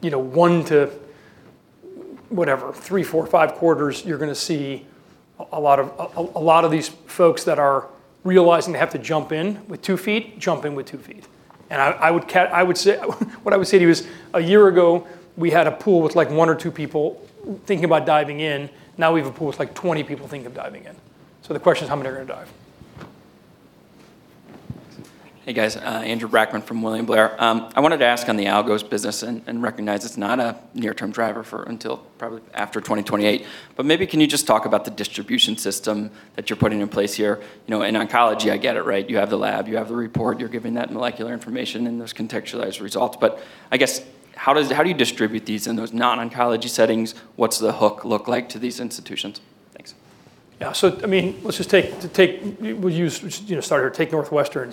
one to three, four, five quarters, you're going to see a lot of these folks that are realizing they have to jump in with two feet, jump in with two feet. What I would say to you is a year ago, we had a pool with one or two people thinking about diving in. Now we have a pool with 20 people thinking of diving in. The question is, how many are going to dive? Hey, guys, Andrew Brackmann from William Blair. I wanted to ask on the algos business, recognize it's not a near-term driver until probably after 2028, maybe can you just talk about the distribution system that you're putting in place here? In oncology, I get it. You have the lab, you have the report, you're giving that molecular information and those contextualized results. I guess, how do you distribute these in those non-oncology settings? What's the hook look like to these institutions? Thanks. Yeah. Let's just start here. Take Northwestern.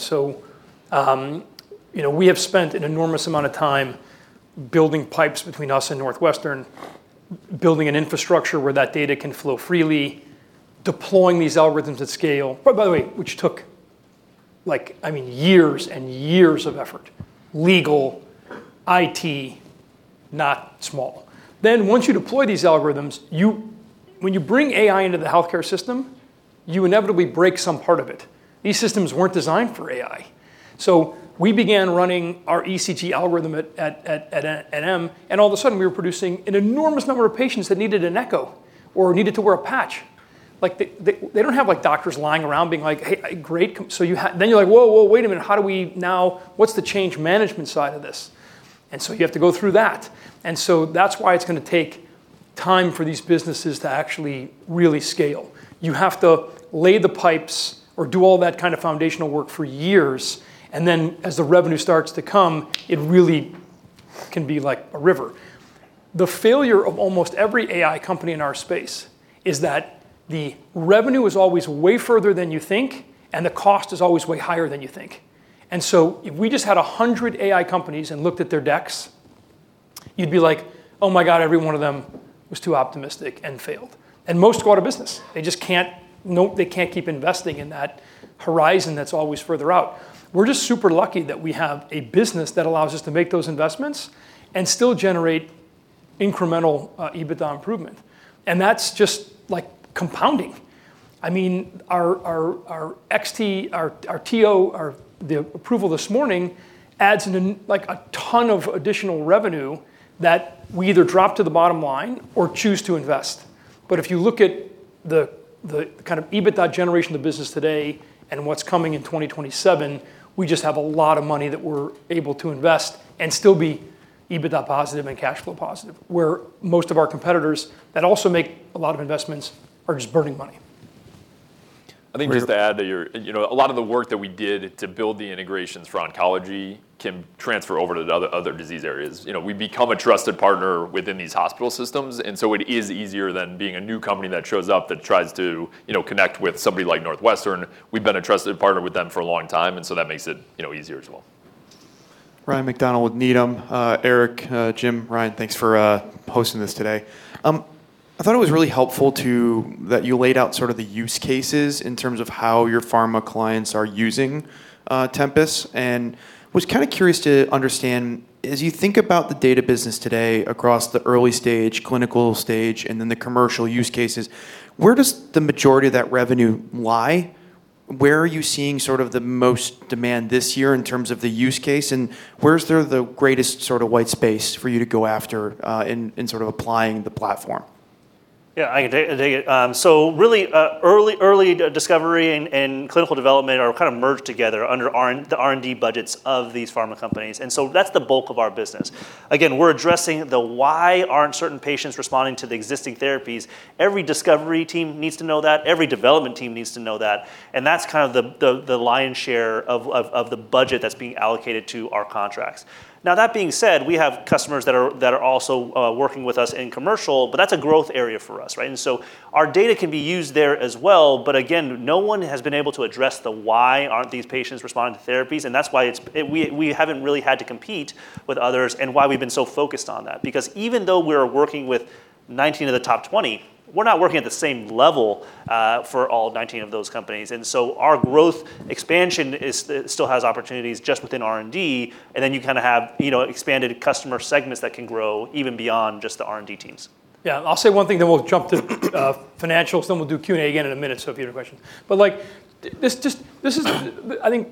We have spent an enormous amount of time building pipes between us and Northwestern, building an infrastructure where that data can flow freely, deploying these algorithms at scale. By the way, which took years and years of effort. Legal, IT, not small. Once you deploy these algorithms, when you bring AI into the healthcare system, you inevitably break some part of it. These systems weren't designed for AI. We began running our ECG algorithm at M, and all of a sudden, we were producing an enormous number of patients that needed an echo or needed to wear a patch. They don't have doctors lying around. You're like, Whoa, whoa, wait a minute, what's the change management side of this? You have to go through that. That's why it's going to take time for these businesses to actually really scale. You have to lay the pipes or do all that kind of foundational work for years, then as the revenue starts to come, it really can be like a river. The failure of almost every AI company in our space is that the revenue is always way further than you think and the cost is always way higher than you think. If we just had 100 AI companies and looked at their decks, you'd be like, oh my god, every one of them was too optimistic and failed. Most go out of business. They can't keep investing in that horizon that's always further out. We're just super lucky that we have a business that allows us to make those investments and still generate incremental EBITDA improvement. That's just compounding. Our CDx approval this morning adds a ton of additional revenue that we either drop to the bottom line or choose to invest. If you look at the kind of EBITDA generation of the business today and what's coming in 2027, we just have a lot of money that we're able to invest and still be EBITDA positive and cash flow positive, where most of our competitors that also make a lot of investments are just burning money. I think just to add there, a lot of the work that we did to build the integrations for oncology can transfer over to the other disease areas. We've become a trusted partner within these hospital systems. It is easier than being a new company that shows up that tries to connect with somebody like Northwestern. We've been a trusted partner with them for a long time. That makes it easier as well. Ryan MacDonald with Needham. Eric, Jim, Ryan, thanks for hosting this today. I thought it was really helpful that you laid out the use cases in terms of how your pharma clients are using Tempus, was kind of curious to understand, as you think about the data business today across the early stage, clinical stage, and then the commercial use cases, where does the majority of that revenue lie? Where are you seeing the most demand this year in terms of the use case, and where is the greatest white space for you to go after in applying the platform? Yeah, I can take it. Really, early discovery and clinical development are kind of merged together under the R&D budgets of these pharma companies. That's the bulk of our business. Again, we're addressing the why aren't certain patients responding to the existing therapies. Every discovery team needs to know that. Every development team needs to know that. That's the lion's share of the budget that's being allocated to our contracts. That being said, we have customers that are also working with us in commercial, but that's a growth area for us. Our data can be used there as well, but again, no one has been able to address the why aren't these patients responding to therapies, and that's why we haven't really had to compete with others and why we've been so focused on that. Even though we're working with 19 of the top 20, we're not working at the same level for all 19 of those companies. Our growth expansion still has opportunities just within R&D, and then you have expanded customer segments that can grow even beyond just the R&D teams. Yeah, I'll say one thing, then we'll jump to financials, then we'll do Q&A again in a minute, if you have questions. I think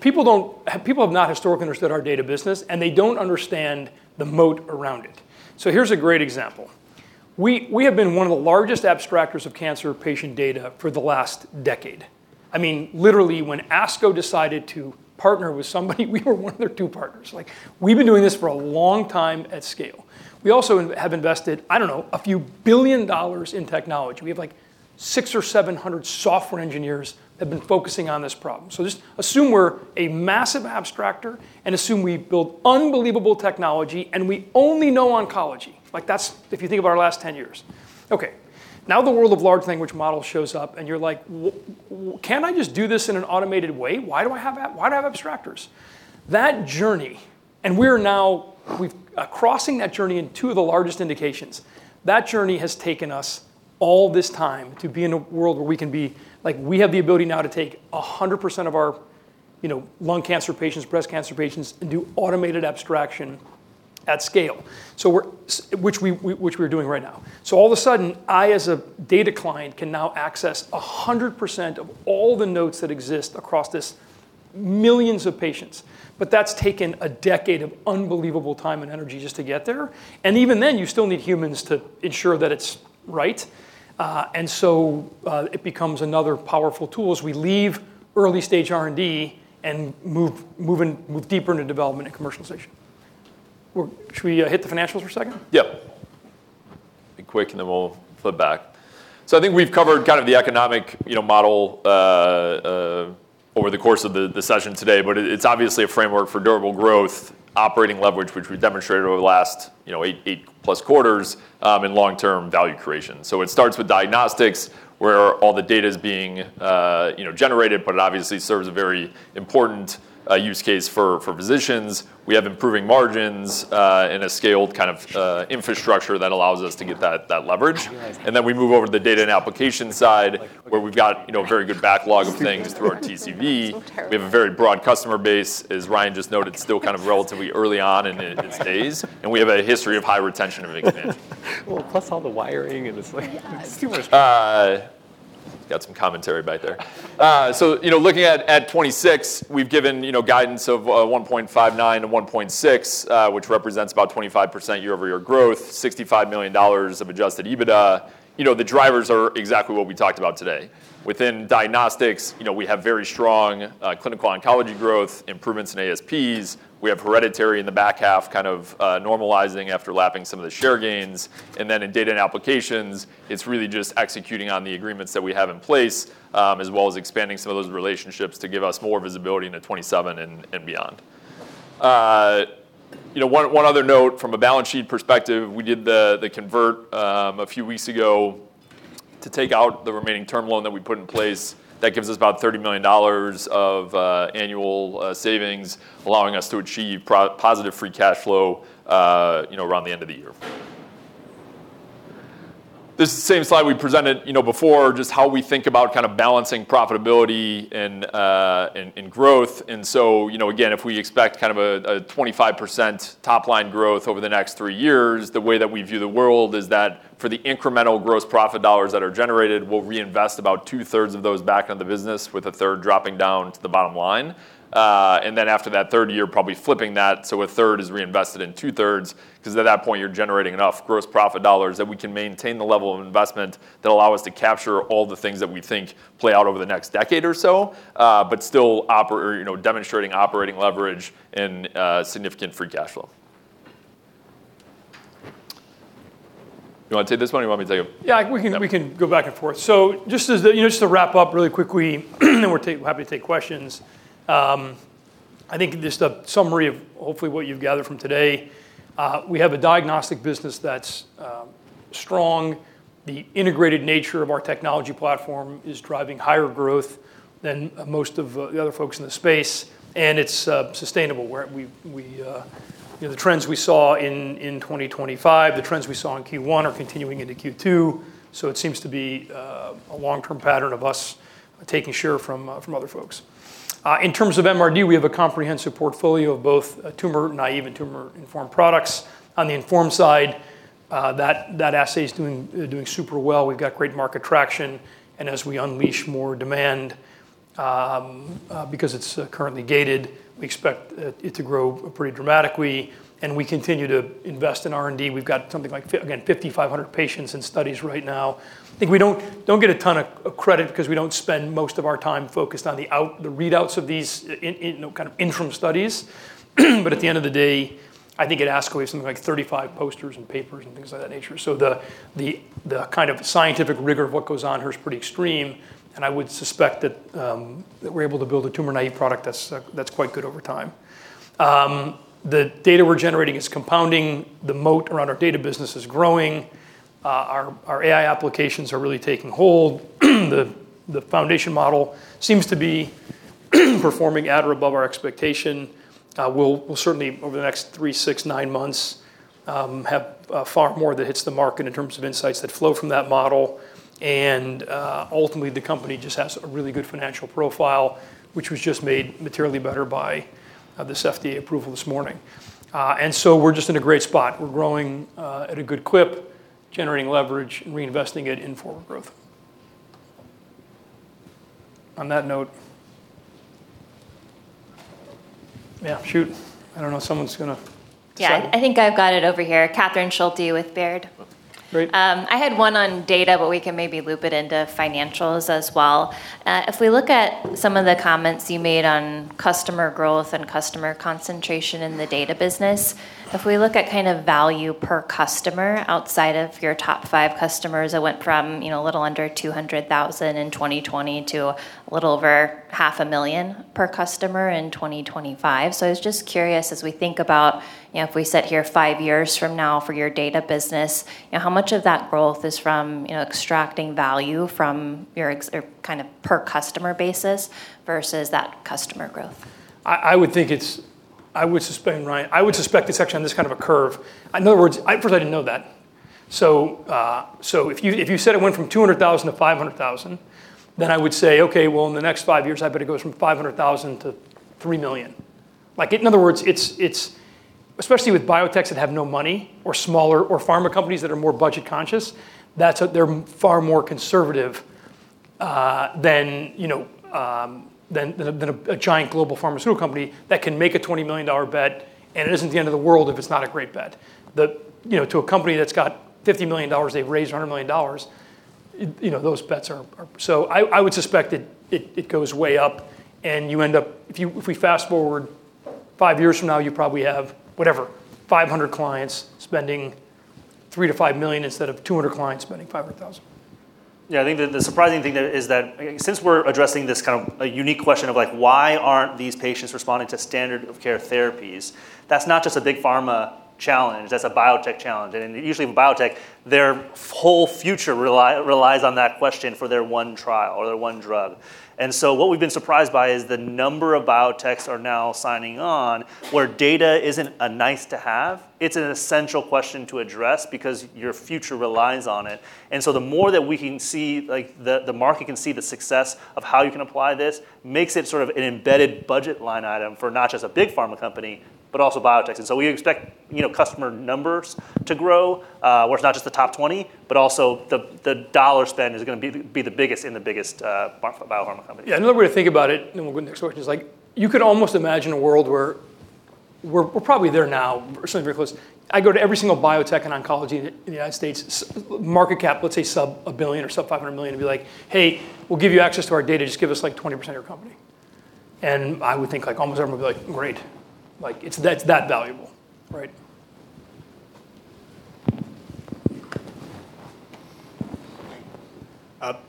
people have not historically understood our data business, and they don't understand the moat around it. Here's a great example. We have been one of the largest abstractors of cancer patient data for the last decade. Literally, when ASCO decided to partner with somebody, we were one of their two partners. We've been doing this for a long time at scale. We also have invested, I don't know, a few billion dollars in technology. We have 600 or 700 software engineers that have been focusing on this problem. Just assume we're a massive abstractor and assume we build unbelievable technology and we only know oncology. That's if you think of our last 10 years. Okay. Now the world of large language model shows up and you're like, can I just do this in an automated way? Why do I have abstractors? That journey, and we're now crossing that journey in two of the largest indications. That journey has taken us all this time to be in a world where we have the ability now to take 100% of our lung cancer patients, breast cancer patients, and do automated abstraction at scale, which we're doing right now. All of a sudden, I, as a data client, can now access 100% of all the notes that exist across these millions of patients. That's taken a decade of unbelievable time and energy just to get there. Even then, you still need humans to ensure that it's right. It becomes another powerful tool as we leave early-stage R&D and move deeper into development and commercialization. Should we hit the financials for a second? Yep. Be quick and then we'll flip back. I think we've covered the economic model over the course of the session today, but it's obviously a framework for durable growth, operating leverage, which we've demonstrated over the last eight-plus quarters, and long-term value creation. It starts with diagnostics, where all the data's being generated, but it obviously serves a very important use case for physicians. We have improving margins in a scaled infrastructure that allows us to get that leverage. We move over to the data and application side, where we've got a very good backlog of things through our TCV. We have a very broad customer base, as Ryan just noted, still relatively early on in its days. We have a history of high retention and expansion. Well, plus all the wiring. It's too much. Got some commentary back there. Looking at 2026, we've given guidance of $1.59 billion to $1.6 billion, which represents about 25% year-over-year growth, $65 million of adjusted EBITDA. The drivers are exactly what we talked about today. Within diagnostics, we have very strong clinical oncology growth, improvements in ASPs. We have hereditary in the back half normalizing after lapping some of the share gains. In data and applications, it's really just executing on the agreements that we have in place, as well as expanding some of those relationships to give us more visibility into 2027 and beyond. One other note from a balance sheet perspective, we did the convert a few weeks ago to take out the remaining term loan that we put in place. That gives us about $30 million of annual savings, allowing us to achieve positive free cash flow around the end of the year. Again, if we expect a 25% top-line growth over the next three years, the way that we view the world is that for the incremental gross profit dollars that are generated, we'll reinvest about two-thirds of those back on the business with a third dropping down to the bottom line. After that third year, probably flipping that so a third is reinvested in two-thirds, because at that point, you're generating enough gross profit dollars that we can maintain the level of investment that allow us to capture all the things that we think play out over the next decade or so, but still demonstrating operating leverage and significant free cash flow. You want to take this one or you want me to take it? Yeah, we can go back and forth. Just to wrap up really quickly, and we're happy to take questions. I think just a summary of hopefully what you've gathered from today. We have a diagnostic business that's strong. The integrated nature of our technology platform is driving higher growth than most of the other folks in the space, and it's sustainable. The trends we saw in 2025, the trends we saw in Q1 are continuing into Q2, so it seems to be a long-term pattern of us taking share from other folks. In terms of MRD, we have a comprehensive portfolio of both tumor-naive and tumor-informed products. On the informed side, that assay is doing super well. We've got great market traction, and as we unleash more demand, because it's currently gated, we expect it to grow pretty dramatically, and we continue to invest in R&D. We've got something like, again, 5,500 patients in studies right now. I think we don't get a ton of credit because we don't spend most of our time focused on the readouts of these interim studies. At the end of the day, I think at ASCO we have something like 35 posters and papers and things of that nature. The scientific rigor of what goes on here is pretty extreme, and I would suspect that we're able to build a tumor-naive product that's quite good over time. The data we're generating is compounding. The moat around our data business is growing. Our AI applications are really taking hold. The foundation model seems to be performing at or above our expectation. We'll certainly, over the next three, six, nine months, have far more that hits the market in terms of insights that flow from that model. Ultimately, the company just has a really good financial profile, which was just made materially better by this FDA approval this morning. We're just in a great spot. We're growing at a good clip. Generating leverage and reinvesting it in forward growth. On that note. Yeah, shoot. Yeah, I think I've got it over here. Catherine Schulte with Baird. Great. I had one on data, but we can maybe loop it into financials as well. If we look at some of the comments you made on customer growth and customer concentration in the data business, if we look at value per customer outside of your top five customers, it went from a little under $200,000 in 2020 to a little over half a million dollars per customer in 2025. I was just curious, as we think about if we sit here five years from now for your data business, how much of that growth is from extracting value from your per-customer basis versus that customer growth? I would suspect it's actually on this kind of a curve. In other words, first, I didn't know that. If you said it went from $200,000 to $500,000, I would say, okay, well, in the next five years, I bet it goes from $500,000 to $3 million. In other words, especially with biotechs that have no money or smaller or pharma companies that are more budget-conscious, they're far more conservative than a giant global pharmaceutical company that can make a $20 million bet and it isn't the end of the world if it's not a great bet. To a company that's got $50 million, they've raised $100 million, I would suspect it goes way up and if we fast-forward five years from now, you probably have, whatever, 500 clients spending $3 million-$5 million instead of 200 clients spending $500,000. Yeah, I think that the surprising thing there is that since we're addressing this kind of a unique question of why aren't these patients responding to standard of care therapies, that's not just a big pharma challenge, that's a biotech challenge, and usually in biotech, their whole future relies on that question for their one trial or their one drug. What we've been surprised by is the number of biotechs are now signing on, where data isn't a nice-to-have, it's an essential question to address because your future relies on it. The more that the market can see the success of how you can apply this, makes it sort of an embedded budget line item for not just a big pharma company, but also biotechs. We expect customer numbers to grow, where it's not just the top 20, but also the dollar spend is going to be the biggest in the biggest bio-pharma companies. Yeah. Another way to think about it, we'll go to the next question, is you could almost imagine a world where we're probably there now, or certainly very close. I go to every single biotech and oncology in the U.S., market cap, let's say sub $1 billion or sub $500 million and be like, "Hey, we'll give you access to our data, just give us 20% of your company." I would think almost everyone would be like, "Great." It's that valuable, right?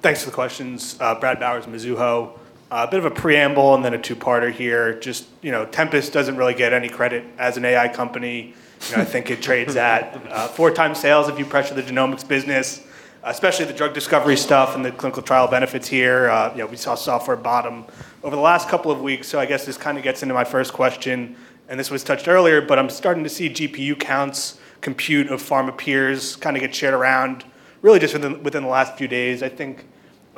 Thanks for the questions. Brad Bowers, Mizuho. A bit of a preamble and then a two-parter here. Tempus doesn't really get any credit as an AI company. It trades at 4x sales if you pressure the genomics business, especially the drug discovery stuff and the clinical trial benefits here. We saw software bottom over the last couple of weeks. I guess this kind of gets into my first question. This was touched earlier, but I'm starting to see GPU counts, compute of pharma peers get shared around really just within the last few days. I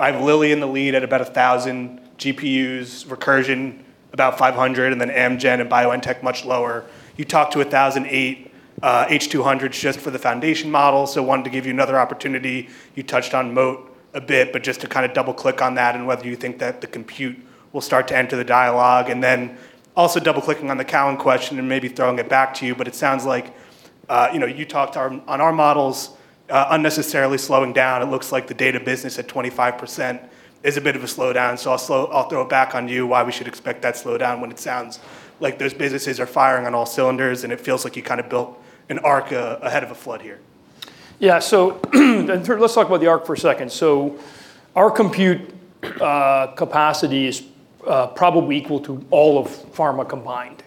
have Lilly in the lead at about 1,000 GPUs, Recursion about 500, and then Amgen and BioNTech much lower. You talked to 1,008 H200s just for the foundation model. Wanted to give you another opportunity. You touched on moat a bit, but just to double-click on that and whether you think that the compute will start to enter the dialogue, and then also double-clicking on the Cowen question and maybe throwing it back to you, but it sounds like you talked on our models unnecessarily slowing down. I'll throw it back on you why we should expect that slowdown when it sounds like those businesses are firing on all cylinders and it feels like you kind of built an ark ahead of a flood here. Yeah. Let's talk about the Ark for a second. Our compute capacity is probably equal to all of pharma combined.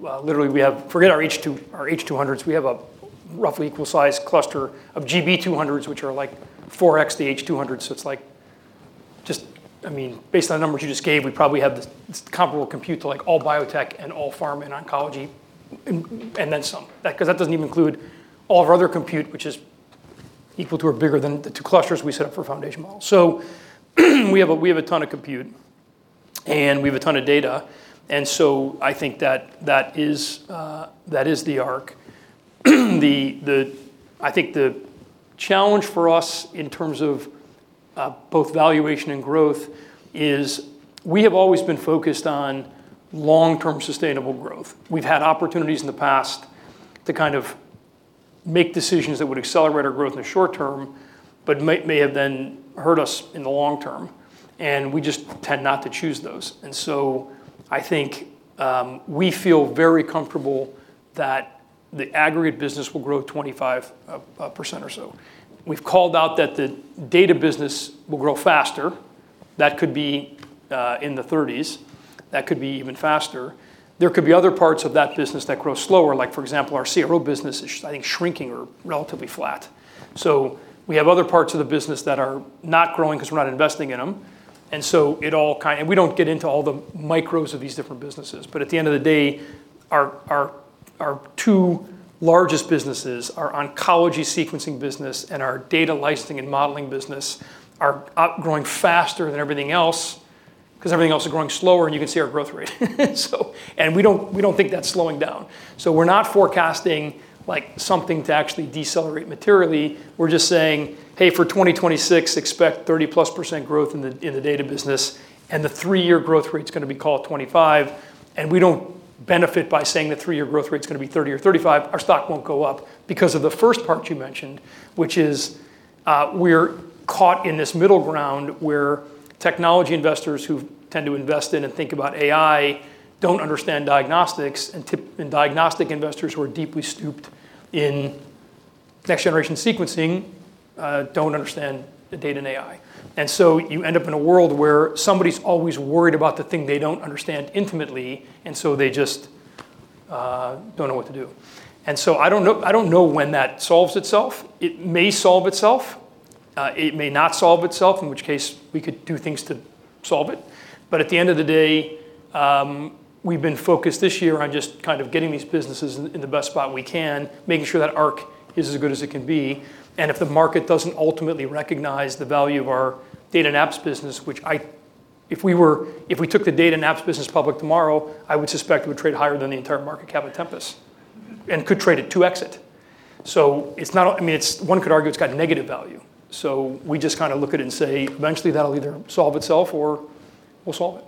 Literally, forget our H200s, we have a roughly equal size cluster of GB200s, which are like 4X the H200. It's based on the numbers you just gave, we probably have this comparable compute to all biotech and all pharma and oncology and then some. Because that doesn't even include all of our other compute, which is equal to or bigger than the two clusters we set up for foundation models. We have a ton of compute and we have a ton of data, I think that is the Ark. I think the challenge for us in terms of both valuation and growth is we have always been focused on long-term sustainable growth. We've had opportunities in the past to kind of make decisions that would accelerate our growth in the short term, but may have then hurt us in the long term, and we just tend not to choose those. I think we feel very comfortable that the aggregate business will grow 25% or so. We've called out that the data business will grow faster. That could be in the 30s. That could be even faster. There could be other parts of that business that grow slower. Like for example, our CRO business is, I think, shrinking or relatively flat. We have other parts of the business that are not growing because we're not investing in them. We don't get into all the micros of these different businesses. At the end of the day, our two largest businesses, our oncology sequencing business and our data licensing and modeling business, are growing faster than everything else. Everything else is growing slower, and you can see our growth rate. We don't think that's slowing down. We're not forecasting something to actually decelerate materially, we're just saying, hey, for 2026, expect 30%+ growth in the data business. The three-year growth rate's going to be called 25%, and we don't benefit by saying the three-year growth rate's going to be 30% or 35%. Our stock won't go up because of the first part you mentioned, which is we're caught in this middle ground where technology investors who tend to invest in and think about AI don't understand diagnostics, and diagnostic investors who are deeply steeped in next-generation sequencing don't understand the data in AI. You end up in a world where somebody's always worried about the thing they don't understand intimately, and so they just don't know what to do. I don't know when that solves itself. It may solve itself. It may not solve itself, in which case we could do things to solve it. At the end of the day, we've been focused this year on just getting these businesses in the best spot we can, making sure that Air is as good as it can be, and if the market doesn't ultimately recognize the value of our data and apps business, which if we took the data and apps business public tomorrow, I would suspect it would trade higher than the entire market cap of Tempus AI and could trade at 2x. One could argue it's got negative value. We just look at it and say, eventually that'll either solve itself or we'll solve it.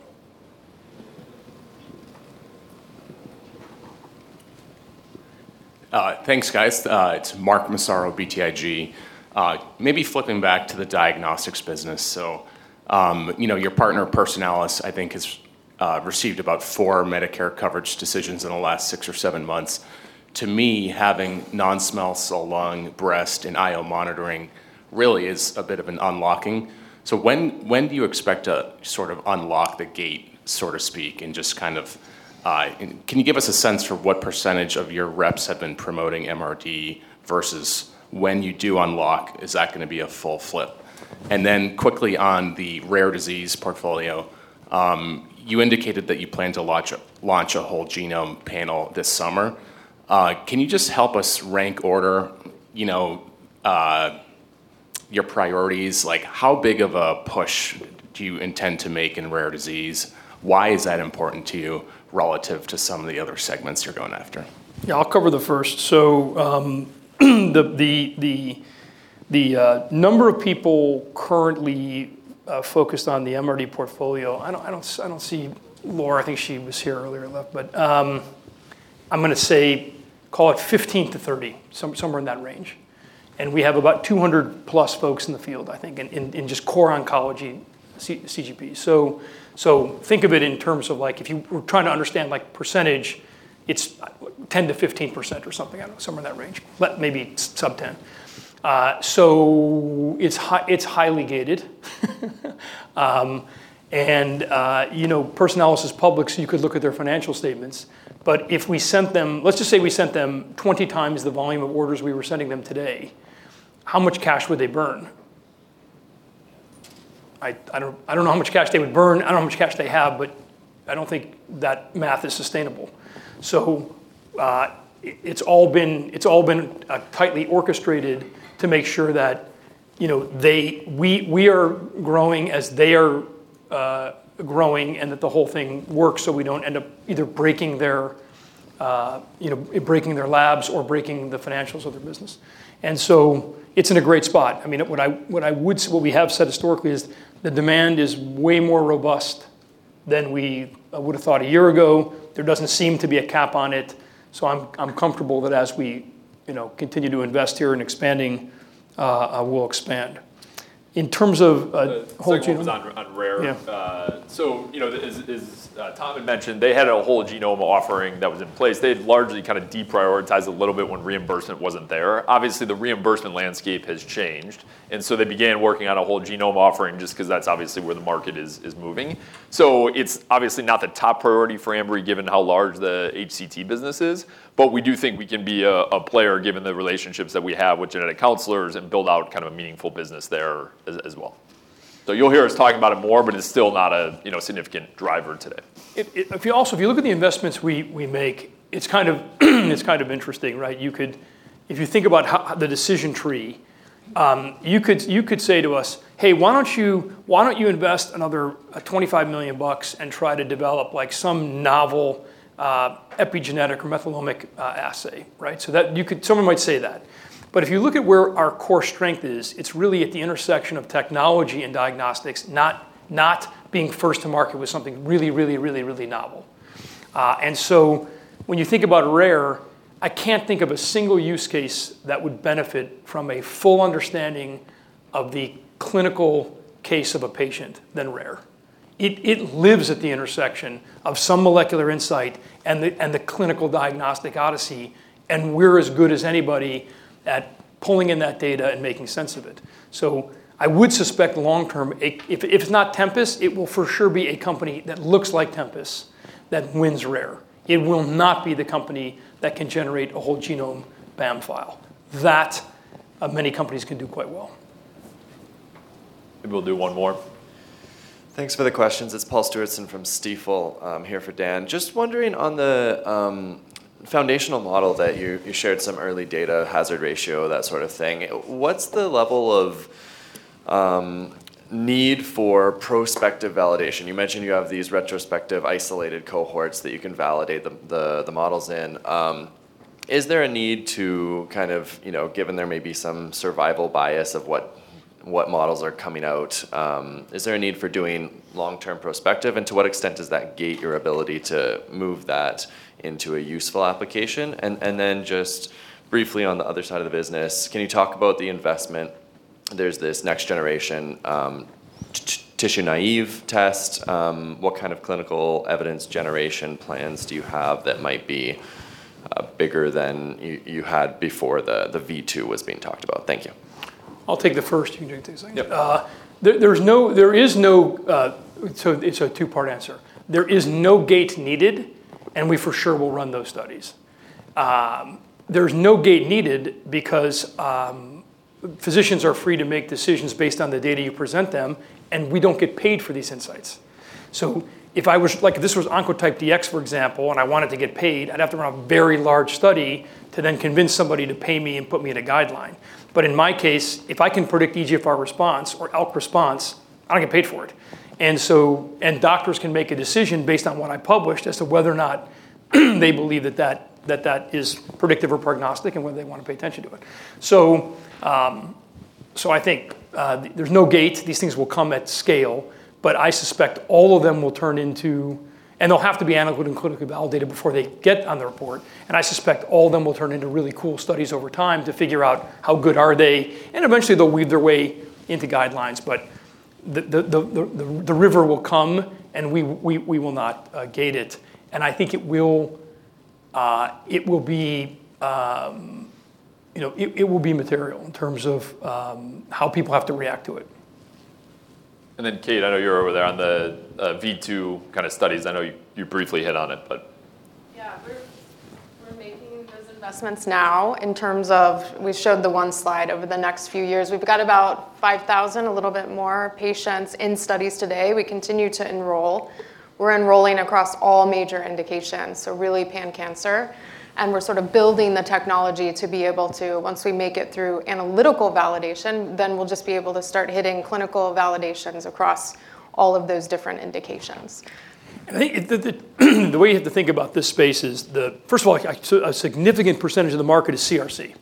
Thanks, guys. It's Mark Massaro, BTIG. Flipping back to the diagnostics business. Your partner, Personalis, I think has received about four Medicare coverage decisions in the last six or seven months. To me, having non-small cell lung, breast, and IO monitoring really is a bit of an unlocking. When do you expect to unlock the gate, so to speak, and can you give us a sense for what percentage of your reps have been promoting MRD versus when you do unlock, is that going to be a full flip? Quickly on the rare disease portfolio, you indicated that you plan to launch a whole genome panel this summer. Can you just help us rank order your priorities? How big of a push do you intend to make in rare disease? Why is that important to you relative to some of the other segments you're going after? Yeah, I'll cover the first. The number of people currently focused on the MRD portfolio, I don't see Laura, I think she was here earlier and left, but I'm going to say, call it 15-30, somewhere in that range. We have about 200+ folks in the field, I think, in just core oncology CGP. Think of it in terms of if you were trying to understand percentage, it's 10%-15% or something, somewhere in that range, maybe sub-10. It's highly gated. Personalis is public, so you could look at their financial statements. Let's just say we sent them 20x the volume of orders we were sending them today. How much cash would they burn? I don't know how much cash they would burn. I don't know how much cash they have, but I don't think that math is sustainable. It's all been tightly orchestrated to make sure that we are growing as they are growing and that the whole thing works so we don't end up either breaking their labs or breaking the financials of their business. It's in a great spot. What we have said historically is the demand is way more robust than we would've thought a year ago. There doesn't seem to be a cap on it. I'm comfortable that as we continue to invest here in expanding, we'll expand. In terms of whole genome- The second one's on rare. Yeah. As Tom had mentioned, they had a whole genome offering that was in place. They had largely deprioritized a little bit when reimbursement wasn't there. Obviously, the reimbursement landscape has changed, they began working on a whole genome offering just because that's obviously where the market is moving. It's obviously not the top priority for Ambry, given how large the HCT business is. We do think we can be a player given the relationships that we have with genetic counselors and build out a meaningful business there as well. You'll hear us talking about it more, but it's still not a significant driver today. If you look at the investments we make, it's kind of interesting. If you think about the decision tree, you could say to us, hey, why don't you invest another $25 million and try to develop some novel epigenetic or methylomic assay? Someone might say that. If you look at where our core strength is, it's really at the intersection of technology and diagnostics, not being first to market with something really novel. When you think about rare, I can't think of a single use case that would benefit from a full understanding of the clinical case of a patient than rare. It lives at the intersection of some molecular insight and the clinical diagnostic odyssey, and we're as good as anybody at pulling in that data and making sense of it. I would suspect long-term, if it's not Tempus, it will for sure be a company that looks like Tempus that wins rare. It will not be the company that can generate a whole genome BAM file. That, many companies can do quite well. Maybe we'll do one more. Thanks for the questions. It's Paul Stewardson from Stifel. I'm here for Dan. Just wondering on the foundational model that you shared some early data, hazard ratio, that sort of thing. What's the level of need for prospective validation? You mentioned you have these retrospective isolated cohorts that you can validate the models in. Given there may be some survival bias of what models are coming out, is there a need for doing long-term prospective, and to what extent does that gate your ability to move that into a useful application? Then just briefly on the other side of the business, can you talk about the investment? There's this next generation tissue-naive test. What kind of clinical evidence generation plans do you have that might be bigger than you had before the V2 was being talked about? Thank you. I'll take the first. You can take the second. Yep. It's a two-part answer. There is no gate needed, and we for sure will run those studies. There's no gate needed because physicians are free to make decisions based on the data you present them, and we don't get paid for these insights. If this was Oncotype DX, for example, and I wanted to get paid, I'd have to run a very large study to then convince somebody to pay me and put me in a guideline. In my case, if I can predict EGFR response or ALK response, I don't get paid for it. Doctors can make a decision based on what I published as to whether or not they believe that is predictive or prognostic and whether they want to pay attention to it. I think there's no gate. These things will come at scale. They'll have to be analytical and clinically validated before they get on the report. I suspect all of them will turn into really cool studies over time to figure out how good are they, and eventually they'll weave their way into guidelines. The river will come and we will not gate it. I think it will be material in terms of how people have to react to it. Kate, I know you're over there on the V2 studies. Yeah. We're making those investments now in terms of, we showed the one slide over the next few years. We've got about 5,000, a little bit more, patients in studies today. We continue to enroll. We're enrolling across all major indications, so really pan-cancer. We're building the technology to be able to, once we make it through analytical validation, then we'll just be able to start hitting clinical validations across all of those different indications. I think the way you have to think about this space is, first of all, a significant percentage of the market is CRC,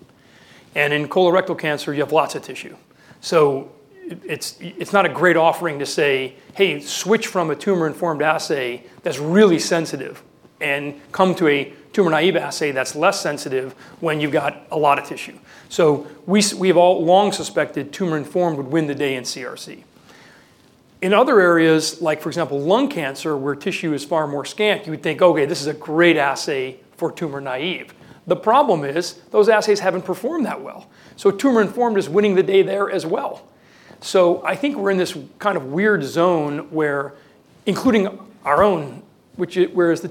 and in colorectal cancer you have lots of tissue. It's not a great offering to say, hey, switch from a tumor-informed assay that's really sensitive and come to a tumor-naive assay that's less sensitive when you've got a lot of tissue. We've all long suspected tumor-informed would win the day in CRC. In other areas, like for example, lung cancer, where tissue is far more scant, you would think, okay, this is a great assay for tumor-naive. The problem is those assays haven't performed that well. Tumor-informed is winning the day there as well. I think we're in this weird zone where, including our own, whereas the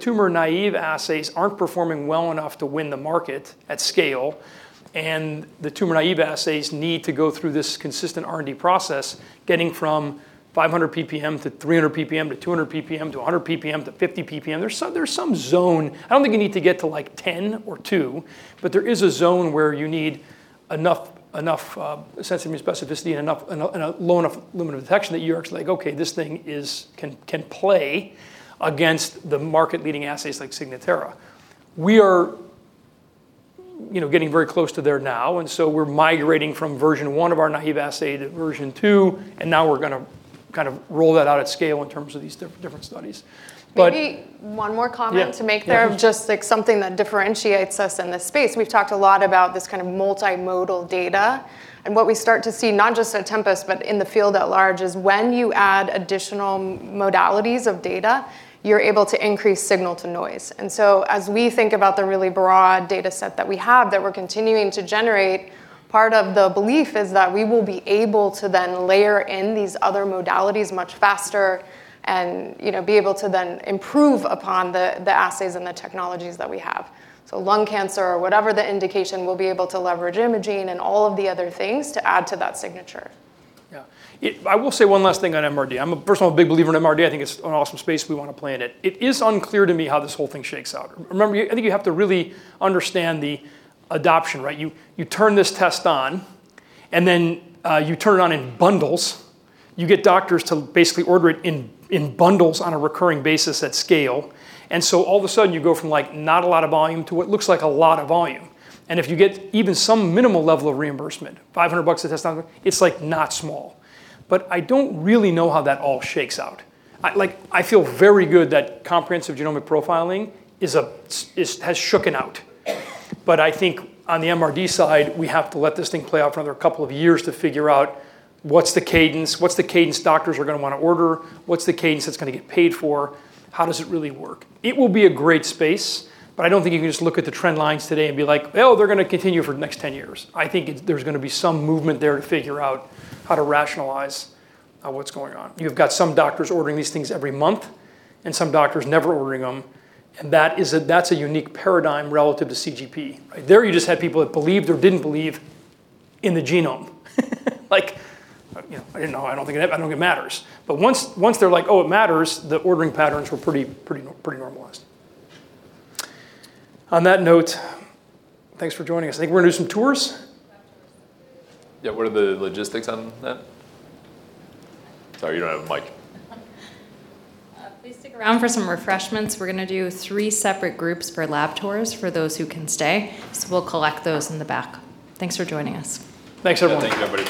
tumor-naive assays aren't performing well enough to win the market at scale, and the tumor-naive assays need to go through this consistent R&D process, getting from 500 ppm to 300 ppm to 200 ppm to 100 ppm to 50 ppm. There's some zone, I don't think you need to get to 10 or two, but there is a zone where you need enough sensitivity and specificity and a low enough limit of detection that you're actually like, okay, this thing can play against the market leading assays like Signatera. We are getting very close to there now. We're migrating from version one of our naive assay to version two. Now we're going to roll that out at scale in terms of these different studies. Maybe one more comment- Yeah to make there of just something that differentiates us in this space. We've talked a lot about this kind of multimodal data, what we start to see, not just at Tempus, but in the field at large, is when you add additional modalities of data, you're able to increase signal to noise. As we think about the really broad data set that we have that we're continuing to generate, part of the belief is that we will be able to then layer in these other modalities much faster and be able to then improve upon the assays and the technologies that we have. Lung cancer or whatever the indication, we'll be able to leverage imaging and all of the other things to add to that signature. Yeah. I will say one last thing on MRD. I'm, first of all, a big believer in MRD. I think it's an awesome space. We want to play in it. It is unclear to me how this whole thing shakes out. Remember, I think you have to really understand the adoption, right? You turn this test on, then you turn it on in bundles. You get doctors to basically order it in bundles on a recurring basis at scale. All of a sudden you go from not a lot of volume to what looks like a lot of volume. If you get even some minimal level of reimbursement, $500 a test, it's not small. I don't really know how that all shakes out. I feel very good that comprehensive genomic profiling has shaken out. I think on the MRD side, we have to let this thing play out for another couple of years to figure out what's the cadence. What's the cadence doctors are going to want to order? What's the cadence that's going to get paid for? How does it really work? It will be a great space, but I don't think you can just look at the trend lines today and be like, oh, they're going to continue for the next 10 years. I think there's going to be some movement there to figure out how to rationalize what's going on. You've got some doctors ordering these things every month and some doctors never ordering them, and that's a unique paradigm relative to CGP. There, you just had people that believed or didn't believe in the genome. I don't think it matters. Once they're like, oh, it matters, the ordering patterns were pretty normalized. On that note, thanks for joining us. I think we're going to do some tours? Yeah, what are the logistics on that? Sorry, you don't have a mic. Please stick around for some refreshments. We're going to do three separate groups for lab tours for those who can stay. We'll collect those in the back. Thanks for joining us. Thanks, everyone. Thank you, everybody.